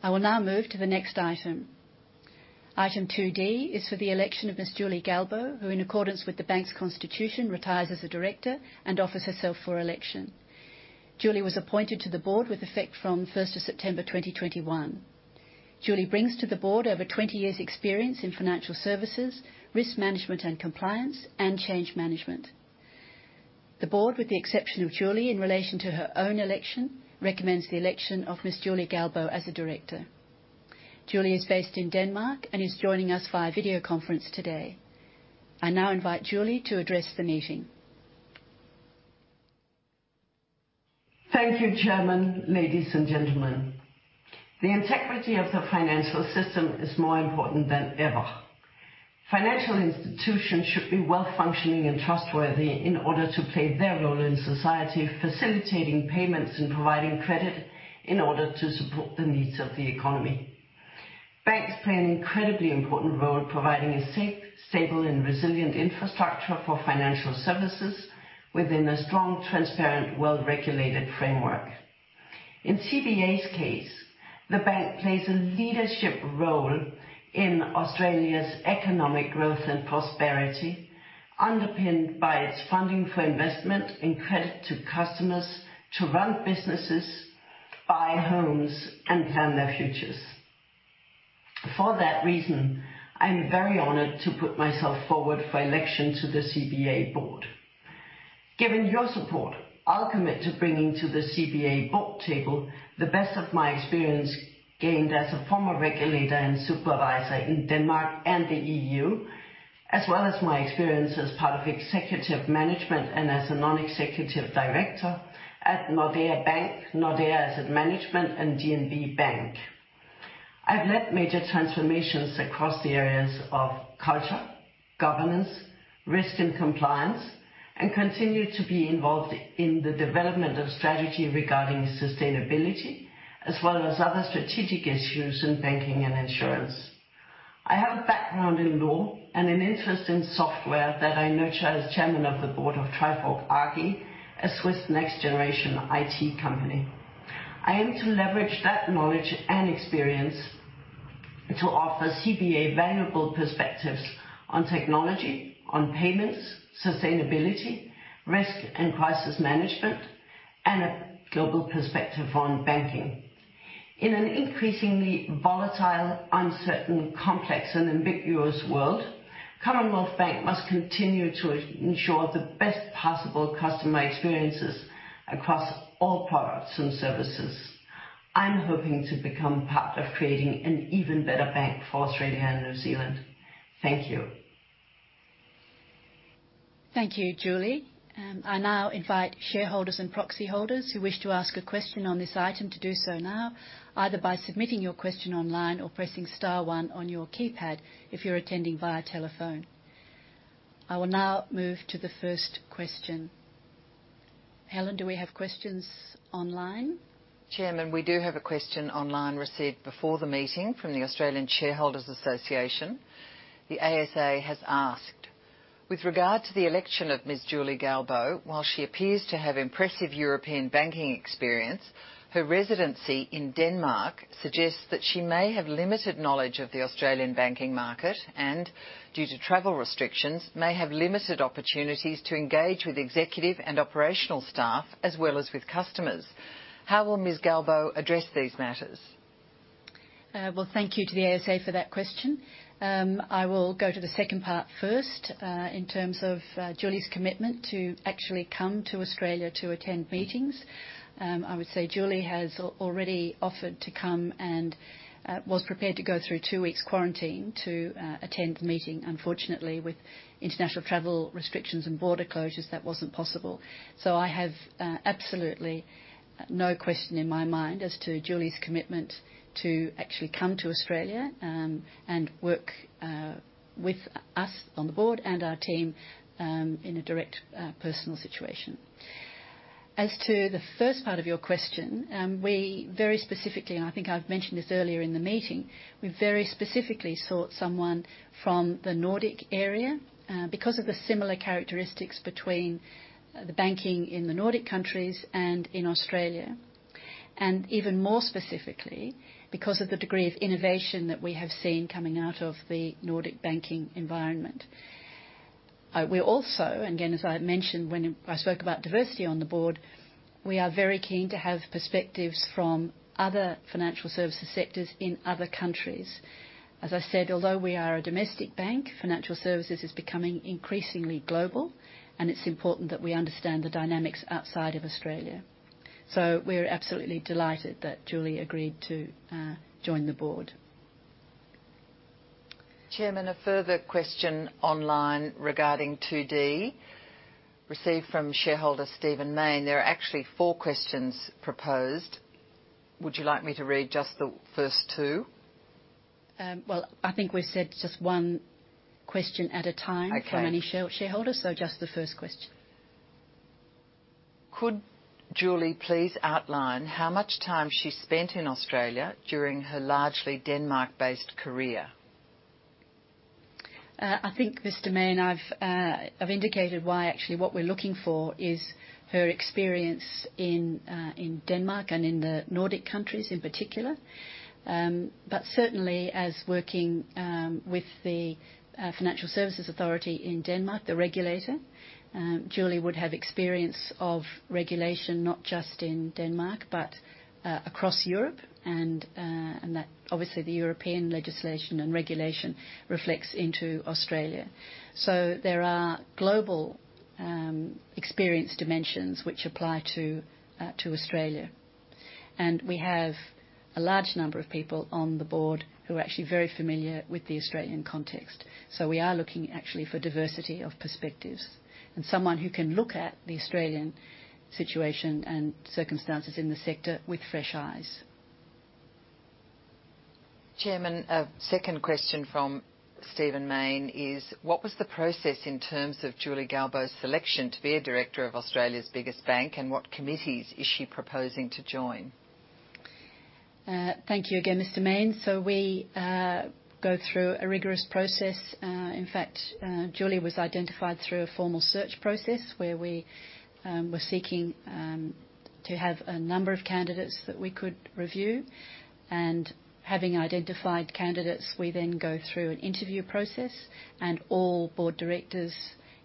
I will now move to the next item. Item 2D is for the election of Ms. Julie Galbo, who in accordance with the bank's constitution, retires as a director and offers herself for election. Julie was appointed to the Board with effect from 1st of September 2021. Julie brings to the Board over 20 years' experience in financial services, risk management and compliance, and change management. The Board, with the exception of Julie in relation to her own election, recommends the election of Ms. Julie Galbo as a director. Julie is based in Denmark and is joining us via video conference today. I now invite Julie to address the meeting. Thank you, Chairman. Ladies and gentlemen, the integrity of the financial system is more important than ever. Financial institutions should be well-functioning and trustworthy in order to play their role in society, facilitating payments and providing credit in order to support the needs of the economy. Banks play an incredibly important role providing a safe, stable and resilient infrastructure for financial services within a strong, transparent, well-regulated framework. In CBA's case, the bank plays a leadership role in Australia's economic growth and prosperity, underpinned by its funding for investment and credit to customers to run businesses, buy homes, and plan their futures. For that reason, I am very honored to put myself forward for election to the CBA Board. Given your support, I'll commit to bringing to the cba board table the best of my experience gained as a former regulator and supervisor in Denmark and the EU, as well as my experience as part of executive management and as a non-executive director at Nordea Bank, Nordea Asset Management and DNB Bank. I've led major transformations across the areas of culture, governance, risk, and compliance, and continue to be involved in the development of strategy regarding sustainability as well as other strategic issues in banking and insurance. I have a background in law and an interest in software that I nurture as Chairman of the Board of Trifork AG, a Swiss next generation IT company. I aim to leverage that knowledge and experience to offer CBA valuable perspectives on technology, on payments, sustainability, risk and crisis management, and a global perspective on banking. In an increasingly volatile, uncertain, complex and ambiguous world, Commonwealth Bank must continue to ensure the best possible customer experiences across all products and services. I'm hoping to become part of creating an even better bank for Australia and New Zealand. Thank you. Thank you, Julie. I now invite shareholders and proxy holders who wish to ask a question on this item to do so now, either by submitting your question online or pressing star one on your keypad if you're attending via telephone. I will now move to the first question. Helen, do we have questions online? Chairman, we do have a question online received before the meeting from the Australian Shareholders' Association. The ASA has asked: "With regard to the election of Ms. Julie Galbo, while she appears to have impressive European banking experience, her residency in Denmark suggests that she may have limited knowledge of the Australian banking market, and due to travel restrictions, may have limited opportunities to engage with executive and operational staff as well as with customers. How will Ms. Galbo address these matters?" Well, thank you to the ASA for that question. I will go to the second part first. In terms of Julie's commitment to actually come to Australia to attend meetings, I would say Julie has already offered to come and was prepared to go through two weeks' quarantine to attend the meeting. Unfortunately, with international travel restrictions and border closures, that wasn't possible. I have absolutely no question in my mind as to Julie's commitment to actually come to Australia, and work with us on the Board and our team in a direct personal situation. As to the first part of your question, we very specifically, and I think I've mentioned this earlier in the meeting, we very specifically sought someone from the Nordic area because of the similar characteristics between the banking in the Nordic countries and in Australia. Even more specifically, because of the degree of innovation that we have seen coming out of the Nordic banking environment. We're also, and again, as I mentioned when I spoke about diversity on the Board, we are very keen to have perspectives from other financial services sectors in other countries. As I said, although we are a domestic bank, financial services is becoming increasingly global, and it's important that we understand the dynamics outside of Australia. We're absolutely delighted that Julie agreed to join the Board. Chairman, a further question online regarding 2D received from shareholder Stephen Mayne. There are actually four questions proposed. Would you like me to read just the first two? Well, I think we said just one question at a time from any shareholder, just the first question. Could Julie please outline how much time she spent in Australia during her largely Denmark-based career? I think, Mr. Mayne, I've indicated why actually what we're looking for is her experience in Denmark and in the Nordic countries in particular. Certainly as working with the Danish Financial Supervisory Authority in Denmark, the regulator, Julie would have experience of regulation not just in Denmark, but across Europe and that obviously the European legislation and regulation reflects into Australia. There are global experience dimensions which apply to Australia, and we have a large number of people on the Board who are actually very familiar with the Australian context. We are looking actually for diversity of perspectives and someone who can look at the Australian situation and circumstances in the sector with fresh eyes. Chairman, a second question from Stephen Mayne is: "What was the process in terms of Julie Galbo's selection to be a director of Australia's biggest bank, and what committees is she proposing to join?" Thank you again, Mr. Mayne. We go through a rigorous process. In fact, Julie was identified through a formal search process where we were seeking to have a number of candidates that we could review. Having identified candidates, we then go through an interview process, and all board directors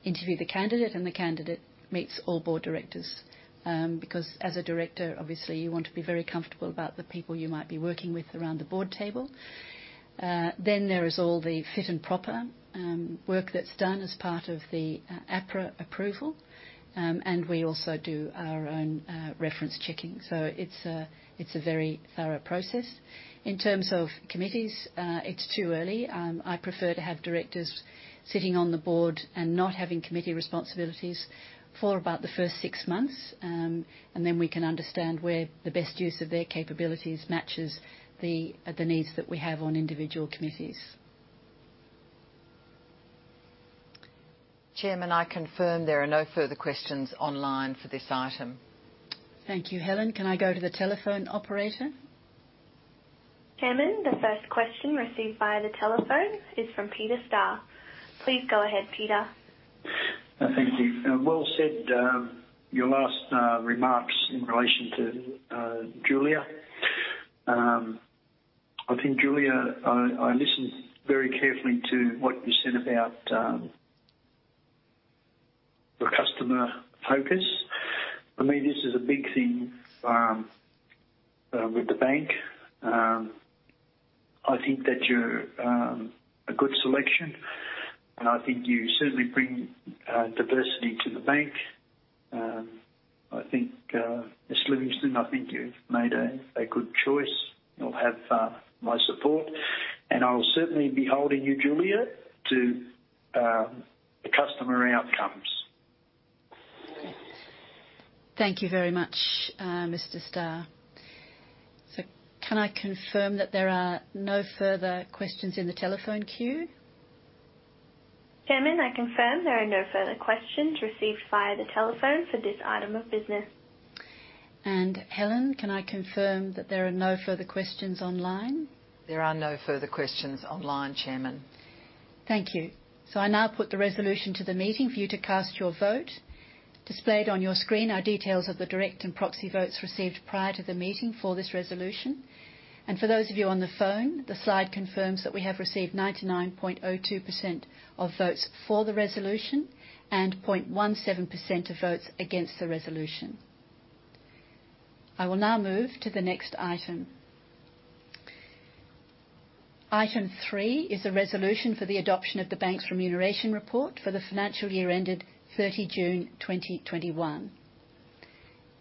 interview the candidate, and the candidate meets all board directors. As a director, obviously you want to be very comfortable about the people you might be working with around the board table. There is all the fit and proper work that's done as part of the APRA approval. We also do our own reference checking. It's a very thorough process. In terms of committees, it's too early. I prefer to have directors sitting on the Board and not having committee responsibilities for about the first six months, and then we can understand where the best use of their capabilities matches the needs that we have on individual committees. Chairman, I confirm there are no further questions online for this item. Thank you. Helen, can I go to the telephone operator? Chairman, the first question received via the telephone is from Peter Starr. Please go ahead, Peter. Thank you. Well said, your last remarks in relation to Julie. I think Julie, I listened very carefully to what you said about the customer focus. For me, this is a big thing with the bank. I think that you're a good selection, and I think you certainly bring diversity to the bank. I think, Ms. Livingstone, I think you've made a good choice. You'll have my support, and I will certainly be holding you, Julie, to the customer outcomes. Thank you very much, Mr. Starr. Can I confirm that there are no further questions in the telephone queue? Chairman, I confirm there are no further questions received via the telephone for this item of business. Helen, can I confirm that there are no further questions online? There are no further questions online, Chairman. Thank you. I now put the resolution to the meeting for you to cast your vote. Displayed on your screen are details of the direct and proxy votes received prior to the meeting for this resolution. For those of you on the phone, the slide confirms that we have received 99.02% of votes for the resolution and 0.17% of votes against the resolution. I will now move to the next item. Item 3 is a resolution for the adoption of the bank's remuneration report for the financial year ended 30 June 2021.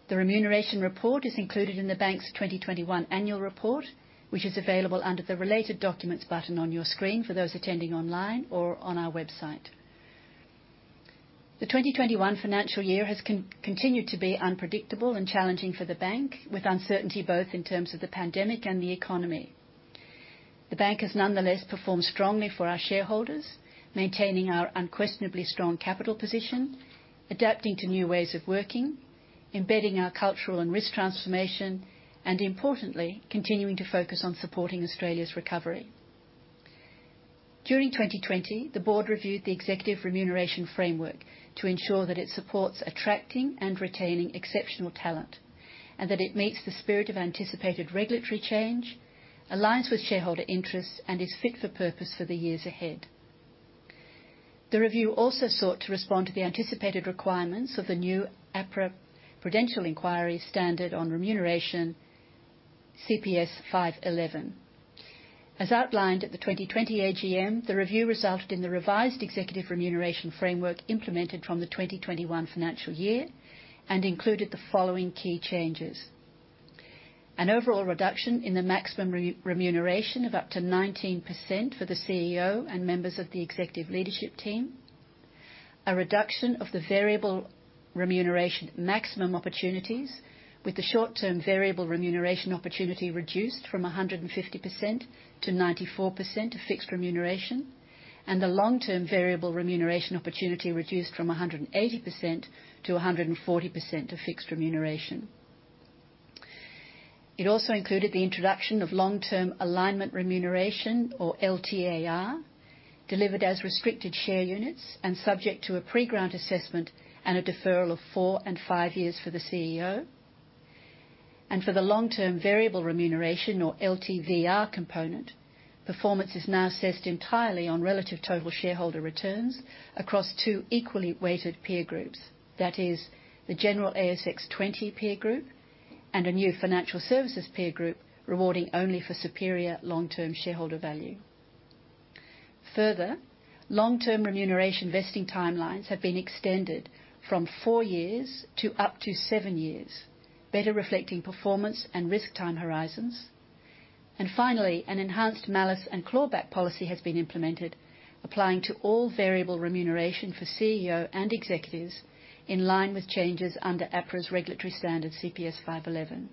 The remuneration report is included in the bank's 2021 annual report, which is available under the Related Documents button on your screen for those attending online or on our website. The 2021 financial year has continued to be unpredictable and challenging for the bank, with uncertainty both in terms of the pandemic and the economy. The bank has nonetheless performed strongly for our shareholders, maintaining our unquestionably strong capital position, adapting to new ways of working, embedding our cultural and risk transformation, and importantly, continuing to focus on supporting Australia's recovery. During 2020, the Board reviewed the executive remuneration framework to ensure that it supports attracting and retaining exceptional talent, and that it meets the spirit of anticipated regulatory change, aligns with shareholder interests, and is fit for purpose for the years ahead. The review also sought to respond to the anticipated requirements of the new APRA Prudential Inquiry Standard on Remuneration CPS 511. As outlined at the 2020 AGM, the review resulted in the revised executive remuneration framework implemented from the 2021 financial year and included the following key changes. An overall reduction in the maximum remuneration of up to 19% for the CEO and members of the executive leadership team. A reduction of the variable remuneration maximum opportunities with the short-term variable remuneration opportunity reduced from 150% to 94% of fixed remuneration, and the long-term variable remuneration opportunity reduced from 180% to 140% of fixed remuneration. It also included the introduction of long-term alignment remuneration or LTAR, delivered as restricted share units and subject to a pre-grant assessment and a deferral of four and five years for the CEO. For the long-term variable remuneration or LTVR component, performance is now assessed entirely on relative total shareholder returns across two equally weighted peer groups. That is the general ASX 20 peer group and a new financial services peer group rewarding only for superior long-term shareholder value. Further, long-term remuneration vesting timelines have been extended from four years to up to seven years, better reflecting performance and risk time horizons. Finally, an enhanced malus and clawback policy has been implemented, applying to all variable remuneration for CEO and executives in line with changes under APRA's regulatory standard CPS 511.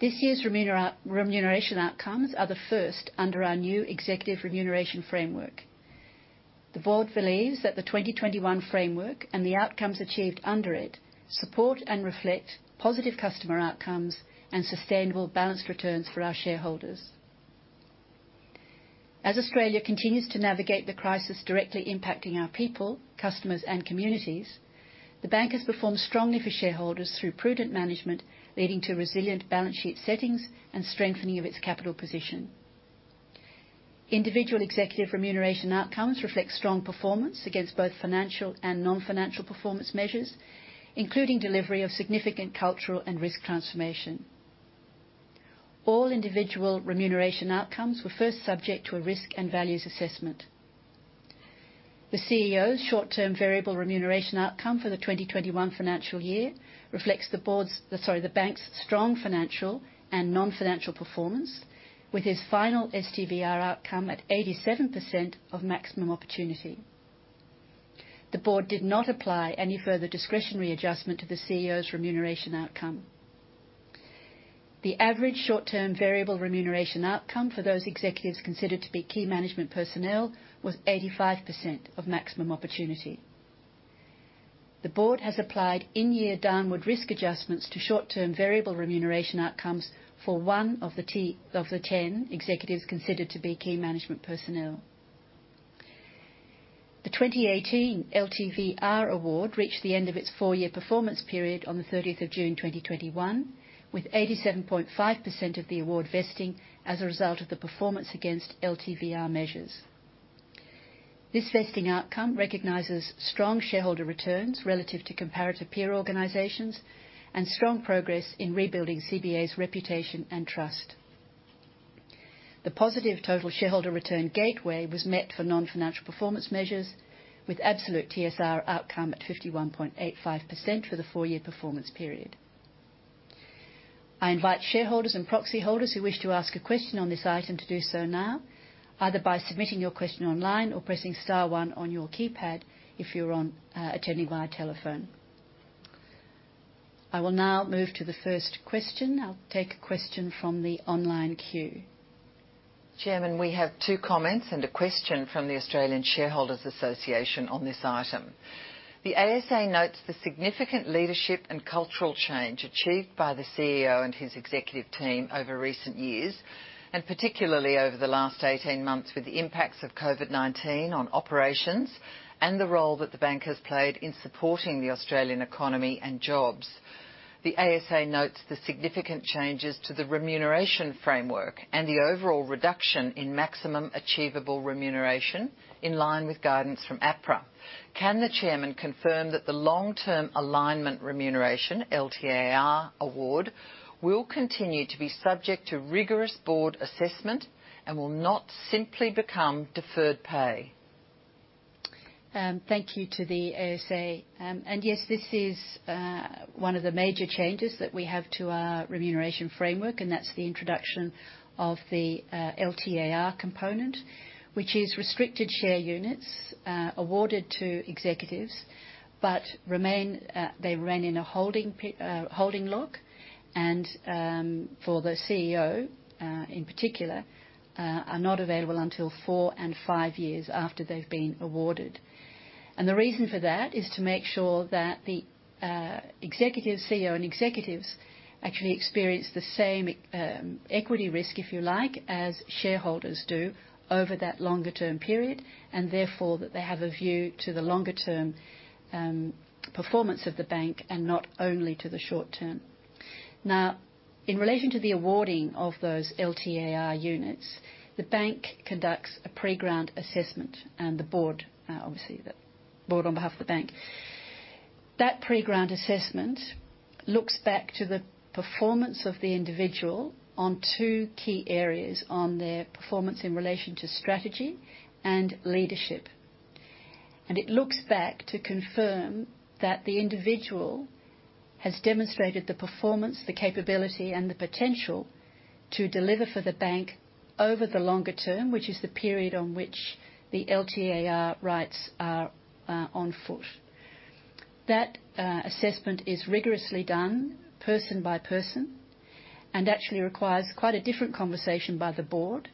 This year's remuneration outcomes are the first under our new executive framework. The Board believes that the 2021 framework and the outcomes achieved under it support and reflect positive customer outcomes and sustainable balanced returns for our shareholders. As Australia continues to navigate the crisis directly impacting our people, customers, and communities, the bank has performed strongly for shareholders through prudent management, leading to resilient balance sheet settings and strengthening of its capital position. Individual executive remuneration outcomes reflect strong performance against both financial and non-financial performance measures, including delivery of significant cultural and risk transformation. All individual remuneration outcomes were first subject to a risk and values assessment. The CEO's short-term variable remuneration outcome for the 2021 financial year reflects the bank's strong financial and non-financial performance with his final STVR outcome at 87% of opportunity. The Board did not apply any further discretionary adjustment to the CEO's remuneration outcome. The average short-term variable remuneration outcome for those executives considered to be key management personnel was 85% of opportunity. The Board has applied in-year downward risk adjustments to short-term variable remuneration outcomes for one of the 10 executives considered to be key management personnel. The 2018 LTVR award reached the end of its four-year performance period on the 30th of June 2021, with 87.5% of the award vesting as a result of the performance against LTVR measures. This vesting outcome recognizes strong shareholder returns relative to comparative peer organizations and strong progress in rebuilding CBA's reputation and trust. The positive total shareholder return gateway was met for non-financial performance measures with absolute TSR outcome at 51.85% for the four-year performance period. I invite shareholders and proxy holders who wish to ask a question on this item to do so now, either by submitting your question online or pressing star one on your keypad, if you're attending via telephone. I will now move to the first question. I'll take a question from the online queue. Chairman, we have two comments and a question from the Australian Shareholders' Association on this item. The ASA notes the significant leadership and cultural change achieved by the CEO and his Executive Team over recent years, and particularly over the last 18 months, with the impacts of COVID-19 on operations and the role that the bank has played in supporting the Australian economy and jobs. The ASA notes the significant changes to the remuneration framework and the overall reduction in maximum achievable remuneration in line with guidance from APRA. Can the Chairman confirm that the long-term alignment remuneration, LTAR award, will continue to be subject to rigorous board assessment and will not simply become deferred pay? Thank you to the ASA. Yes, this is one of the major changes that we have to our remuneration framework, and that's the introduction of the LTAR component, which is restricted share units awarded to executives. They remain in a holding lock and, for the CEO in particular, are not available until four and five years after they've been awarded. The reason for that is to make sure that the CEO and executives actually experience the same equity risk, if you like, as shareholders do over that longer-term period, and therefore, that they have a view to the longer-term performance of the Bank and not only to the short term. In relation to the awarding of those LTAR units, the Bank conducts a pre-grant assessment, the Board on behalf of the Bank. That pre-grant assessment looks back to the performance of the individual on two key areas, on their performance in relation to strategy and leadership. It looks back to confirm that the individual has demonstrated the performance, the capability, and the potential to deliver for the bank over the longer term, which is the period on which the LTAR rights are on foot. That assessment is rigorously done person by person and actually requires quite a different conversation by the Board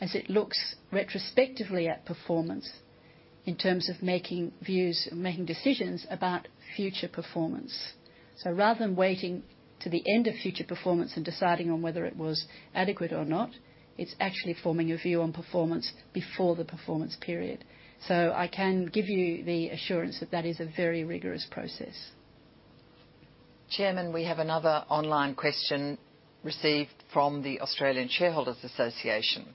as it looks retrospectively at performance in terms of making decisions about future performance. Rather than waiting to the end of future performance and deciding on whether it was adequate or not, it's actually forming a view on performance before the performance period. I can give you the assurance that that is a very rigorous process. Chairman, we have another online question received from the Australian Shareholders' Association: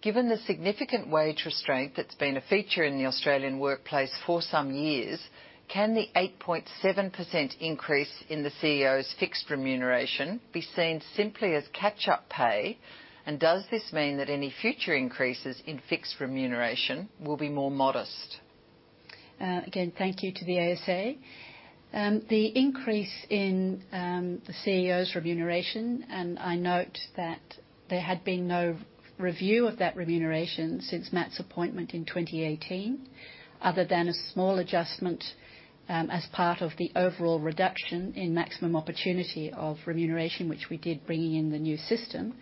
Given the significant wage restraint that's been a feature in the Australian workplace for some years, can the 8.7% increase in the CEO's fixed remuneration be seen simply as catch-up pay? Does this mean that any future increases in fixed remuneration will be more modest? Again, thank you to the ASA. The increase in the CEO's remuneration, and I note that there had been no review of that remuneration since Matt's appointment in 2018, other than a small adjustment as part of the overall reduction in maximum opportunity of remuneration, which we did, bringing in the new system.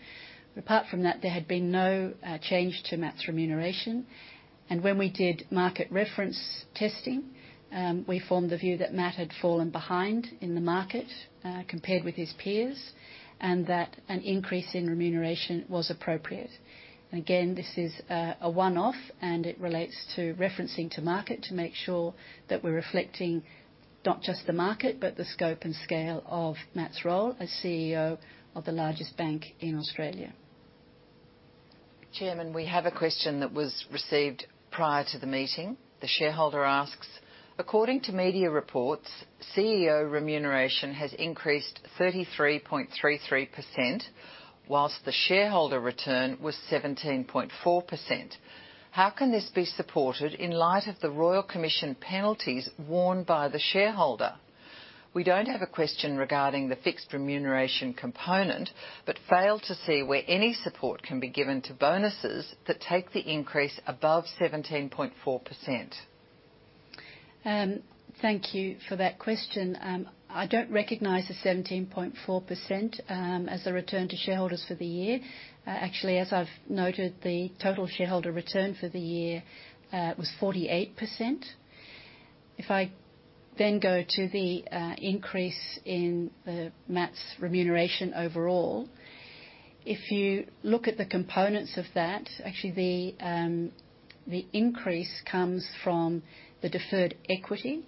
Apart from that, there had been no change to Matt's remuneration. When we did market reference testing, we formed the view that Matt had fallen behind in the market compared with his peers, and that an increase in remuneration was appropriate. Again, this is a one-off, and it relates to referencing to market to make sure that we're reflecting not just the market, but the scope and scale of Matt's role as CEO of the largest bank in Australia. Chairman, we have a question that was received prior to the meeting. The shareholder asks: "According to media reports, CEO remuneration has increased 33.33% while the shareholder return was 17.4%. How can this be supported in light of the Royal Commission penalties borne by the shareholder? We don't have a question regarding the fixed remuneration component, but fail to see where any support can be given to bonuses that take the increase above 17.4%." Thank you for that question. I don't recognize the 17.4% as a return to shareholders for the year. Actually, as I've noted, the total shareholder return for the year was 48%. If I then go to the increase in Matt's remuneration overall, if you look at the components of that, actually, the increase comes from the deferred equity.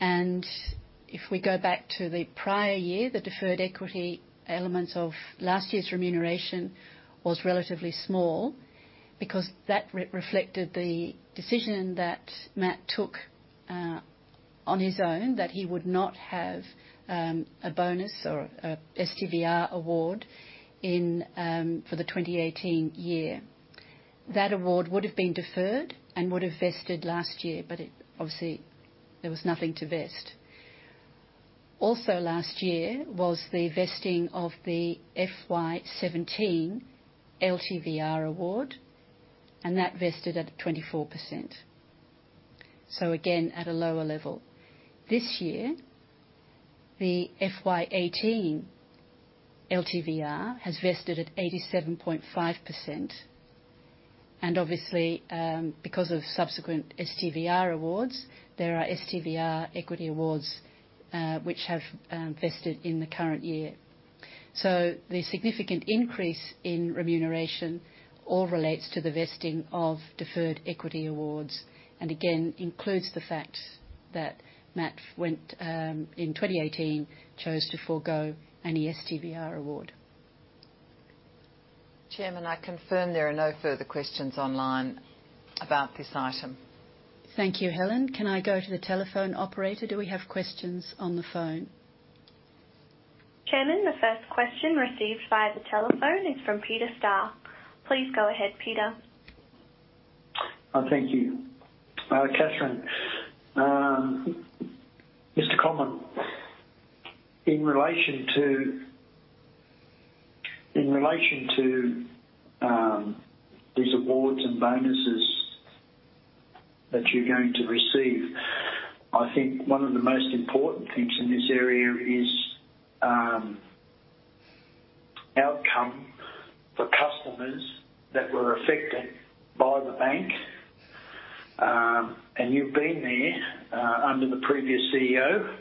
If we go back to the prior year, the deferred equity elements of last year's remuneration was relatively small because that reflected the decision that Matt took on his own that he would not have a bonus or a STVR award for the 2018 year. That award would've been deferred and would've vested last year, but obviously, there was nothing to vest. Also last year was the vesting of the FY 2017 LTVR award, and that vested at 24%. So again, at a lower level. This year, the FY 2018 LTVR has vested at 87.5%, and obviously, because of subsequent STVR awards, there are STVR equity awards which have vested in the current year. The significant increase in remuneration all relates to the vesting of deferred equity awards, and again, includes the fact that Matt, in 2018, chose to forego any STVR award. Chairman, I confirm there are no further questions online about this item. Thank you, Helen. Can I go to the telephone operator? Do we have questions on the phone? Chairman, the first question received via the telephone is from Peter Starr. Please go ahead, Peter. Thank you. Catherine, Mr. Comyn, in relation to these awards and bonuses that you're going to receive, I think one of the most important things in this area is outcome for customers that were affected by the bank, and you've been there under the previous CEO.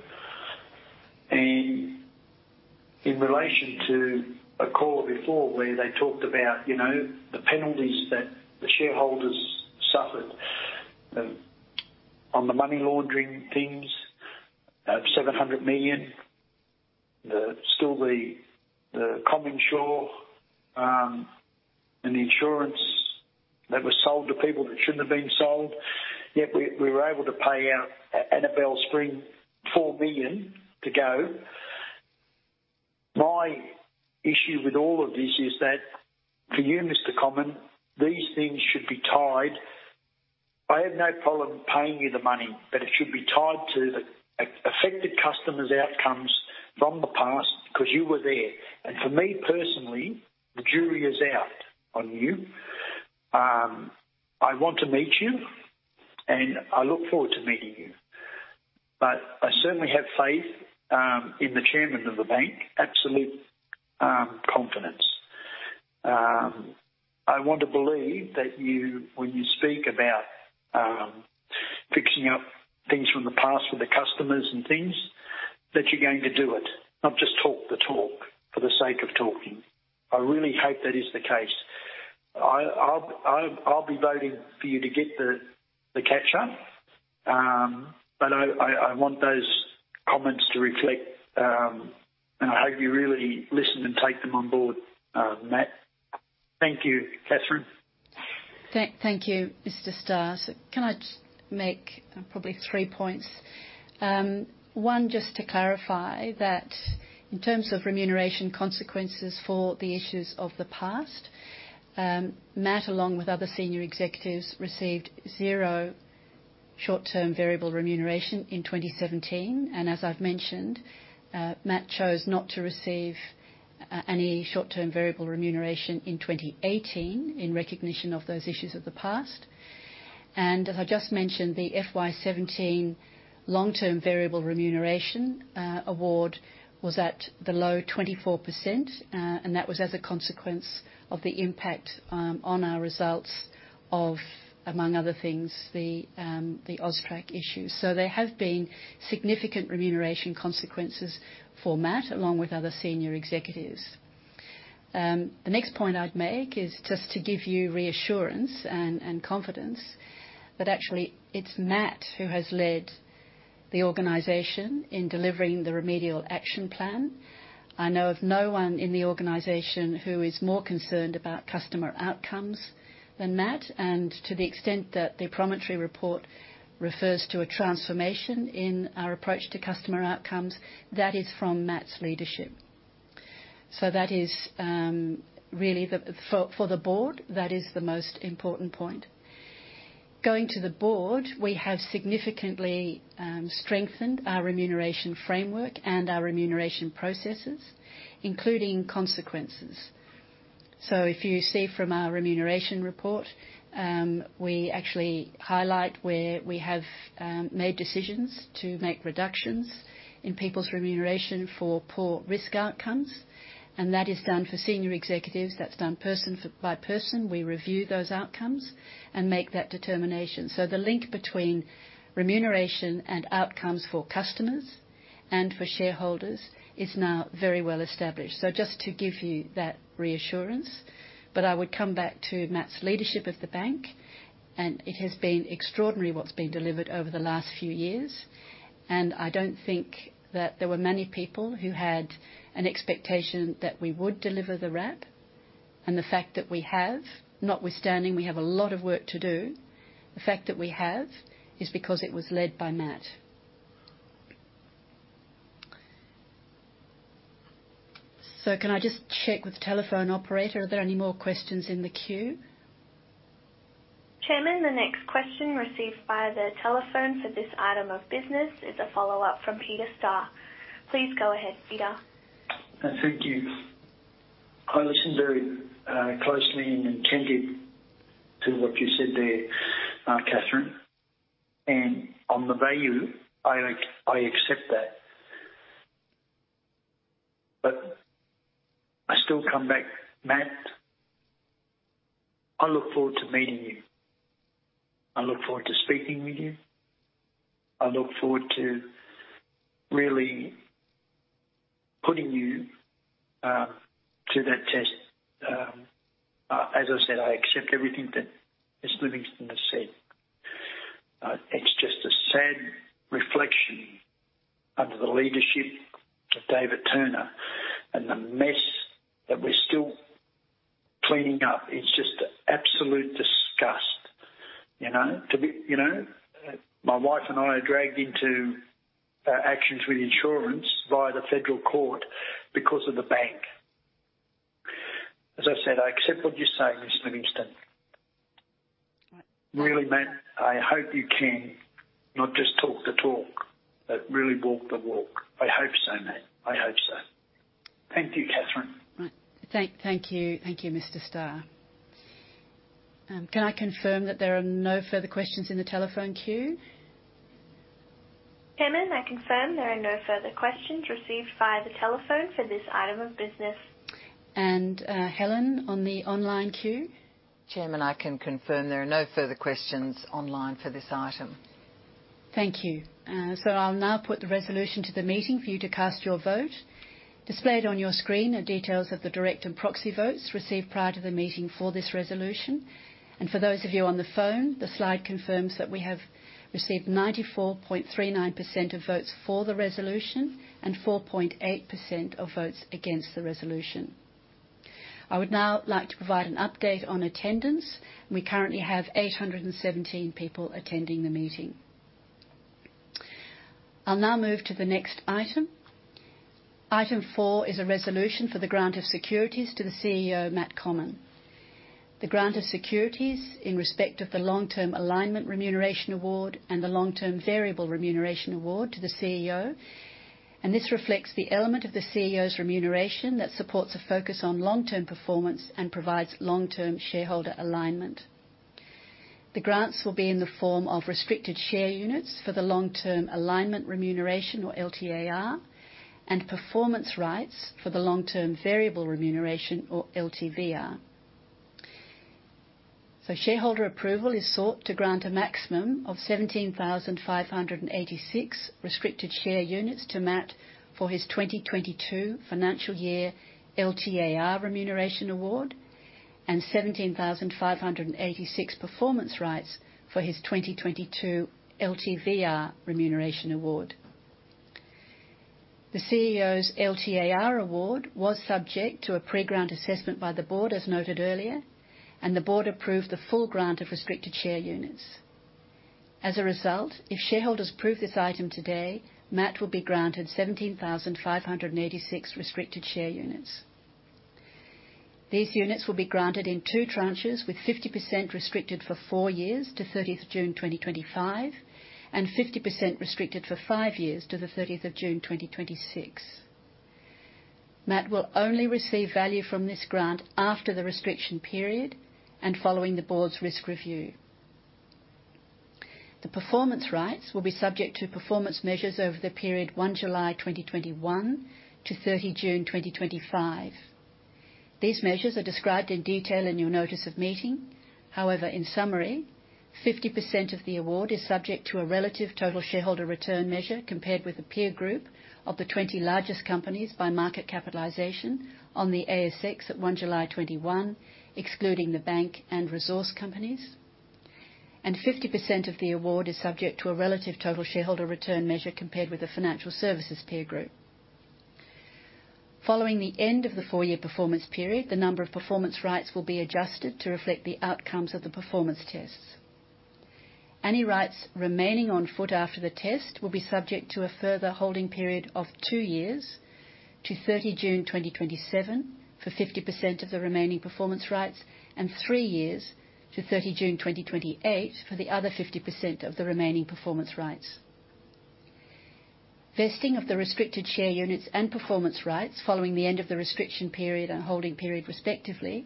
In relation to a call before where they talked about the penalties that the shareholders suffered on the money laundering things, that 700 million. Still the CommInsure and the insurance that was sold to people that shouldn't have been sold, yet we were able to pay out Annabel Spring 4 million to go. My issue with all of this is that for you, Mr. Comyn, these things should be tied. I have no problem paying you the money, but it should be tied to the affected customers' outcomes from the past because you were there. For me personally, the jury is out on you. I want to meet you, and I look forward to meeting you. I certainly have faith in the Chairman of the bank, absolute confidence. I want to believe that when you speak about fixing up things from the past with the customers and things, that you're going to do it, not just talk the talk for the sake of talking. I really hope that is the case. I'll be voting for you to get the catch up]. I want those comments to reflect, and I hope you really listen and take them on board, Matt. Thank you, Catherine. Thank you, Mr. Starr. Can I just make probably three points. One, just to clarify that in terms of remuneration consequences for the issues of the past, Matt, along with other senior executives, received zero short-term variable remuneration in 2017. As I've mentioned, Matt chose not to receive any short-term variable remuneration in 2018 in recognition of those issues of the past. As I just mentioned, the FY 2017 long-term variable remuneration award was at the low 24%, and that was as a consequence of the impact on our results of, among other things, the AUSTRAC issue. There have been significant remuneration consequences for Matt, along with other senior executives. The next point I'd make is just to give you reassurance and confidence that actually it's Matt who has led the organization in delivering the remedial action plan. I know of no one in the organization who is more concerned about customer outcomes than Matt. To the extent that the Promontory report refers to a transformation in our approach to customer outcomes, that is from Matt's leadership. For the Board, that is the most important point. Going to the Board, we have significantly strengthened our remuneration framework and our remuneration processes, including consequences. If you see from our remuneration report, we actually highlight where we have made decisions to make reductions in people's remuneration for poor risk outcomes. That is done for senior executives. That's done person by person. We review those outcomes and make that determination. The link between remuneration and outcomes for customers and for shareholders is now very well established. Just to give you that reassurance, but I would come back to Matt's leadership of the bank, and it has been extraordinary what's been delivered over the last few years. I don't think that there were many people who had an expectation that we would deliver the RAP. The fact that we have, notwithstanding we have a lot of work to do, the fact that we have is because it was led by Matt. Can I just check with the telephone operator, are there any more questions in the queue? Chairman, the next question received via the telephone for this item of business is a follow-up from Peter Starr. Please go ahead, Peter. Thank you. I listened very closely and intently to what you said there, Catherine. On the value, I accept that. I still come back, Matt, I look forward to meeting you. I look forward to speaking with you. I look forward to really putting you to that test. As I said, I accept everything that Ms. Livingstone has said. It's just a sad reflection under the leadership of David Turner and the mess that we're still cleaning up. It's just absolute disgust. My wife and I are dragged into actions with insurance via the Federal Court because of the bank. As I said, I accept what you say, Ms. Livingstone. Right. Really, Matt, I hope you can not just talk the talk, but really walk the walk. I hope so, Matt. I hope so. Thank you, Catherine. Thank you, Mr. Starr. Can I confirm that there are no further questions in the telephone queue? Chairman, I confirm there are no further questions received via the telephone for this item of business. Helen, on the online queue? Chairman, I can confirm there are no further questions online for this item. Thank you. I'll now put the resolution to the meeting for you to cast your vote. Displayed on your screen are details of the direct and proxy votes received prior to the meeting for this resolution. For those of you on the phone, the slide confirms that we have received 94.39% of votes for the resolution and 4.8% of votes against the resolution. I would now like to provide an update on attendance. We currently have 817 people attending the meeting. I'll now move to the next item. Item 4 is a resolution for the grant of securities to the CEO, Matt Comyn. The grant of securities in respect of the Long-Term Alignment Remuneration Award and the Long-Term Variable Remuneration Award to the CEO. This reflects the element of the CEO's remuneration that supports a focus on long-term performance and provides long-term shareholder alignment. The grants will be in the form of restricted share units for the long-term alignment remuneration, or LTAR, and performance rights for the long-term variable remuneration, or LTVR. Shareholder approval is sought to grant a maximum of 17,586 restricted share units to Matt for his 2022 financial year LTAR remuneration award and 17,586 performance rights for his 2022 LTVR remuneration award. The CEO's LTAR award was subject to a pre-grant assessment by the Board, as noted earlier, and the Board approved the full grant of restricted share units. As a result, if shareholders approve this item today, Matt will be granted 17,586 restricted share units. These units will be granted in two tranches with 50% restricted for four years to 30th June 2025 and 50% restricted for five years to the 30th of June 2026. Matt will only receive value from this grant after the restriction period and following the Board's risk review. The performance rights will be subject to performance measures over the period 1 July 2021 to 30 June 2025. These measures are described in detail in your notice of meeting. In summary, 50% of the award is subject to a relative total shareholder return measure compared with a peer group of the 20 largest companies by market capitalization on the ASX at 1 July 2021, excluding the bank and resource companies. 50% of the award is subject to a relative total shareholder return measure compared with a financial services peer group. Following the end of the four-year performance period, the number of performance rights will be adjusted to reflect the outcomes of the performance tests. Any rights remaining on foot after the test will be subject to a further holding period of two years to 30 June 2027 for 50% of the remaining performance rights and three years to 30 June 2028 for the other 50% of the remaining performance rights. Vesting of the restricted share units and performance rights following the end of the restriction period and holding period, respectively,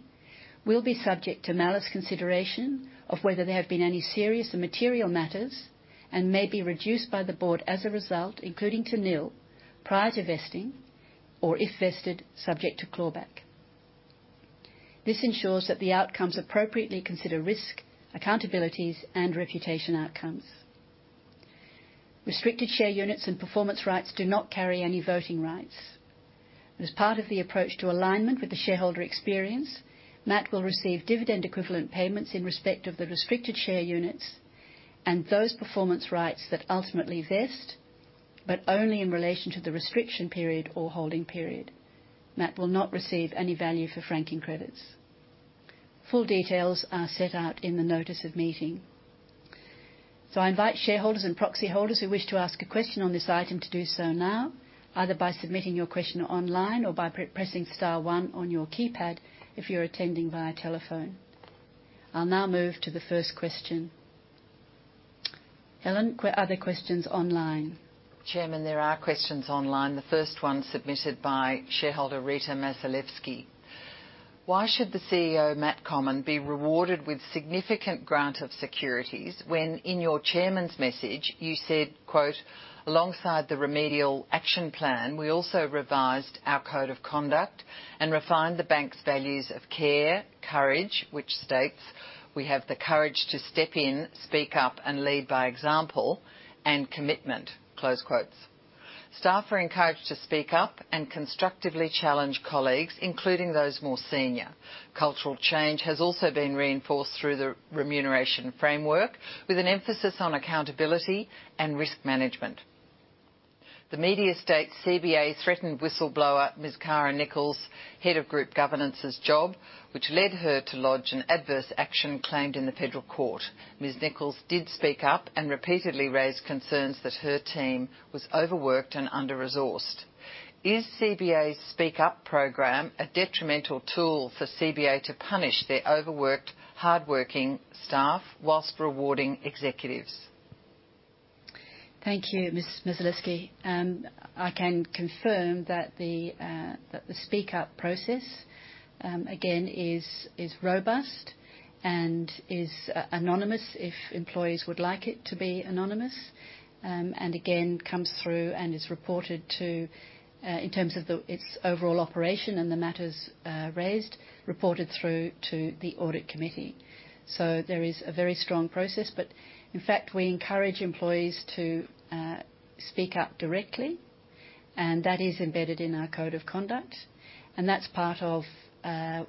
will be subject to malus consideration of whether there have been any serious and material matters and may be reduced by the Board as a result, including to nil, prior to vesting, or if vested, subject to clawback. This ensures that the outcomes appropriately consider risk, accountabilities, and reputation outcomes. Restricted share units and performance rights do not carry any voting rights. As part of the approach to alignment with the shareholder experience, Matt will receive dividend equivalent payments in respect of the restricted share units and those performance rights that ultimately vest. Only in relation to the restriction period or holding period. Matt will not receive any value for franking credits. Full details are set out in the notice of meeting. I invite shareholders and proxy holders who wish to ask a question on this item to do so now, either by submitting your question online or by pressing star one on your keypad if you're attending via telephone. I'll now move to the first question. Helen, are there questions online? Chairman, there are questions online. The first one submitted by shareholder Rita Mazalevskis. Why should the CEO, Matt Comyn, be rewarded with significant grant of securities when in your Chairman's message you said, "Alongside the remedial action plan, we also revised our code of conduct and refined the bank's values of care, courage, which states we have the courage to step in, speak up, and lead by example, and commitment." Staff are encouraged to speak up and constructively challenge colleagues, including those more senior. Cultural change has also been reinforced through the remuneration framework with an emphasis on accountability and risk management. The media states CBA threatened whistleblower, Ms. Kara Nicholls, Head of Group Governance's job, which led her to lodge an adverse action claimed in the Federal Court. Ms. Nicholls did speak up and repeatedly raised concerns that her team was overworked and under-resourced. Is CBA's Speak Up Program a detrimental tool for CBA to punish their overworked, hardworking staff while rewarding executives? Thank you, Ms. Mazalevskis. I can confirm that the Speak Up Process, again, is robust and is anonymous if employees would like it to be anonymous. Again, comes through and is reported to, in terms of its overall operation and the matters raised, reported through to the Audit Committee. There is a very strong process. In fact, we encourage employees to speak up directly, and that is embedded in our Code of Conduct, and that's part of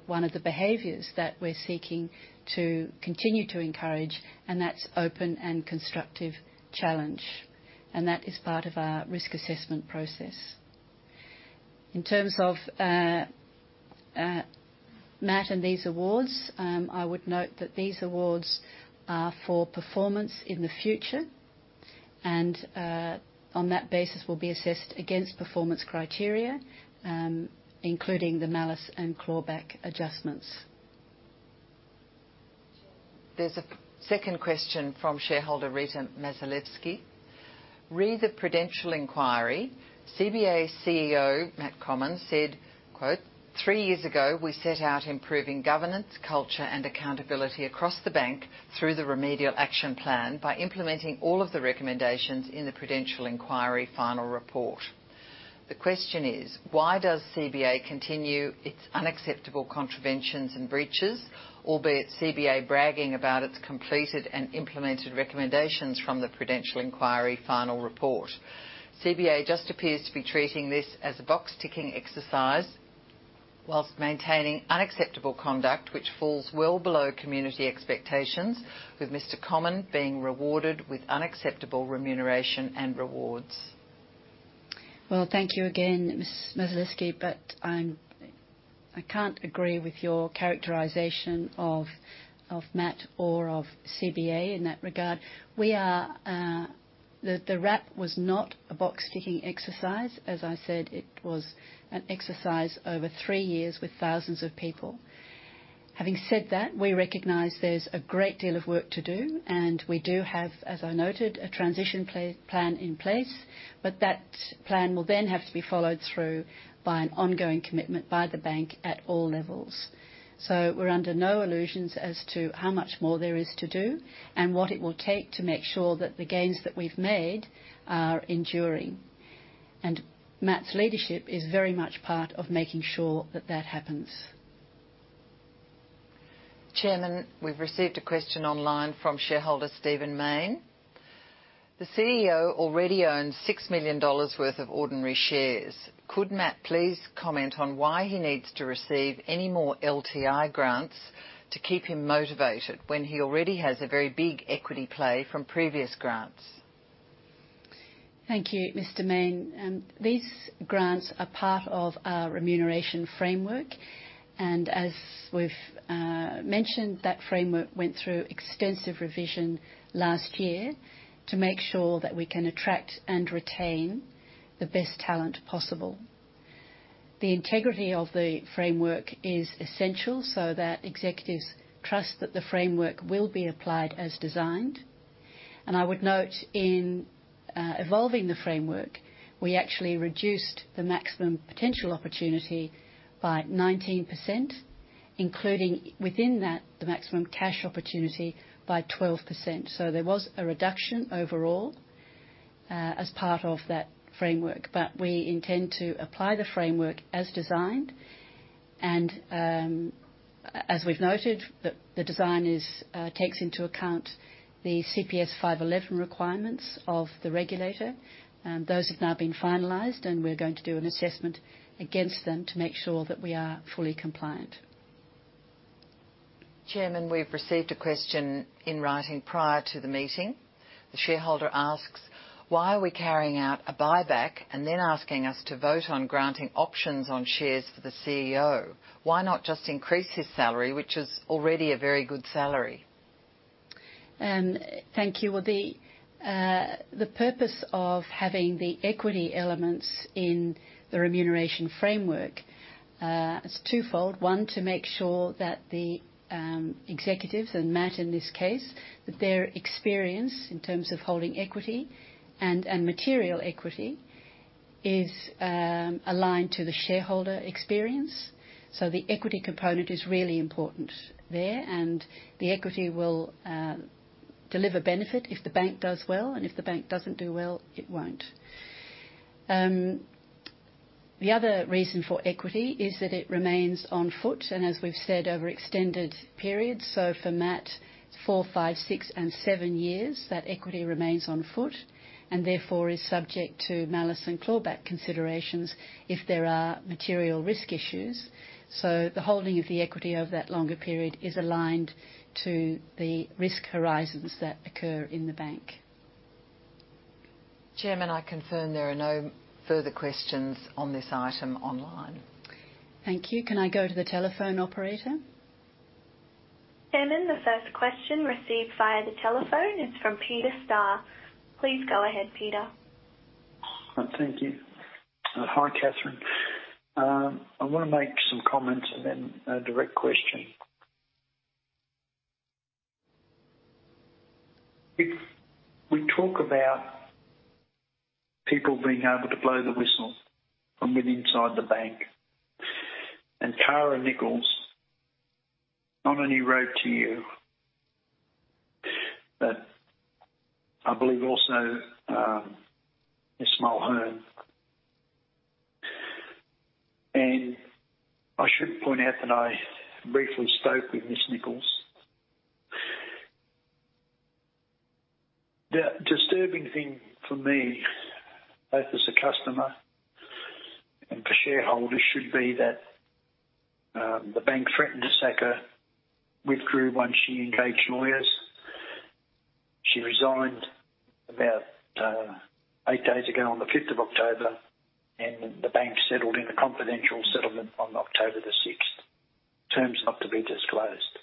one of the behaviors that we're seeking to continue to encourage, and that's open and constructive challenge. That is part of our risk assessment process. In terms of Matt and these awards, I would note that these awards are for performance in the future, and on that basis will be assessed against performance criteria, including the malus and clawback adjustments. There's a second question from shareholder Rita Mazalevskis. Re: the Prudential Inquiry. CBA CEO, Matt Comyn, said, "Three years ago, we set out improving governance, culture and accountability across the bank through the remedial action plan by implementing all of the recommendations in the Prudential Inquiry final report." The question is, why does CBA continue its unacceptable contraventions and breaches, albeit CBA bragging about its completed and implemented recommendations from the Prudential Inquiry final report? CBA just appears to be treating this as a box-ticking exercise whilst maintaining unacceptable conduct, which falls well below community expectations with Mr. Comyn being rewarded with unacceptable remuneration and rewards. Well, thank you again, Ms. Mazalevskis, but I cannot agree with your characterization of Matt or of CBA in that regard. The RAP was not a box-ticking exercise. As I said, it was an exercise over three years with thousands of people. Having said that, we recognize there's a great deal of work to do, and we do have, as I noted, a transition plan in place, but that plan will then have to be followed through by an ongoing commitment by the bank at all levels. We're under no illusions as to how much more there is to do and what it will take to make sure that the gains that we've made are enduring. Matt's leadership is very much part of making sure that that happens. Chairman, we've received a question online from shareholder Stephen Mayne. The CEO already owns 6 million dollars worth of ordinary shares. Could Matt please comment on why he needs to receive any more LTI grants to keep him motivated when he already has a very big equity play from previous grants? Thank you, Mr. Stephen Mayne. These grants are part of our remuneration framework. As we've mentioned, that framework went through extensive revision last year to make sure that we can attract and retain the best talent possible. The integrity of the framework is essential so that executives trust that the framework will be applied as designed. I would note in evolving the framework, we actually reduced the maximum potential opportunity by 19%, including within that, the maximum cash opportunity by 12%. There was a reduction overall, as part of that framework. We intend to apply the framework as designed. As we've noted, the design takes into account the CPS 511 requirements of the regulator. Those have now been finalized. We're going to do an assessment against them to make sure that we are fully compliant. Chairman, we've received a question in writing prior to the meeting. The shareholder asks: "Why are we carrying out a buyback and then asking us to vote on granting options on shares for the CEO? Why not just increase his salary, which is already a very good salary?" Thank you. Well, the purpose of having the equity elements in the remuneration framework is twofold. One, to make sure that the executives, and Matt in this case, that their experience in terms of holding equity and material equity is aligned to the shareholder experience. The equity component is really important there, and the equity will deliver benefit if the bank does well, and if the bank doesn't do well, it won't. The other reason for equity is that it remains on foot, and as we've said, over extended periods. For Matt, four, five, six, and seven years, that equity remains on foot, and therefore is subject to malus and clawback considerations if there are material risk issues. The holding of the equity over that longer period is aligned to the risk horizons that occur in the bank. Chairman, I confirm there are no further questions on this item online. Thank you. Can I go to the telephone operator? Chairman, the first question received via the telephone is from Peter Starr. Please go ahead, Peter. Thank you. Hi, Catherine. I want to make some comments and then a direct question. If we talk about people being able to blow the whistle from inside the bank, Kara Nicholls not only wrote to you, but I believe also, Ms. Mulhern. I should point out that I briefly spoke with Ms. Nicholls. The disturbing thing for me, both as a customer and for shareholders, should be that the bank threatened to sack her, withdrew once she engaged lawyers. She resigned about eight days ago on the 5th of October, the bank settled in a confidential settlement on October the 6th, terms not to be disclosed.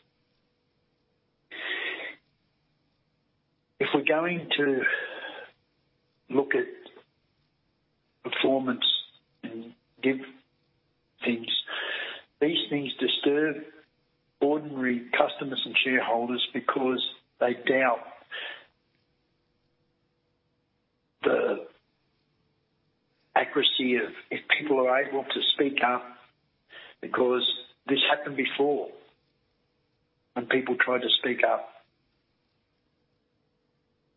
If we're going to look at performance and give things, these things disturb ordinary customers and shareholders because they doubt the accuracy of if people are able to speak up, because this happened before, when people tried to speak up.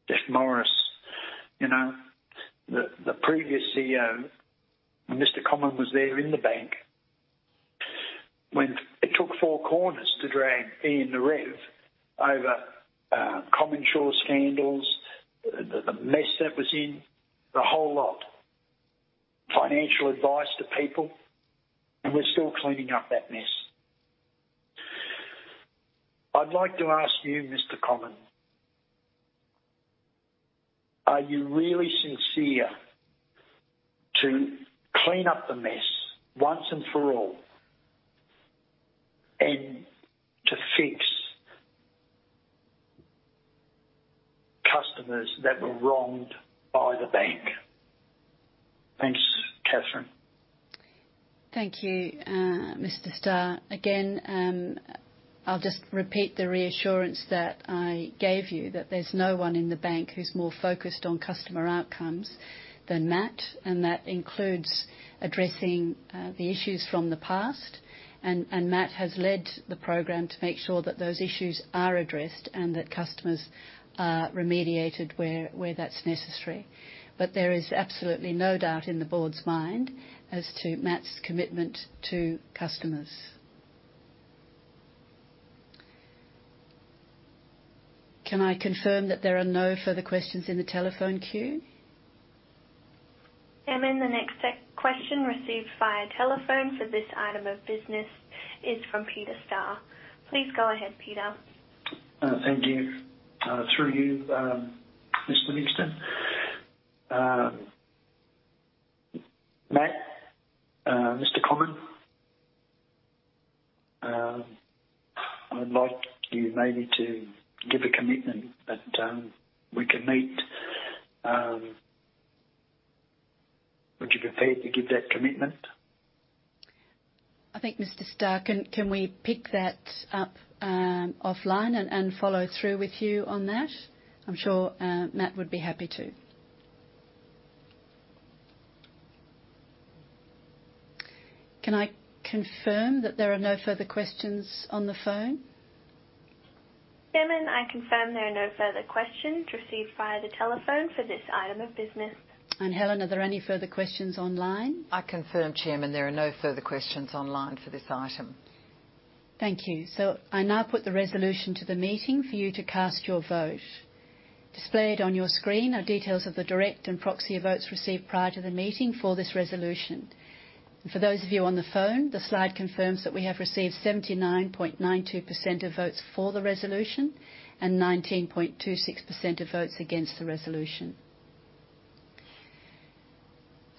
Jeff Morris, the previous CEO, when Mr. Comyn was there in the bank, when it took Four Corners to drag Ian Narev over CommInsure scandals, the mess that was in, the whole lot, financial advice to people, and we're still cleaning up that mess. I'd like to ask you, Mr. Comyn, are you really sincere to clean up the mess once and for all, and to fix customers that were wronged by the bank? Thanks, Catherine. Thank you, Mr. Starr. Again, I'll just repeat the reassurance that I gave you that there's no one in the bank who's more focused on customer outcomes than Matt, and that includes addressing the issues from the past. Matt has led the program to make sure that those issues are addressed and that customers are remediated where that's necessary. There is absolutely no doubt in the Board's mind as to Matt's commitment to customers. Can I confirm that there are no further questions in the telephone queue? Chairman, the next question received via telephone for this item of business is from Peter Starr. Please go ahead, Peter. Thank you. Through you, Mr. Livingstone. Matt, Mr. Comyn, I would like you maybe to give a commitment that we can meet. Would you be prepared to give that commitment? I think, Mr. Starr, can we pick that up offline and follow through with you on that? I'm sure Matt would be happy to. Can I confirm that there are no further questions on the phone? Chairman, I confirm there are no further questions received via the telephone for this item of business. Helen, are there any further questions online? I confirm, Chairman, there are no further questions online for this item. Thank you. I now put the resolution to the meeting for you to cast your vote. Displayed on your screen are details of the direct and proxy votes received prior to the meeting for this resolution. For those of you on the phone, the slide confirms that we have received 79.92% of votes for the resolution and 19.26% of votes against the resolution.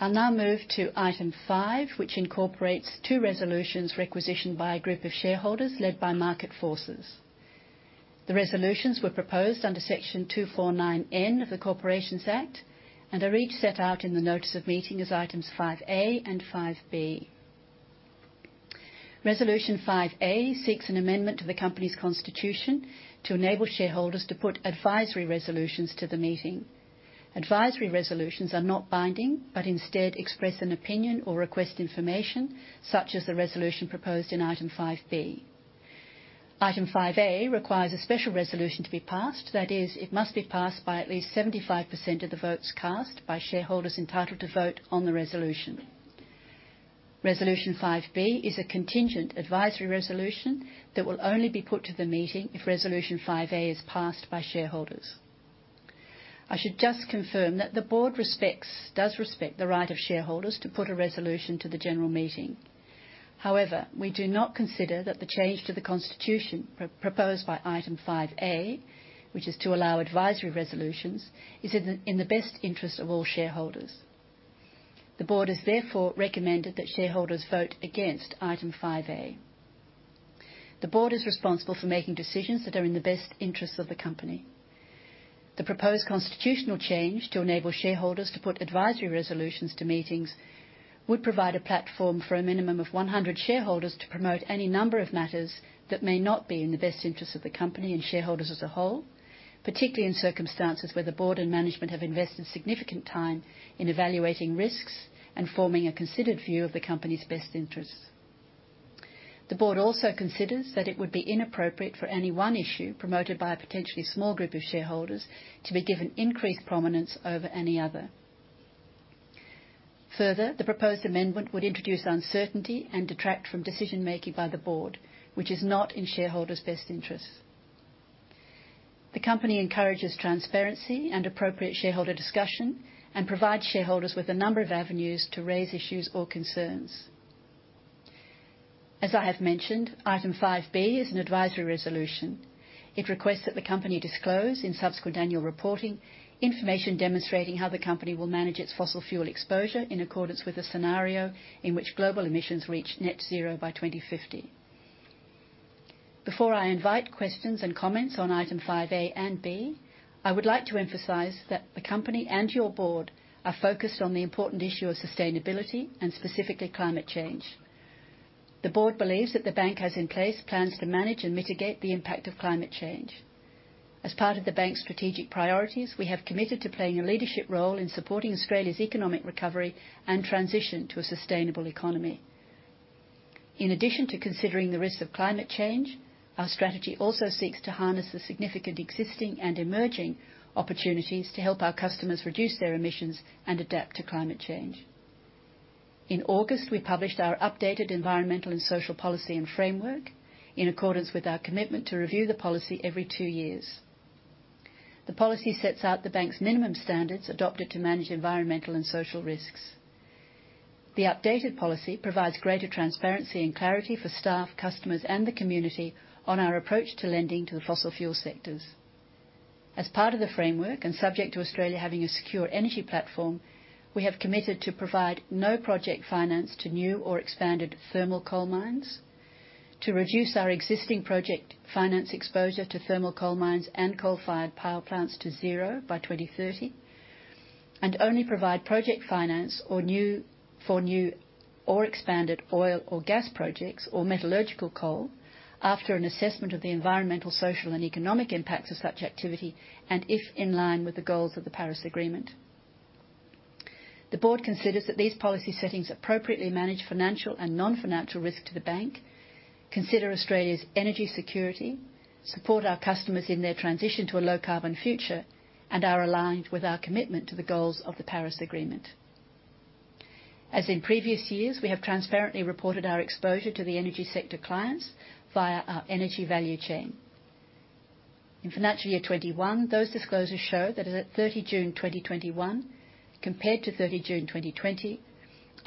I'll now move to Item 5, which incorporates two resolutions requisitioned by a group of shareholders led by Market Forces. The resolutions were proposed under Section 249N of the Corporations Act and are each set out in the notice of meeting as items 5A and 5B. Resolution 5A seeks an amendment to the company's constitution to enable shareholders to put advisory resolutions to the meeting. Advisory resolutions are not binding, but instead express an opinion or request information, such as the resolution proposed in Item 5B. Item 5A requires a special resolution to be passed, that is, it must be passed by at least 75% of the votes cast by shareholders entitled to vote on the resolution. Resolution 5B is a contingent advisory resolution that will only be put to the meeting if Resolution 5A is passed by shareholders. I should just confirm that the Board does respect the right of shareholders to put a resolution to the general meeting. We do not consider that the change to the constitution proposed by Item 5A, which is to allow advisory resolutions, is in the best interest of shareholders. The Board has therefore recommended that shareholders vote against 5A. The Board is responsible for making decisions that are in the best interest of the company. The proposed constitutional change to enable shareholders to put advisory resolutions to meetings would provide a platform for a minimum of 100 shareholders to promote any number of matters that may not be in the best interest of the company and shareholders as a whole, particularly in circumstances where the Board and management have invested significant time in evaluating risks and forming a considered view of the company's interests. The Board also considers that it would be inappropriate for any one issue promoted by a potentially small group of shareholders to be given increased prominence over any other. Further, the proposed amendment would introduce uncertainty and detract from decision-making by the Board, which is not in shareholders' best interests. The company encourages transparency and appropriate shareholder discussion and provides shareholders with a number of avenues to raise issues or concerns. As I have mentioned, Item 5B is an advisory resolution. It requests that the company disclose, in subsequent annual reporting, information demonstrating how the company will manage its fossil fuel exposure in accordance with a scenario in which global emissions reach net zero by 2050. Before I invite questions and comments on Item 5A and 5B, I would like to emphasize that the company and your board are focused on the important issue of sustainability and specifically change. The Board believes that the bank has in place plans to manage and mitigate the impact of climate change. As part of the bank's strategic priorities, we have committed to playing a leadership role in supporting Australia's economic recovery and transition to a sustainable economy. In addition to considering the risks of climate change, our strategy also seeks to harness the significant existing and emerging opportunities to help our customers reduce their emissions and adapt to climate change. In August, we published our updated environmental and social policy and framework in accordance with our commitment to review the policy every two years. The policy sets out the bank's minimum standards adopted to manage environmental and social risks. The updated policy provides greater transparency and clarity for staff, customers, and the community on our approach to lending to the fossil fuel sectors. As part of the framework, and subject to Australia having a secure energy platform, we have committed to provide no project finance to new or expanded thermal coal mines, to reduce our existing project finance exposure to thermal coal mines and coal-fired power plants to zero by 2030, and only provide project finance for new or expanded oil or gas projects or metallurgical coal after an assessment of the environmental, social, and economic impacts of such activity and if in line with the goals of the agreement. The Board considers that these policy settings appropriately manage financial and non-financial risk to the bank, consider Australia's energy security, support our customers in their transition to a low-carbon future, and are aligned with our commitment to the goals of the Paris Agreement. As in previous years, we have transparently reported our exposure to the energy sector clients via our energy value chain. In financial year 2021, those disclosures show that as at 30 June 2021 compared to 30 June 2020,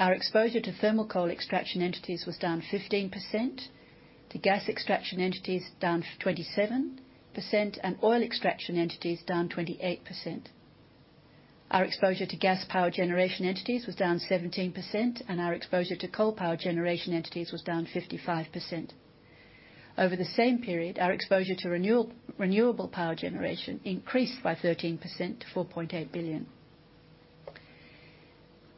our exposure to thermal coal extraction entities was down 15%, to gas extraction entities down 27%, and oil extraction entities down 28%. Our exposure to gas power generation entities was down 17%, and our exposure to coal power generation entities was down 55%. Over the same period, our exposure to renewable power generation increased by 13% to 4.8 billion.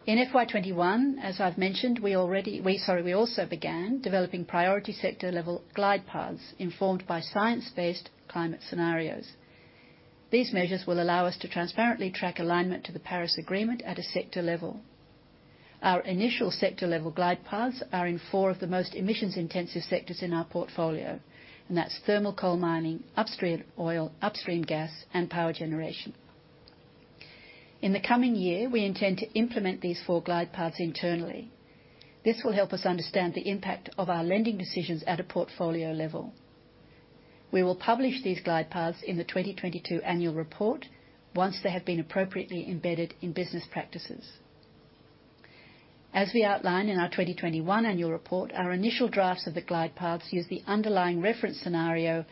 In FY 2021, as I've mentioned, we also began developing priority sector level glide paths informed by science-based climate scenarios. These measures will allow us to transparently track alignment to the Paris Agreement at a sector level. Our initial sector-level glide paths are in four of the most emissions-intensive sectors in our portfolio, and that's thermal coal mining, upstream oil, upstream gas, and power generation. In the coming year, we intend to implement these four glide paths internally. This will help us understand the impact of our lending decisions at a portfolio level. We will publish these glide paths in the 2022 annual report once they have been appropriately embedded in business practices. As we outlined in our 2021 annual report, our initial drafts of the glide paths use the underlying reference scenario,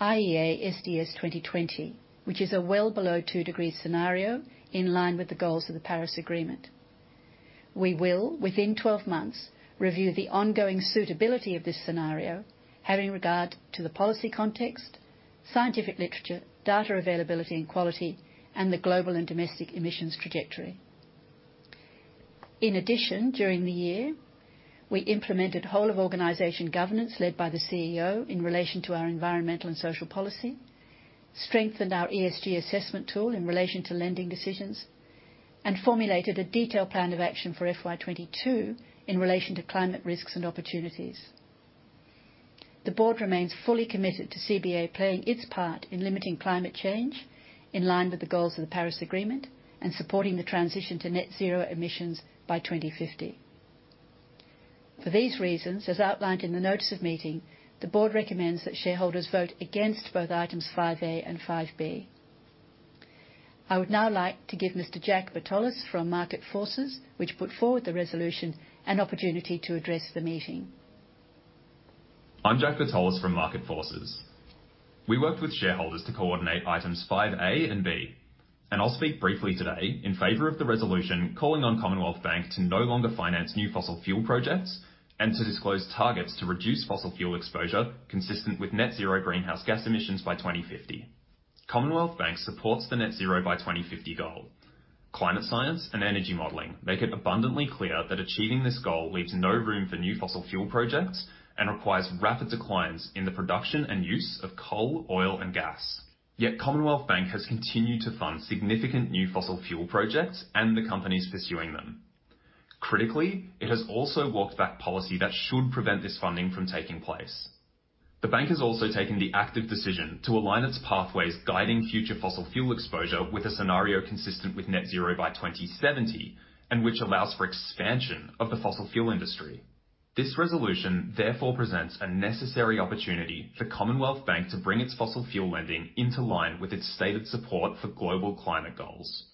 IEA SDS 2020, which is a well below two degrees scenario in line with the goals of the Paris Agreement. We will, within 12 months, review the ongoing suitability of this scenario, having regard to the policy context, scientific literature, data availability and quality, and the global and domestic emissions trajectory. In addition, during the year, we implemented whole of organization governance led by the CEO in relation to our environmental and social policy, strengthened our ESG assessment tool in relation to lending decisions, and formulated a detailed plan of action for FY 2022 in relation to climate risks opportunities. The Board remains fully committed to CBA playing its part in limiting climate change in line with the goals of the Paris Agreement and supporting the transition to net zero emissions by 2050. For these reasons, as outlined in the notice of meeting, the Board recommends that shareholders vote against both items 5A and 5B. I would now like to give Mr. Jack Bertolus from Market Forces, which put forward the resolution, an opportunity to address the meeting. I'm Jack Bertolus from Market Forces. We worked with shareholders to coordinate items 5A and 5B. I'll speak briefly today in favor of the resolution, calling on Commonwealth Bank to no longer finance new fossil fuel projects and to disclose targets to reduce fossil fuel exposure consistent with net zero greenhouse gas emissions by 2050. Commonwealth Bank supports the net zero by 2050 goal. Climate science and energy modeling make it abundantly clear that achieving this goal leaves no room for new fossil fuel projects and requires rapid declines in the production and use of coal, oil, and gas. Commonwealth Bank has continued to fund significant new fossil fuel projects and the companies pursuing them. Critically, it has also walked back policy that should prevent this funding from taking place. The bank has also taken the active decision to align its pathways guiding future fossil fuel exposure with a scenario consistent with net zero by 2070, and which allows for expansion of the fossil fuel industry. This resolution therefore presents a necessary opportunity for Commonwealth Bank to bring its fossil fuel lending into line with its stated support for global climate goals.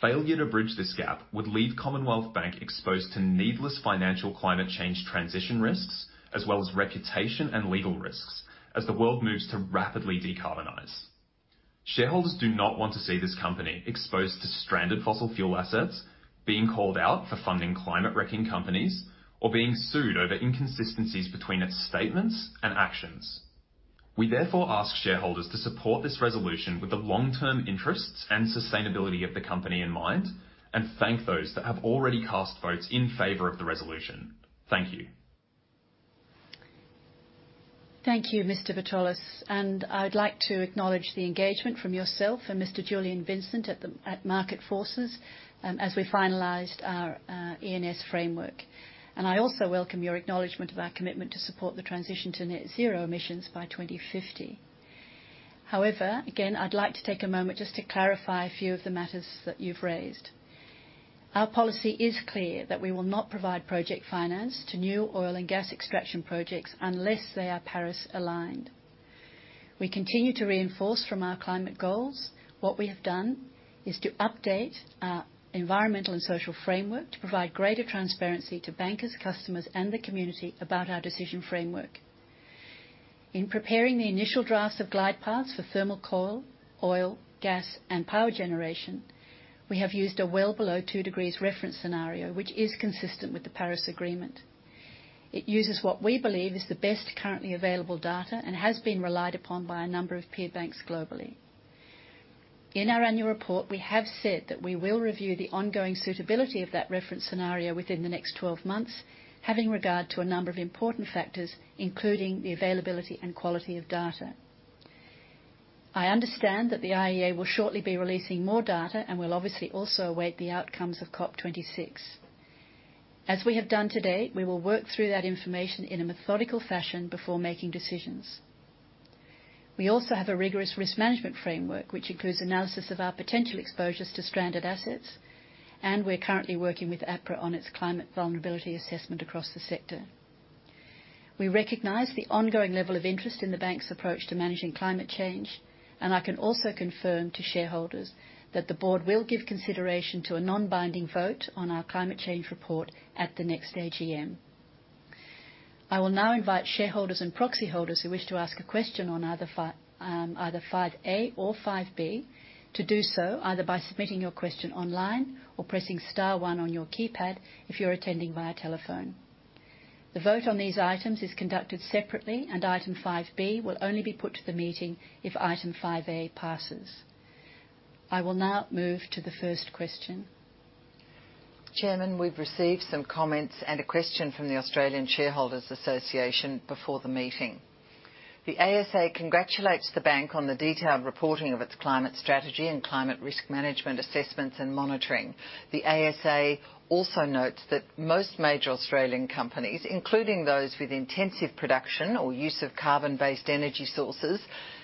Failure to bridge this gap would leave Commonwealth Bank exposed to needless financial climate change transition risks, as well as reputation and legal risks as the world moves to rapidly decarbonize. Shareholders do not want to see this company exposed to stranded fossil fuel assets, being called out for funding climate-wrecking companies, or being sued over inconsistencies between its statements and actions. We therefore ask shareholders to support this resolution with the long-term interests and sustainability of the company in mind, and thank those that have already cast votes in favor of the resolution. Thank you. Thank you, Mr. Bertolus. I'd like to acknowledge the engagement from yourself and Mr. Julien Vincent at Market Forces, as we finalized our E&S Framework. I also welcome your acknowledgement of our commitment to support the transition to net zero emissions by 2050. However, again, I'd like to take a moment just to clarify a few of the matters that you've raised. Our policy is clear that we will not provide project finance to new oil and gas extraction projects unless they are Paris-aligned. We continue to reinforce from our climate goals. What we have done is to update our Environmental and Social Framework to provide greater transparency to bankers, customers, and the community about our decision framework. In preparing the initial drafts of glide paths for thermal coal, oil, gas, and power generation, we have used a well below two degrees reference scenario, which is consistent with the Paris Agreement. It uses what we believe is the best currently available data and has been relied upon by a number of peer banks globally. In our annual report, we have said that we will review the ongoing suitability of that reference scenario within the next 12 months, having regard to a number of important factors, including the availability and quality of data. I understand that the IEA will shortly be releasing more data and will obviously also await the outcomes of COP26. As we have done today, we will work through that information in a methodical fashion before making decisions. We also have a rigorous risk management framework, which includes analysis of our potential exposures to stranded assets, and we're currently working with APRA on its climate vulnerability assessment across the sector. We recognize the ongoing level of interest in the bank's approach to managing climate change, and I can also confirm to shareholders that the Board will give consideration to a non-binding vote on our climate change report at the next AGM. I will now invite shareholders and proxy holders who wish to ask a question on either 5A or 5B to do so either by submitting your question online or pressing star one on your keypad if you're attending via telephone. The vote on these items is conducted separately, and Item 5B will only be put to the meeting if Item 5A passes. I will now move to the first question. Chairman, we've received some comments and a question from the Australian Shareholders' Association before the meeting. The ASA congratulates the bank on the detailed reporting of its climate strategy and climate risk management assessments and monitoring. The ASA also notes that most major Australian companies, including those with intensive production or use of carbon-based energy sources,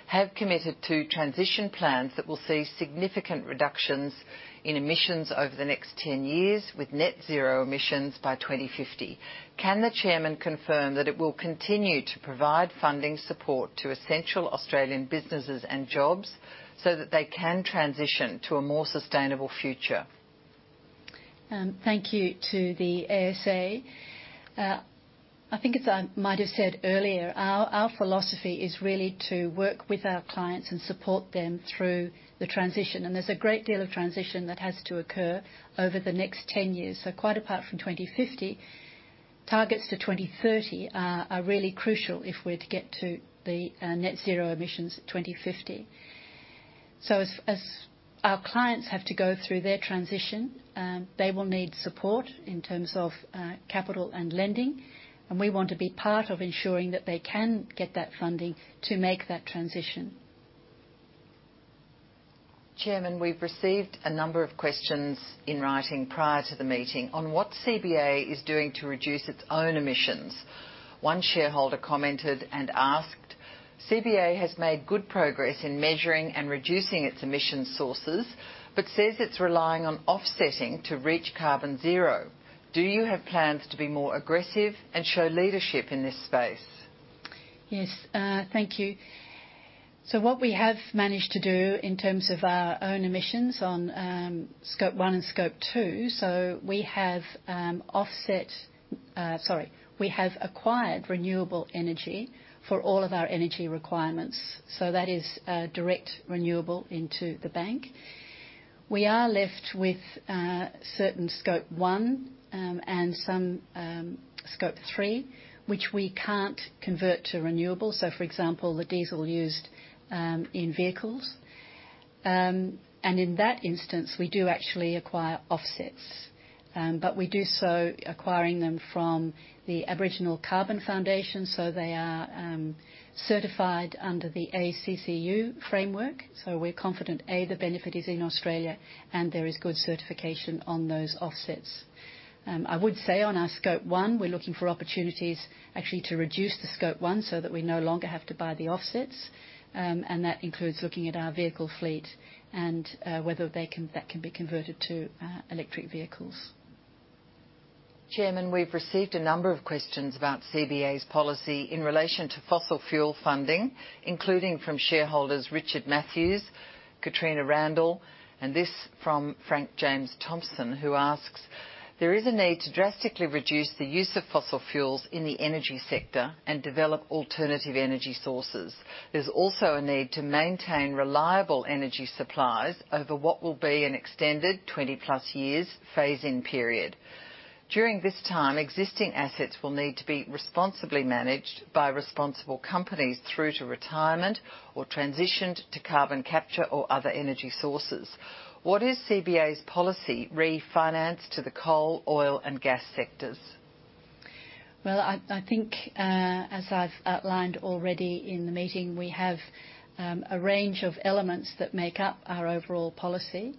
have committed to transition plans that will see significant reductions in emissions over the next 10 years, with net zero emissions by 2050. Can the Chairman confirm that it will continue to provide funding support to essential Australian businesses and jobs so that they can transition to a more sustainable future? Thank you to the ASA. I think, as I might have said earlier, our philosophy is really to work with our clients and support them through the transition, there's a great deal of transition that has to occur over the next 10 years. Quite apart from 2050, targets to 2030 are really crucial if we're to get to the net zero emissions at 2050. As our clients have to go through their transition, they will need support in terms of capital and lending, and we want to be part of ensuring that they can get that funding to make that transition. Chairman, we've received a number of questions in writing prior to the meeting on what CBA is doing to reduce its own emissions. One shareholder commented and asked: "CBA has made good progress in measuring and reducing its emission sources, but says it's relying on offsetting to reach carbon zero. Do you have plans to be more aggressive and show leadership in this space?" Yes, thank you. What we have managed to do in terms of our own emissions on Scope 1 and Scope 2, we have acquired renewable energy for all of our energy requirements. That is direct renewable into the bank. We are left with certain Scope 1, and some Scope 3, which we can't convert to renewable, so for example, the diesel used in vehicles. In that instance, we do actually acquire offsets, but we do so acquiring them from the Aboriginal Carbon Foundation, so they are certified under the ACCU framework. We're confident, A, the benefit is in Australia, and there is good certification on those offsets. I would say on our Scope 1, we're looking for opportunities actually to reduce the Scope 1, so that we no longer have to buy the offsets, and that includes looking at our vehicle fleet and whether that can be converted to electric vehicles. Chairman, we've received a number of questions about CBA's policy in relation to fossil fuel funding, including from shareholders Richard Matthews, Katrina Randall, and this from Frank James Thompson, who asks: "There is a need to drastically reduce the use of fossil fuels in the energy sector and develop alternative energy sources. There's also a need to maintain reliable energy supplies over what will be an extended 20+ years phase-in period. During this time, existing assets will need to be responsibly managed by responsible companies through to retirement or transitioned to carbon capture or other energy sources. What is CBA's policy re finance to the coal, oil, and gas sectors?" Well, I think, as I've outlined already in the meeting, we have a range of elements that make up our overall policy.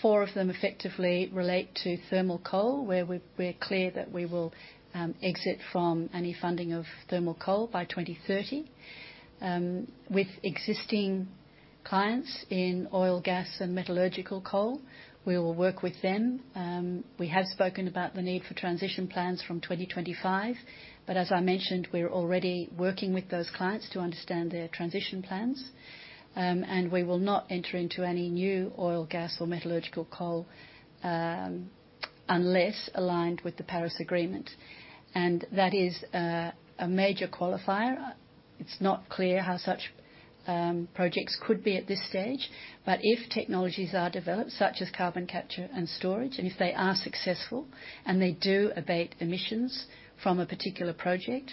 Four of them effectively relate to thermal coal, where we're clear that we will exit from any funding of thermal coal by 2030. With existing clients in oil, gas, and metallurgical coal, we will work with them. We have spoken about the need for transition plans from 2025, but as I mentioned, we're already working with those clients to understand their transition plans. We will not enter into any new oil, gas, or metallurgical coal, unless aligned with the Paris Agreement. That is a major qualifier. It's not clear how such projects could be at this stage, but if technologies are developed, such as carbon capture and storage, and if they are successful and they do abate emissions from a particular project,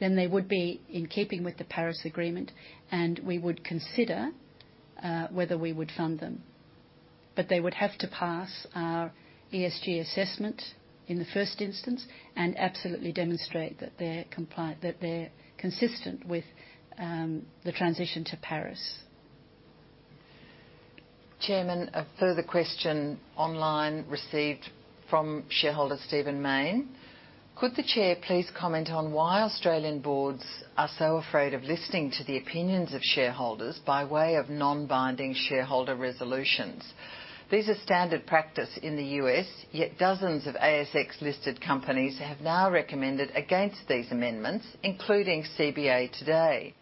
then they would be in keeping with the Paris Agreement, and we would consider whether we would fund them. They would have to pass our ESG assessment in the first instance and absolutely demonstrate that they're compliant, that they're consistent with the transition to Paris. Chairman, a further question online received from shareholder Stephen Mayne: "Could the chair please comment on why Australian boards are so afraid of listening to the opinions of shareholders by way of non-binding shareholder resolutions? These are standard practice in the U.S., yet dozens of ASX-listed companies have now recommended against these amendments, including CBA today.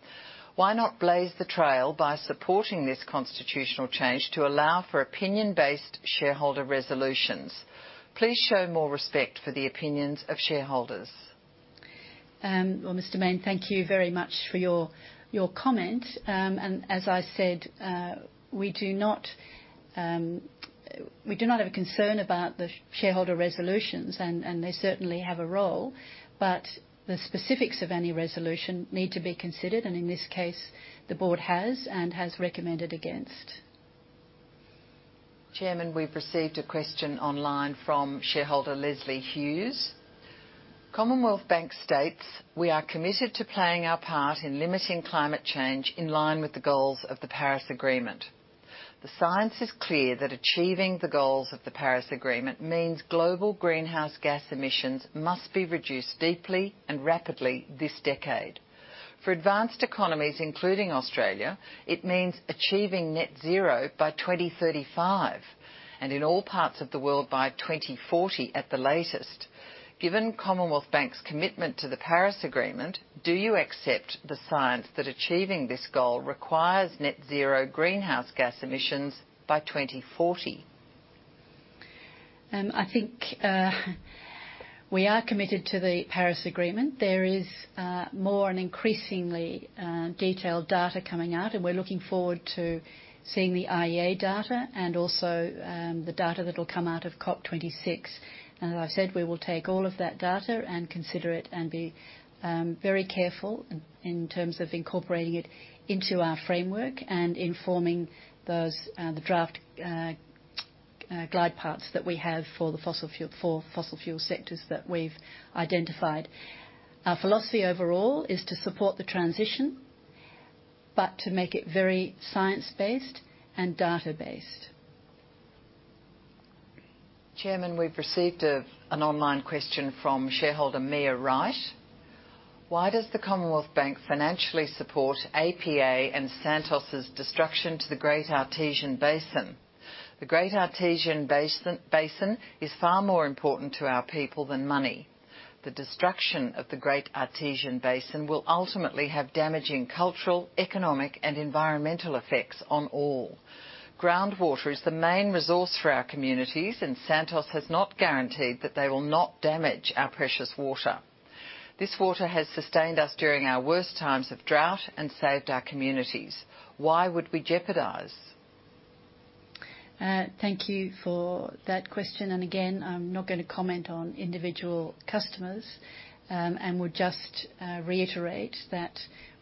Why not blaze the trail by supporting this constitutional change to allow for opinion-based shareholder resolutions? Please show more respect for the opinions of shareholders." Well, Mr. Mayne, thank you very much for your comment. As I said, we do not have a concern about the shareholder resolutions, and they certainly have a role, but the specifics of any resolution need to be considered. In this case, the Board has recommended against. Chairman, we've received a question online from shareholder Leslie Hughes: "Commonwealth Bank states, 'We are committed to playing our part in limiting climate change in line with the goals of the Paris Agreement.' The science is clear that achieving the goals of the Paris Agreement means global greenhouse gas emissions must be reduced deeply and rapidly this decade. For advanced economies, including Australia, it means achieving net zero by 2035, and in all parts of the world by 2040 at the latest. Given Commonwealth Bank's commitment to the Paris Agreement, do you accept the science that achieving this goal requires net zero greenhouse gas emissions by 2040?" I think we are committed to the Paris Agreement. There is more and increasingly detailed data coming out, and we're looking forward to seeing the IEA data and also the data that'll come out of COP26. As I've said, we will take all of that data and consider it and be very careful in terms of incorporating it into our framework and informing the draft glide paths that we have for fossil fuel sectors that we've identified. Our philosophy overall is to support the transition, but to make it very science-based and data-based. Chairman, we've received an online question from shareholder Mia Wright. Why does the Commonwealth Bank financially support APA and Santos' destruction to the Great Artesian Basin? The Great Artesian Basin is far more important to our people than money. The destruction of the Great Artesian Basin will ultimately have damaging cultural, economic, and environmental effects on all. Groundwater is the main resource for our communities, and Santos has not guaranteed that they will not damage our precious water. This water has sustained us during our worst times of drought and saved our communities. Why would we jeopardize? Thank you for that question. Again, I'm not going to comment on individual customers, and would just reiterate that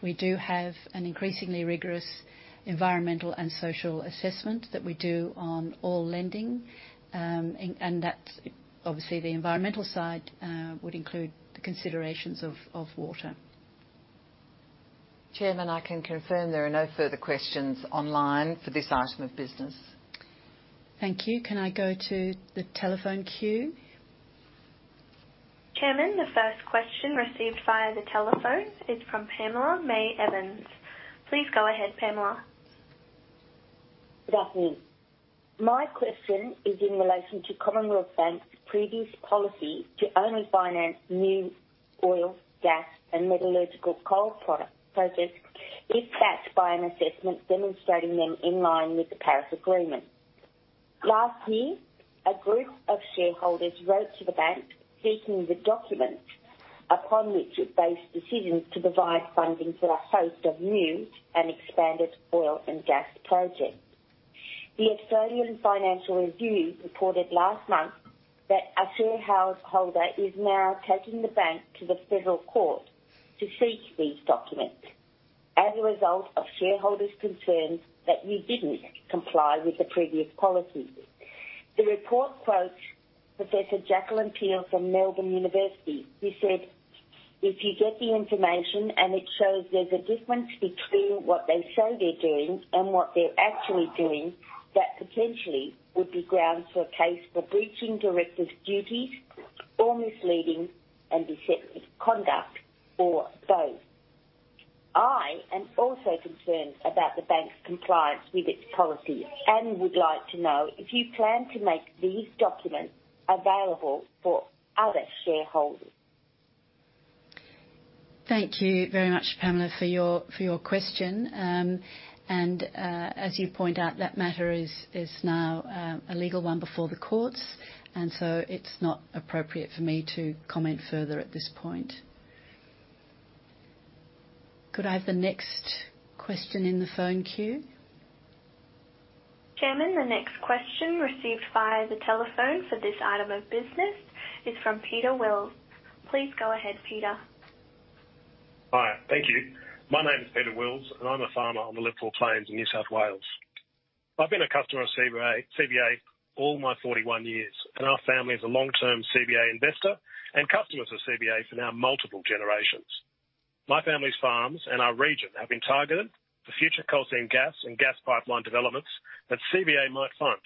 we do have an increasingly rigorous environmental and social assessment that we do on all lending. That obviously the environmental side would include the considerations of water. Chairman, I can confirm there are no further questions online for this item of business. Thank you. Can I go to the telephone queue? Chairman, the first question received via the telephone is from Pamela May Evans. Please go ahead, Pamela. Good afternoon. My question is in relation to Commonwealth Bank's previous policy to only finance new oil, gas, and metallurgical coal product process if backed by an assessment demonstrating them in line with the Paris Agreement. Last year, a group of shareholders wrote to the bank seeking the documents upon which it based decisions to provide funding for a host of new and expanded oil and gas projects. The Australian Financial Review reported last month that a shareholder is now taking the bank to the federal court to seek these documents as a result of shareholders' concerns that you didn't comply with the previous policy. The report quotes Professor Jacqueline Peel from University of Melbourne, who said: "If you get the information and it shows there's a difference between what they say they're doing and what they're actually doing, that potentially would be grounds for a case for breaching directors' duties or misleading and deceptive conduct or both." I am also concerned about the bank's compliance with its policy and would like to know if you plan to make these documents available for other shareholders. Thank you very much, Pamela, for your question. As you point out, that matter is now a legal one before the courts, and so it's not appropriate for me to comment further at this point. Could I have the next question in the phone queue? Chairman, the next question received via the telephone for this item of business is from Peter Wills. Please go ahead, Peter. Hi. Thank you. My name is Peter Wills, and I'm a farmer on the Liverpool Plains in New South Wales. I've been a customer of CBA all my 41 years, and our family is a long-term CBA investor and customers of CBA for now multiple generations. My family's farms and our region have been targeted for future coal seam gas and gas pipeline developments that CBA might fund.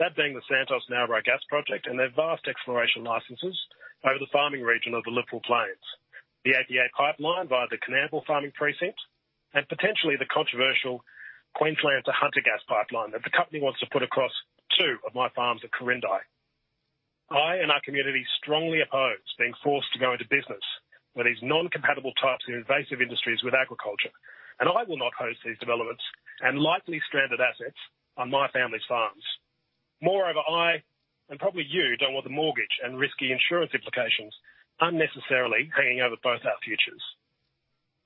That being the Santos Narrabri gas project and their vast exploration licenses over the farming region of the Liverpool Plains, the APA pipeline via the Coonamble farming precinct, and potentially the controversial Queensland to Hunter gas pipeline that the company wants to put across two of my farms at Quirindi. I and our community strongly oppose being forced to go into business where these non-compatible types of invasive industries with agriculture. I will not host these developments and likely stranded assets on my family's farms. Moreover, I and probably you don't want the mortgage and risky insurance implications unnecessarily hanging over both our futures.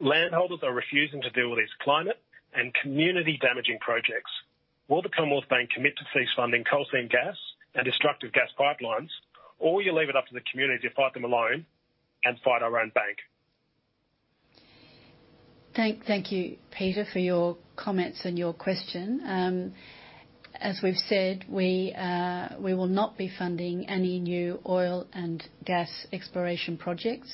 Landholders are refusing to deal with these climate and community-damaging projects. Will the Commonwealth Bank commit to cease funding coal seam gas and destructive gas pipelines, or you leave it up to the community to fight them alone and fight our own bank? Thank you, Peter, for your comments and your question. As we've said, we will not be funding any new oil and gas exploration projects,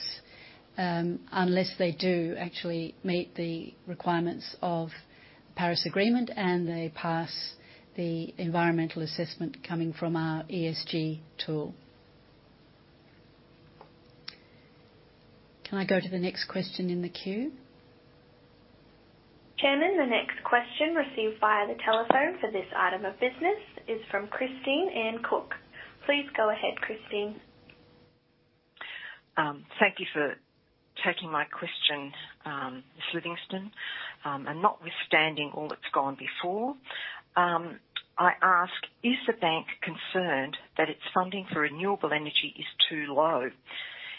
unless they do actually meet the requirements of the Paris Agreement and they pass the environmental assessment coming from our ESG tool. Can I go to the next question in the queue? Chairman, the next question received via the telephone for this item of business is from Christine Anne Cook. Please go ahead, Christine. Thank you for taking my question, Ms. Livingstone. Notwithstanding all that's gone before, I ask, is the bank concerned that its funding for renewable energy is too low?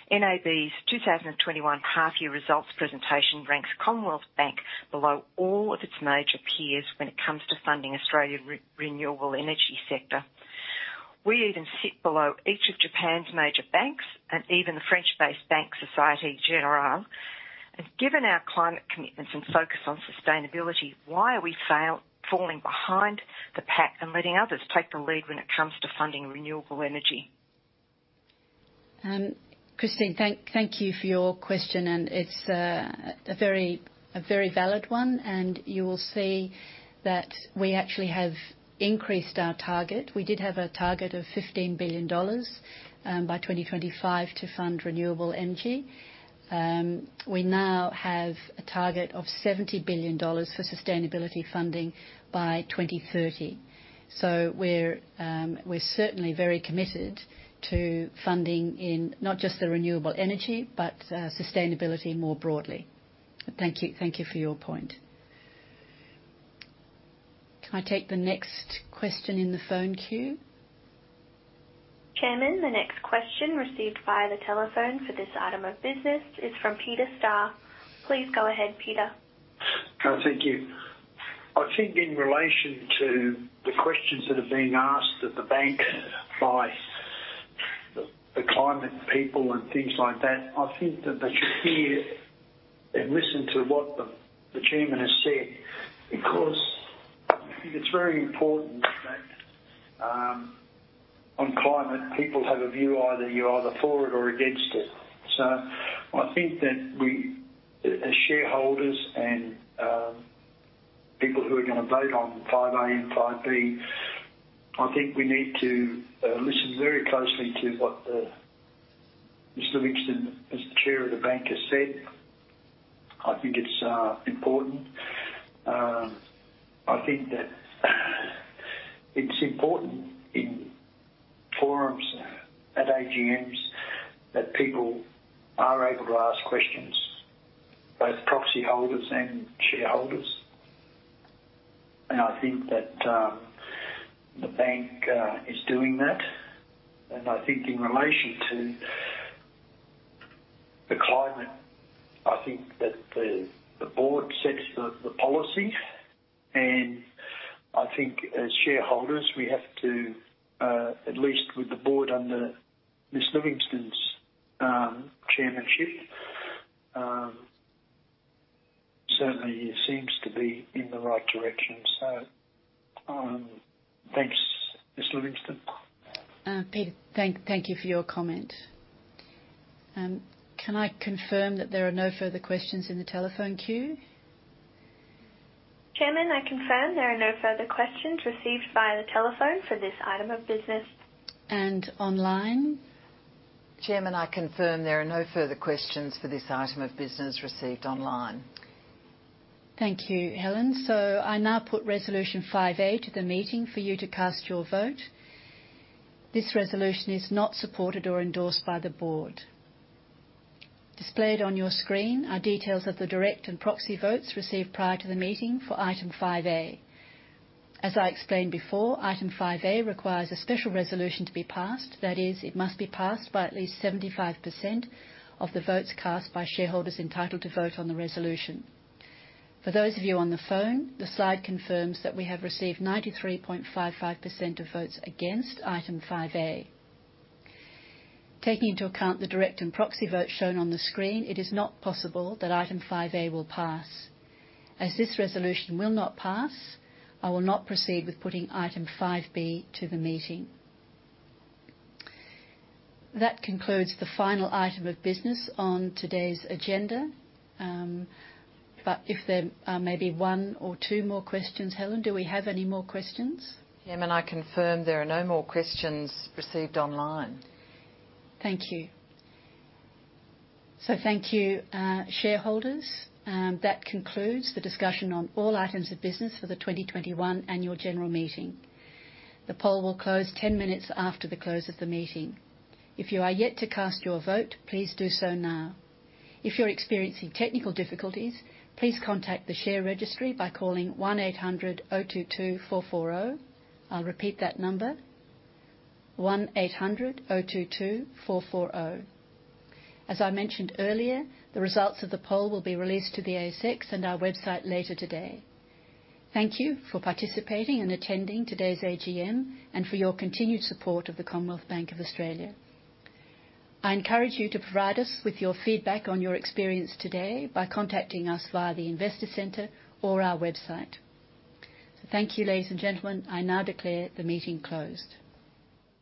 NAB's 2021 half-year results presentation ranks Commonwealth Bank below all of its major peers when it comes to funding Australian renewable energy sector. We even sit below each of Japan's major banks and even the French-based bank, Société Générale. Given our climate commitments and focus on sustainability, why are we falling behind the pack and letting others take the lead when it comes to funding renewable energy? Christine, thank you for your question. It's a very valid one. You will see that we actually have increased our target. We did have a target of 15 billion dollars by 2025 to fund renewable energy. We now have a target of 70 billion dollars for sustainability funding by 2030. We're certainly very committed to funding in not just the renewable energy, but sustainability more broadly. Thank you for your point. Can I take the next question in the phone queue? Chairman, the next question received via the telephone for this item of business is from Peter Starr. Please go ahead, Peter. Thank you. I think in relation to the questions that are being asked of the bank by the climate people and things like that, I think that they should hear and listen to what the Chairman has said because I think it's very important that on climate, people have a view, either you're either for it or against it. I think that we, as shareholders and people who are going to vote on 5A and 5B, I think we need to listen very closely to what Ms. Livingstone, as the Chairman of the bank, has said. I think it's important. I think that it's important in forums at AGMs that people are able to ask questions, both proxy holders and shareholders. I think that the bank is doing that. I think in relation to the climate, I think that the Board sets the policy, and I think as shareholders, we have to, at least with the Board under Ms. Livingstone's Chairmanship, certainly it seems to be in the right direction. Thanks, Ms. Livingstone. Peter, thank you for your comment. Can I confirm that there are no further questions in the telephone queue? Chairman, I confirm there are no further questions received via the telephone for this item of business. Online? Chairman, I confirm there are no further questions for this item of business received online. Thank you, Helen. I now put resolution 5A to the meeting for you to cast your vote. This resolution is not supported or endorsed by the Board. Displayed on your screen are details of the direct and proxy votes received prior to the meeting for Item 5A. As I explained before, Item 5A requires a special resolution to be passed. That is, it must be passed by at least 75% of the votes cast by shareholders entitled to vote on the resolution. For those of you on the phone, the slide confirms that we have received 93.55% of votes against Item 5A. Taking into account the direct and proxy votes shown on the screen, it is not possible that Item 5A will pass. This resolution will not pass, I will not proceed with putting Item 5B to the meeting. That concludes the final item of business on today's agenda. If there are maybe one or two more questions, Helen, do we have any more questions? Chairman, I confirm there are no more questions received online. Thank you. Thank you, shareholders. That concludes the discussion on all items of business for the 2021 Annual General Meeting. The poll will close 10 minutes after the close of the meeting. If you are yet to cast your vote, please do so now. If you're experiencing technical difficulties, please contact the share registry by calling 1800 022 440. I'll repeat that number, 1800 022 440. As I mentioned earlier, the results of the poll will be released to the ASX and our website later today. Thank you for participating and attending today's AGM, and for your continued support of the Commonwealth Bank of Australia. I encourage you to provide us with your feedback on your experience today by contacting us via the Investor Centre or our website. Thank you, ladies and gentlemen. I now declare the meeting closed.